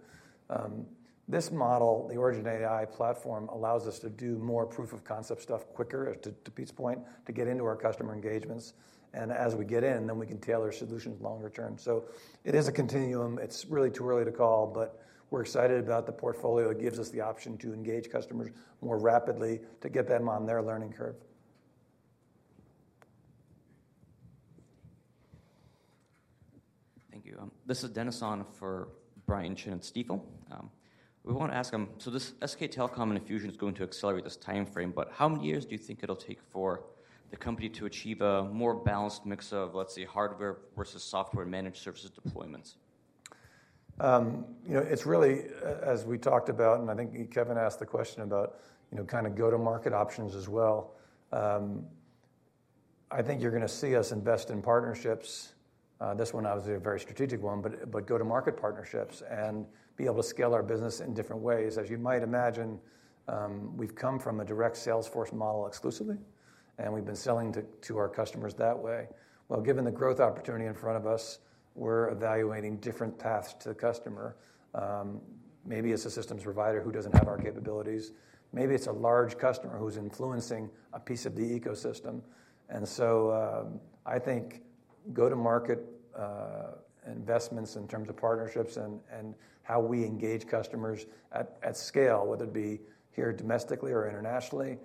This model, the Origin AI platform, allows us to do more proof of concept stuff quicker, to Pete's point, to get into our customer engagements, and as we get in, then we can tailor solutions longer term. So it is a continuum. It's really too early to call, but we're excited about the portfolio. It gives us the option to engage customers more rapidly to get them on their learning curve. Thank you, this is Dennis on for Brian Chin at Stifel. We want to ask, so this SK Telecom and infusion is going to accelerate this timeframe, but how many years do you think it'll take for the company to achieve a more balanced mix of, let's say, hardware versus software managed services deployments? You know, it's really, as we talked about, and I think Kevin asked the question about, you know, kind of go-to-market options as well. I think you're going to see us invest in partnerships. This one obviously a very strategic one, but go-to-market partnerships and be able to scale our business in different ways. As you might imagine, we've come from a direct sales force model exclusively, and we've been selling to our customers that way. Well, given the growth opportunity in front of us, we're evaluating different paths to the customer. Maybe it's a systems provider who doesn't have our capabilities. Maybe it's a large customer who's influencing a piece of the ecosystem. And so, I think go-to-market investments in terms of partnerships and, and how we engage customers at, at scale, whether it be here domestically or internationally,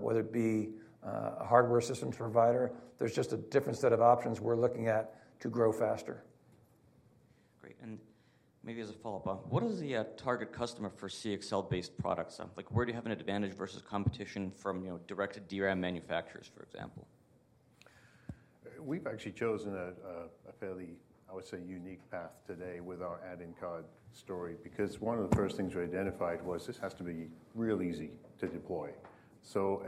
whether it be, a hardware systems provider, there's just a different set of options we're looking at to grow faster. Great, and maybe as a follow-up, what is the target customer for CXL-based products? Like, where do you have an advantage versus competition from, you know, direct to DRAM manufacturers, for example? We've actually chosen a fairly, I would say, unique path today with our add-in card story because one of the first things we identified was this has to be real easy to deploy. So,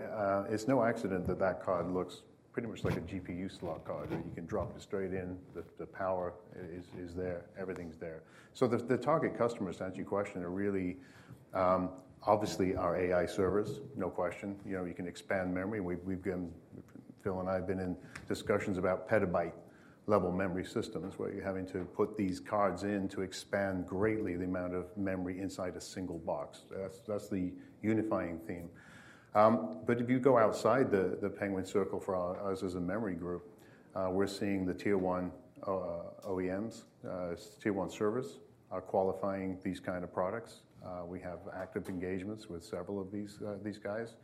it's no accident that that card looks pretty much like a GPU slot card, and you can drop it straight in. The power is there, everything's there. So the target customers, to answer your question, are really, obviously, our AI servers, no question. You know, you can expand memory. Phil and I have been in discussions about petabyte level memory systems, where you're having to put these cards in to expand greatly the amount of memory inside a single box. That's the unifying theme. But if you go outside the Penguin circle for us as a memory group, we're seeing the Tier one OEMs, Tier one servers are qualifying these kind of products. We have active engagements with several of these guys.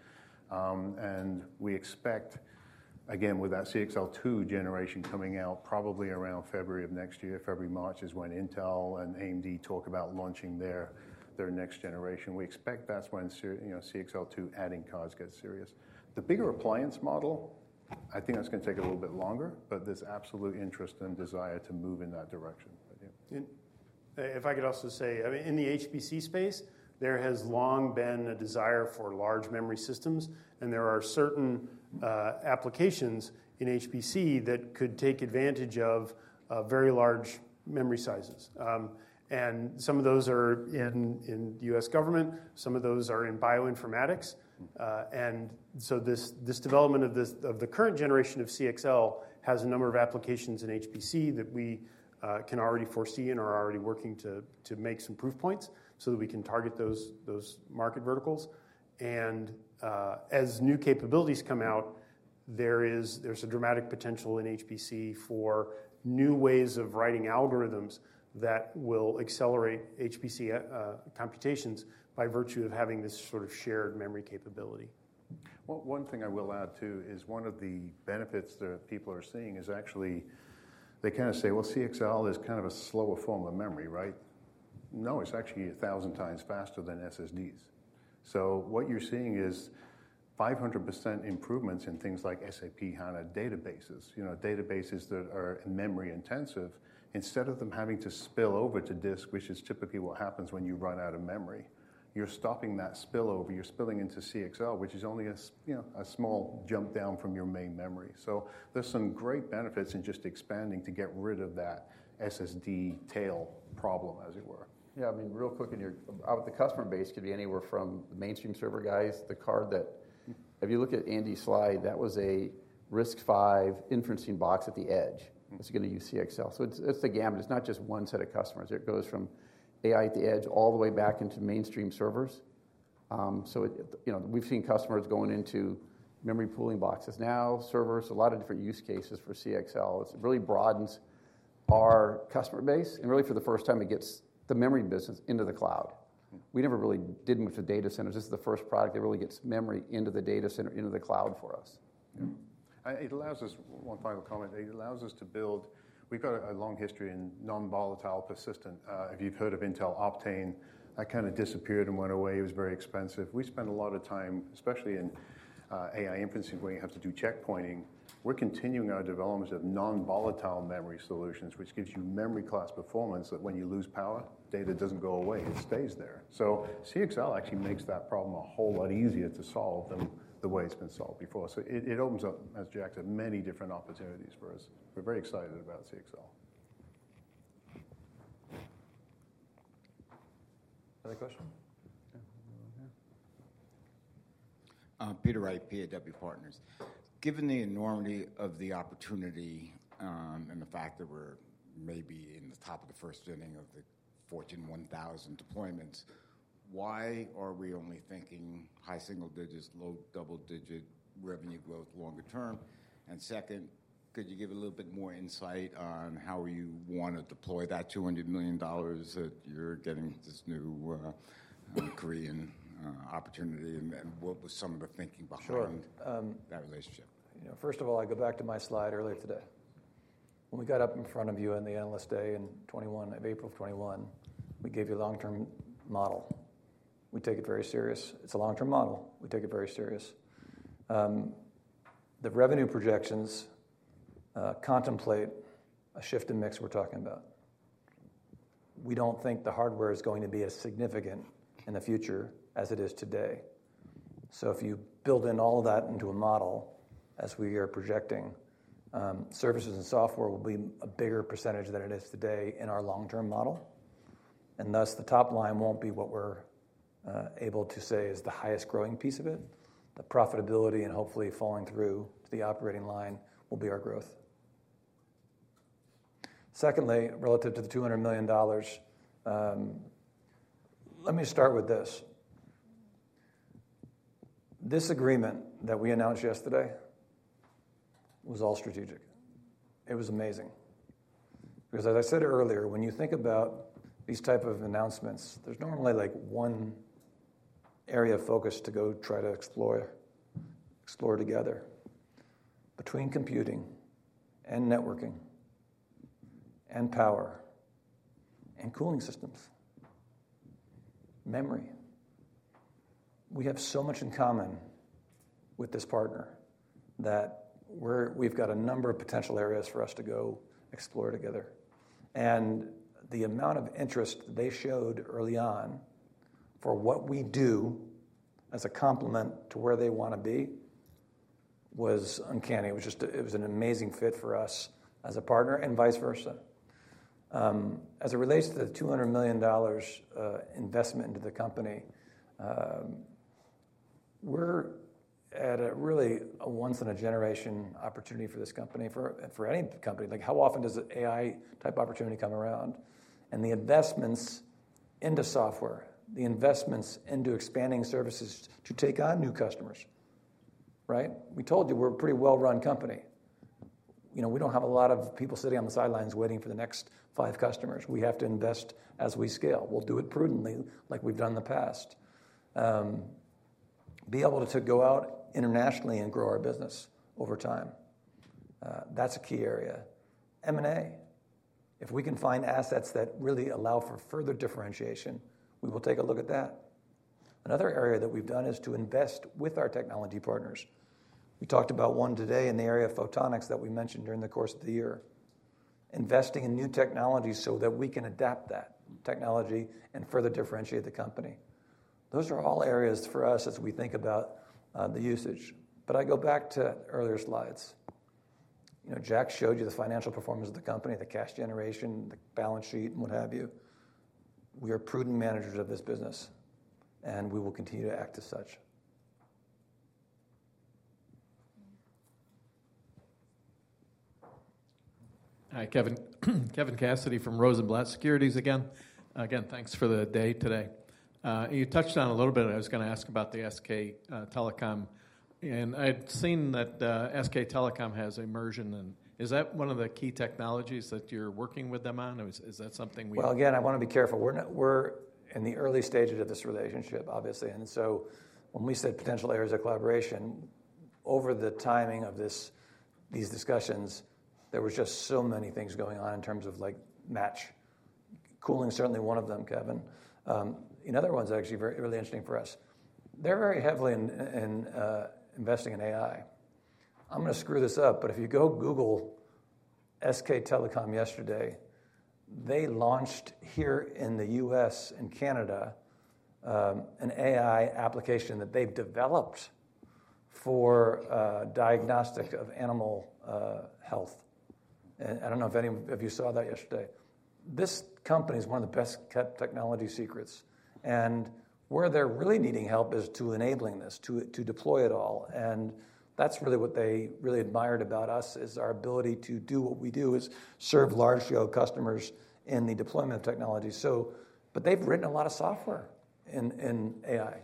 And we expect, again, with that CXL 2.0 generation coming out probably around February of next year, February, March is when Intel and AMD talk about launching their next generation. We expect that's when, you know, CXL 2.0 add-in cards get serious. The bigger appliance model, I think that's gonna take a little bit longer, but there's absolute interest and desire to move in that direction. If I could also say, I mean, in the HPC space, there has long been a desire for large memory systems, and there are certain applications in HPC that could take advantage of very large memory sizes. And some of those are in the U.S. government, some of those are in bioinformatics. And so this development of the current generation of CXL has a number of applications in HPC that we can already foresee and are already working to make some proof points so that we can target those market verticals. And as new capabilities come out, there is—there's a dramatic potential in HPC for new ways of writing algorithms that will accelerate HPC computations by virtue of having this sort of shared memory capability. Well, one thing I will add, too, is one of the benefits that people are seeing is actually, they kinda say, "Well, CXL is kind of a slower form of memory, right?" No, it's actually 1,000 times faster than SSDs. So what you're seeing is 500% improvements in things like SAP HANA databases, you know, databases that are memory intensive. Instead of them having to spill over to disk, which is typically what happens when you run out of memory, you're stopping that spill over. You're spilling into CXL, which is only, you know, a small jump down from your main memory. So there's some great benefits in just expanding to get rid of that SSD tail problem, as it were. Yeah, I mean, real quick, the customer base could be anywhere from the mainstream server guys, the card that if you look at Andy's slide, that was a RISC-V inferencing box at the edge. It's gonna use CXL. So it's, it's the gamut. It's not just one set of customers. It goes from AI at the edge all the way back into mainstream servers. So it, you know, we've seen customers going into memory pooling boxes now, servers, a lot of different use cases for CXL. It really broadens our customer base, and really, for the first time, it gets the memory business into the cloud. We never really did much with data centers. This is the first product that really gets memory into the data center, into the cloud for us. Yeah. It allows us. One final comment. It allows us to build. We've got a long history in non-volatile persistent. If you've heard of Intel Optane, that kind of disappeared and went away. It was very expensive. We spent a lot of time, especially in AI inferencing, where you have to do checkpointing. We're continuing our developments of non-volatile memory solutions, which gives you memory class performance, that when you lose power, data doesn't go away. It stays there. So CXL actually makes that problem a whole lot easier to solve than the way it's been solved before. So it opens up, as Jack said, many different opportunities for us. We're very excited about CXL. Another question? Yeah. Peter Wright, P.A.W. Partners. Given the enormity of the opportunity, and the fact that we're maybe in the top of the first inning of the Fortune 1,000 deployments, why are we only thinking high single digits, low double-digit revenue growth longer term? And second, could you give a little bit more insight on how you want to deploy that $200 million that you're getting with this new, Korean, opportunity, and what was some of the thinking behind that relationship? You know, first of all, I go back to my slide earlier today. When we got up in front of you on the Analyst Day in April 2021, we gave you a long-term model. We take it very serious. It's a long-term model. We take it very serious. The revenue projections contemplate a shift in mix we're talking about. We don't think the hardware is going to be as significant in the future as it is today. So if you build in all of that into a model, as we are projecting, services and software will be a bigger percentage than it is today in our long-term model, and thus, the top line won't be what we're able to say is the highest growing piece of it. The profitability and hopefully falling through to the operating line will be our growth. Secondly, relative to the $200 million, let me start with this: This agreement that we announced yesterday was all strategic. It was amazing because, as I said earlier, when you think about these type of announcements, there's normally, like, one area of focus to go try to explore together. Between computing and networking and power and cooling systems, memory, we have so much in common with this partner that we're—we've got a number of potential areas for us to go explore together, and the amount of interest they showed early on for what we do as a complement to where they wanna be was uncanny. It was just a, it was an amazing fit for us as a partner and vice versa. As it relates to the $200 million investment into the company. We're at a really, a once-in-a-generation opportunity for this company, for, for any company. Like, how often does an AI-type opportunity come around? And the investments into software, the investments into expanding services to take on new customers, right? We told you we're a pretty well-run company. You know, we don't have a lot of people sitting on the sidelines waiting for the next five customers. We have to invest as we scale. We'll do it prudently, like we've done in the past. Be able to go out internationally and grow our business over time. That's a key area. M&A, if we can find assets that really allow for further differentiation, we will take a look at that. Another area that we've done is to invest with our technology partners. We talked about one today in the area of photonics that we mentioned during the course of the year. Investing in new technology so that we can adapt that technology and further differentiate the company. Those are all areas for us as we think about the usage, but I go back to earlier slides. You know, Jack showed you the financial performance of the company, the cash generation, the balance sheet, and what have you. We are prudent managers of this business, and we will continue to act as such. Hi, Kevin. Kevin Cassidy from Rosenblatt Securities again. Again, thanks for the day today. You touched on a little bit. I was gonna ask about the SK Telecom, and I've seen that SK Telecom has immersion, and is that one of the key technologies that you're working with them on, or is that something. Well, again, I wanna be careful. We're in the early stages of this relationship, obviously, and so when we said potential areas of collaboration, over the timing of this, these discussions, there was just so many things going on in terms of, like, immersion cooling. Immersion cooling is certainly one of them, Kevin. Another one that's actually very, really interesting for us, they're very heavily in investing in AI. I'm gonna screw this up, but if you Google SK Telecom yesterday, they launched here in the U.S. and Canada, an AI application that they've developed for diagnostic of animal health. I don't know if any of you saw that yesterday. This company is one of the best-kept technology secrets, and where they're really needing help is in enabling this, to deploy it all, and that's really what they really admired about us, is our ability to do what we do, is serve large-scale customers in the deployment of technology. So, but they've written a lot of software in AI,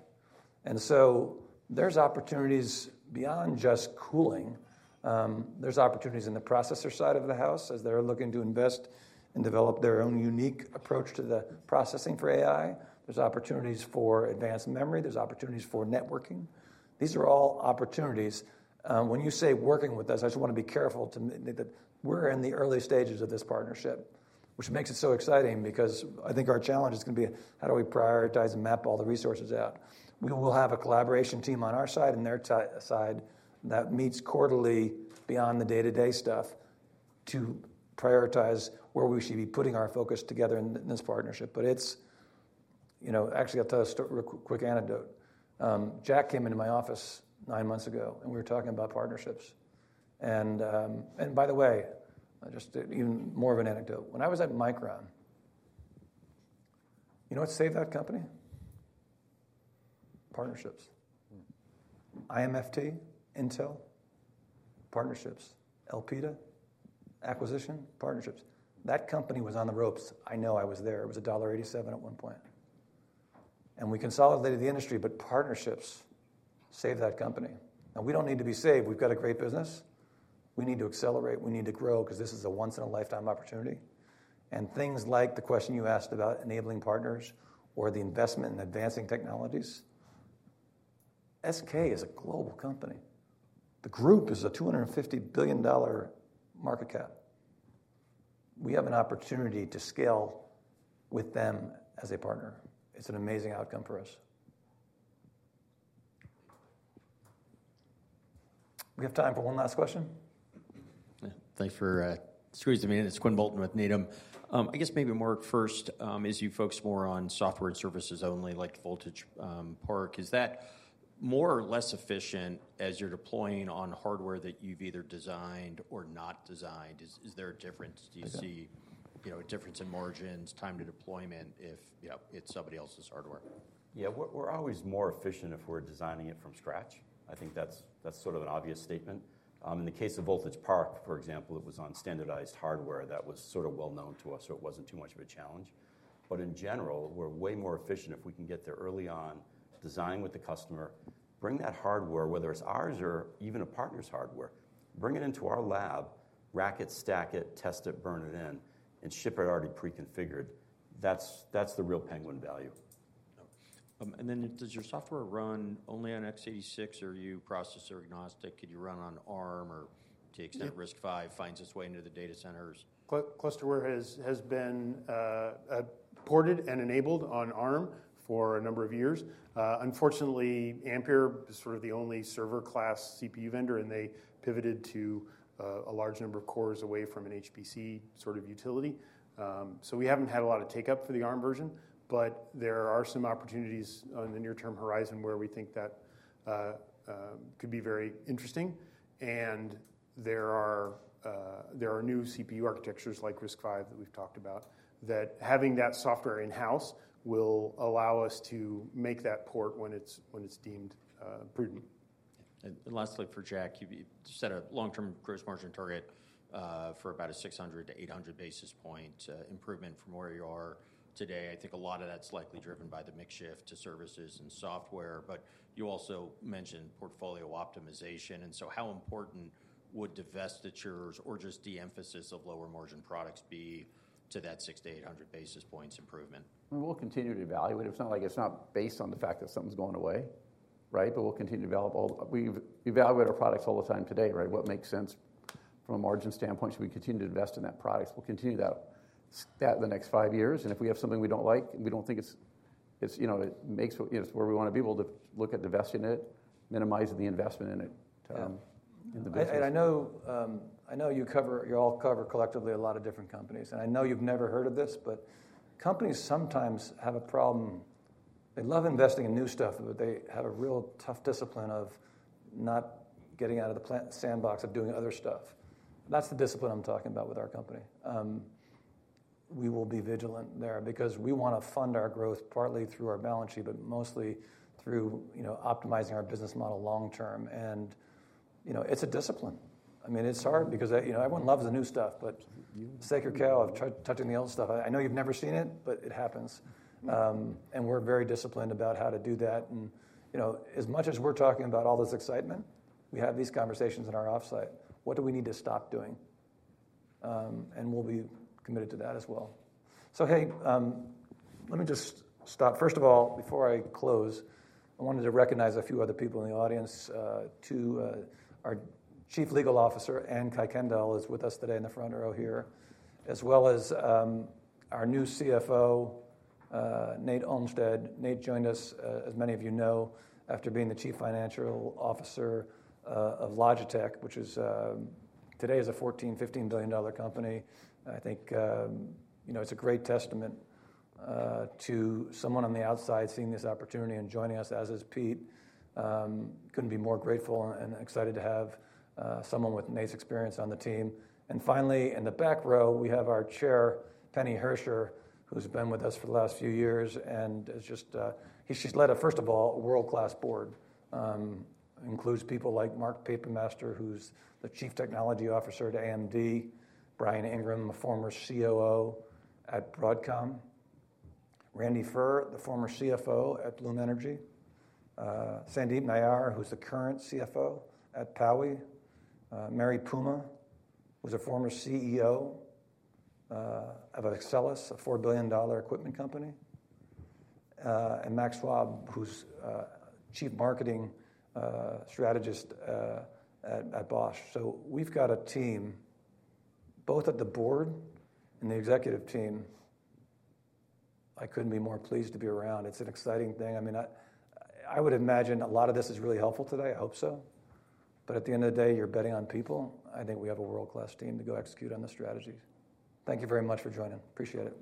and so there's opportunities beyond just cooling. There's opportunities in the processor side of the house, as they're looking to invest and develop their own unique approach to the processing for AI. There's opportunities for advanced memory. There's opportunities for networking. These are all opportunities. When you say working with us, I just want to be careful to mention that we're in the early stages of this partnership, which makes it so exciting because I think our challenge is gonna be, how do we prioritize and map all the resources out? We will have a collaboration team on our side and their side that meets quarterly beyond the day-to-day stuff to prioritize where we should be putting our focus together in this partnership. But it's, you know... Actually, I'll tell a real quick anecdote. Jack came into my office nine months ago, and we were talking about partnerships, and, and by the way, just even more of an anecdote, when I was at Micron, you know what saved that company? Partnerships. IMFT, Intel, partnerships. Elpida, acquisition, partnerships. That company was on the ropes. I know. I was there. It was $1.87 at one point, and we consolidated the industry, but partnerships saved that company. Now, we don't need to be saved. We've got a great business. We need to accelerate. We need to grow 'cause this is a once-in-a-lifetime opportunity, and things like the question you asked about enabling partners or the investment in advancing technologies, SK is a global company. The group is a $250 billion market cap. We have an opportunity to scale with them as a partner. It's an amazing outcome for us. We have time for one last question. Yeah, thank you for squeezing me in. It's Quinn Bolton with Needham. I guess maybe more first, as you focus more on software and services only, like Voltage Park, is that more or less efficient as you're deploying on hardware that you've either designed or not designed? Is there a difference? Do you see, you know, a difference in margins, time to deployment, if, you know, it's somebody else's hardware? Yeah, we're always more efficient if we're designing it from scratch. I think that's sort of an obvious statement. In the case of Voltage Park, for example, it was on standardized hardware that was sort of well known to us, so it wasn't too much of a challenge. But in general, we're way more efficient if we can get there early on, design with the customer, bring that hardware, whether it's ours or even a partner's hardware, bring it into our lab, rack it, stack it, test it, burn it in, and ship it already pre-configured. That's the real Penguin value. And then does your software run only on x86, or are you processor-agnostic? Could you run on ARM or takes that RISC-V, finds its way into the data centers? ClusterWare has been ported and enabled on ARM for a number of years. Unfortunately, Ampere is sort of the only server class CPU vendor, and they pivoted to a large number of cores away from an HPC sort of utility. So we haven't had a lot of take-up for the ARM version, but there are some opportunities on the near-term horizon where we think that could be very interesting, and there are new CPU architectures like RISC-V that we've talked about, that having that software in-house will allow us to make that port when it's deemed prudent. Lastly, for Jack, you set a long-term gross margin target for about a 600-800 basis points improvement from where you are today. I think a lot of that's likely driven by the mix shift to services and software, but you also mentioned portfolio optimization, and so how important would divestitures or just de-emphasis of lower margin products be to that 600-800 basis points improvement? We will continue to evaluate it. It's not like it's not based on the fact that something's going away, right? But we'll continue to evaluate our products all the time today, right? What makes sense from a margin standpoint? Should we continue to invest in that product? We'll continue that in the next five years, and if we have something we don't like, we don't think it's, you know, it makes, you know, it's where we want to be, we'll look at divesting it, minimizing the investment in it, in the business. And I know you cover, you all cover collectively a lot of different companies, and I know you've never heard of this, but companies sometimes have a problem. They love investing in new stuff, but they have a real tough discipline of not getting out of the play sandbox of doing other stuff. That's the discipline I'm talking about with our company. We will be vigilant there because we want to fund our growth partly through our balance sheet, but mostly through, you know, optimizing our business model long term. And, you know, it's a discipline. I mean, it's hard because, you know, everyone loves the new stuff, but sacred cow of touching the old stuff. I know you've never seen it, but it happens. And we're very disciplined about how to do that and, you know, as much as we're talking about all this excitement, we have these conversations in our offsite. What do we need to stop doing? And we'll be committed to that as well. So, hey, let me just stop. First of all, before I close, I wanted to recognize a few other people in the audience, too. Our Chief Legal Officer, Anne Kuykendall, is with us today in the front row here, as well as our new CFO, Nate Olmstead. Nate joined us, as many of you know, after being the Chief Financial Officer of Logitech, which today is a $14 billion-$15 billion company. I think, you know, it's a great testament to someone on the outside seeing this opportunity and joining us, as is Pete. Couldn't be more grateful and excited to have someone with Nate's experience on the team. And finally, in the back row, we have our chair, Penny Herscher, who's been with us for the last few years and has just she's led, first of all, a world-class board. Includes people like Mark Papermaster, who's the Chief Technology Officer at AMD, Bryan Ingram, the former COO at Broadcom, Randy Furr, the former CFO at Bloom Energy, Sandeep Nayyar, who's the current CFO at PAE, Mary Puma, who's a former CEO of Axcelis, a $4 billion equipment company, and Max Loeb, who's Chief Marketing Strategist at Bosch. So we've got a team, both at the board and the executive team, I couldn't be more pleased to be around. It's an exciting thing. I mean, I would imagine a lot of this is really helpful today. I hope so. But at the end of the day, you're betting on people. I think we have a world-class team to go execute on the strategies. Thank you very much for joining. Appreciate it.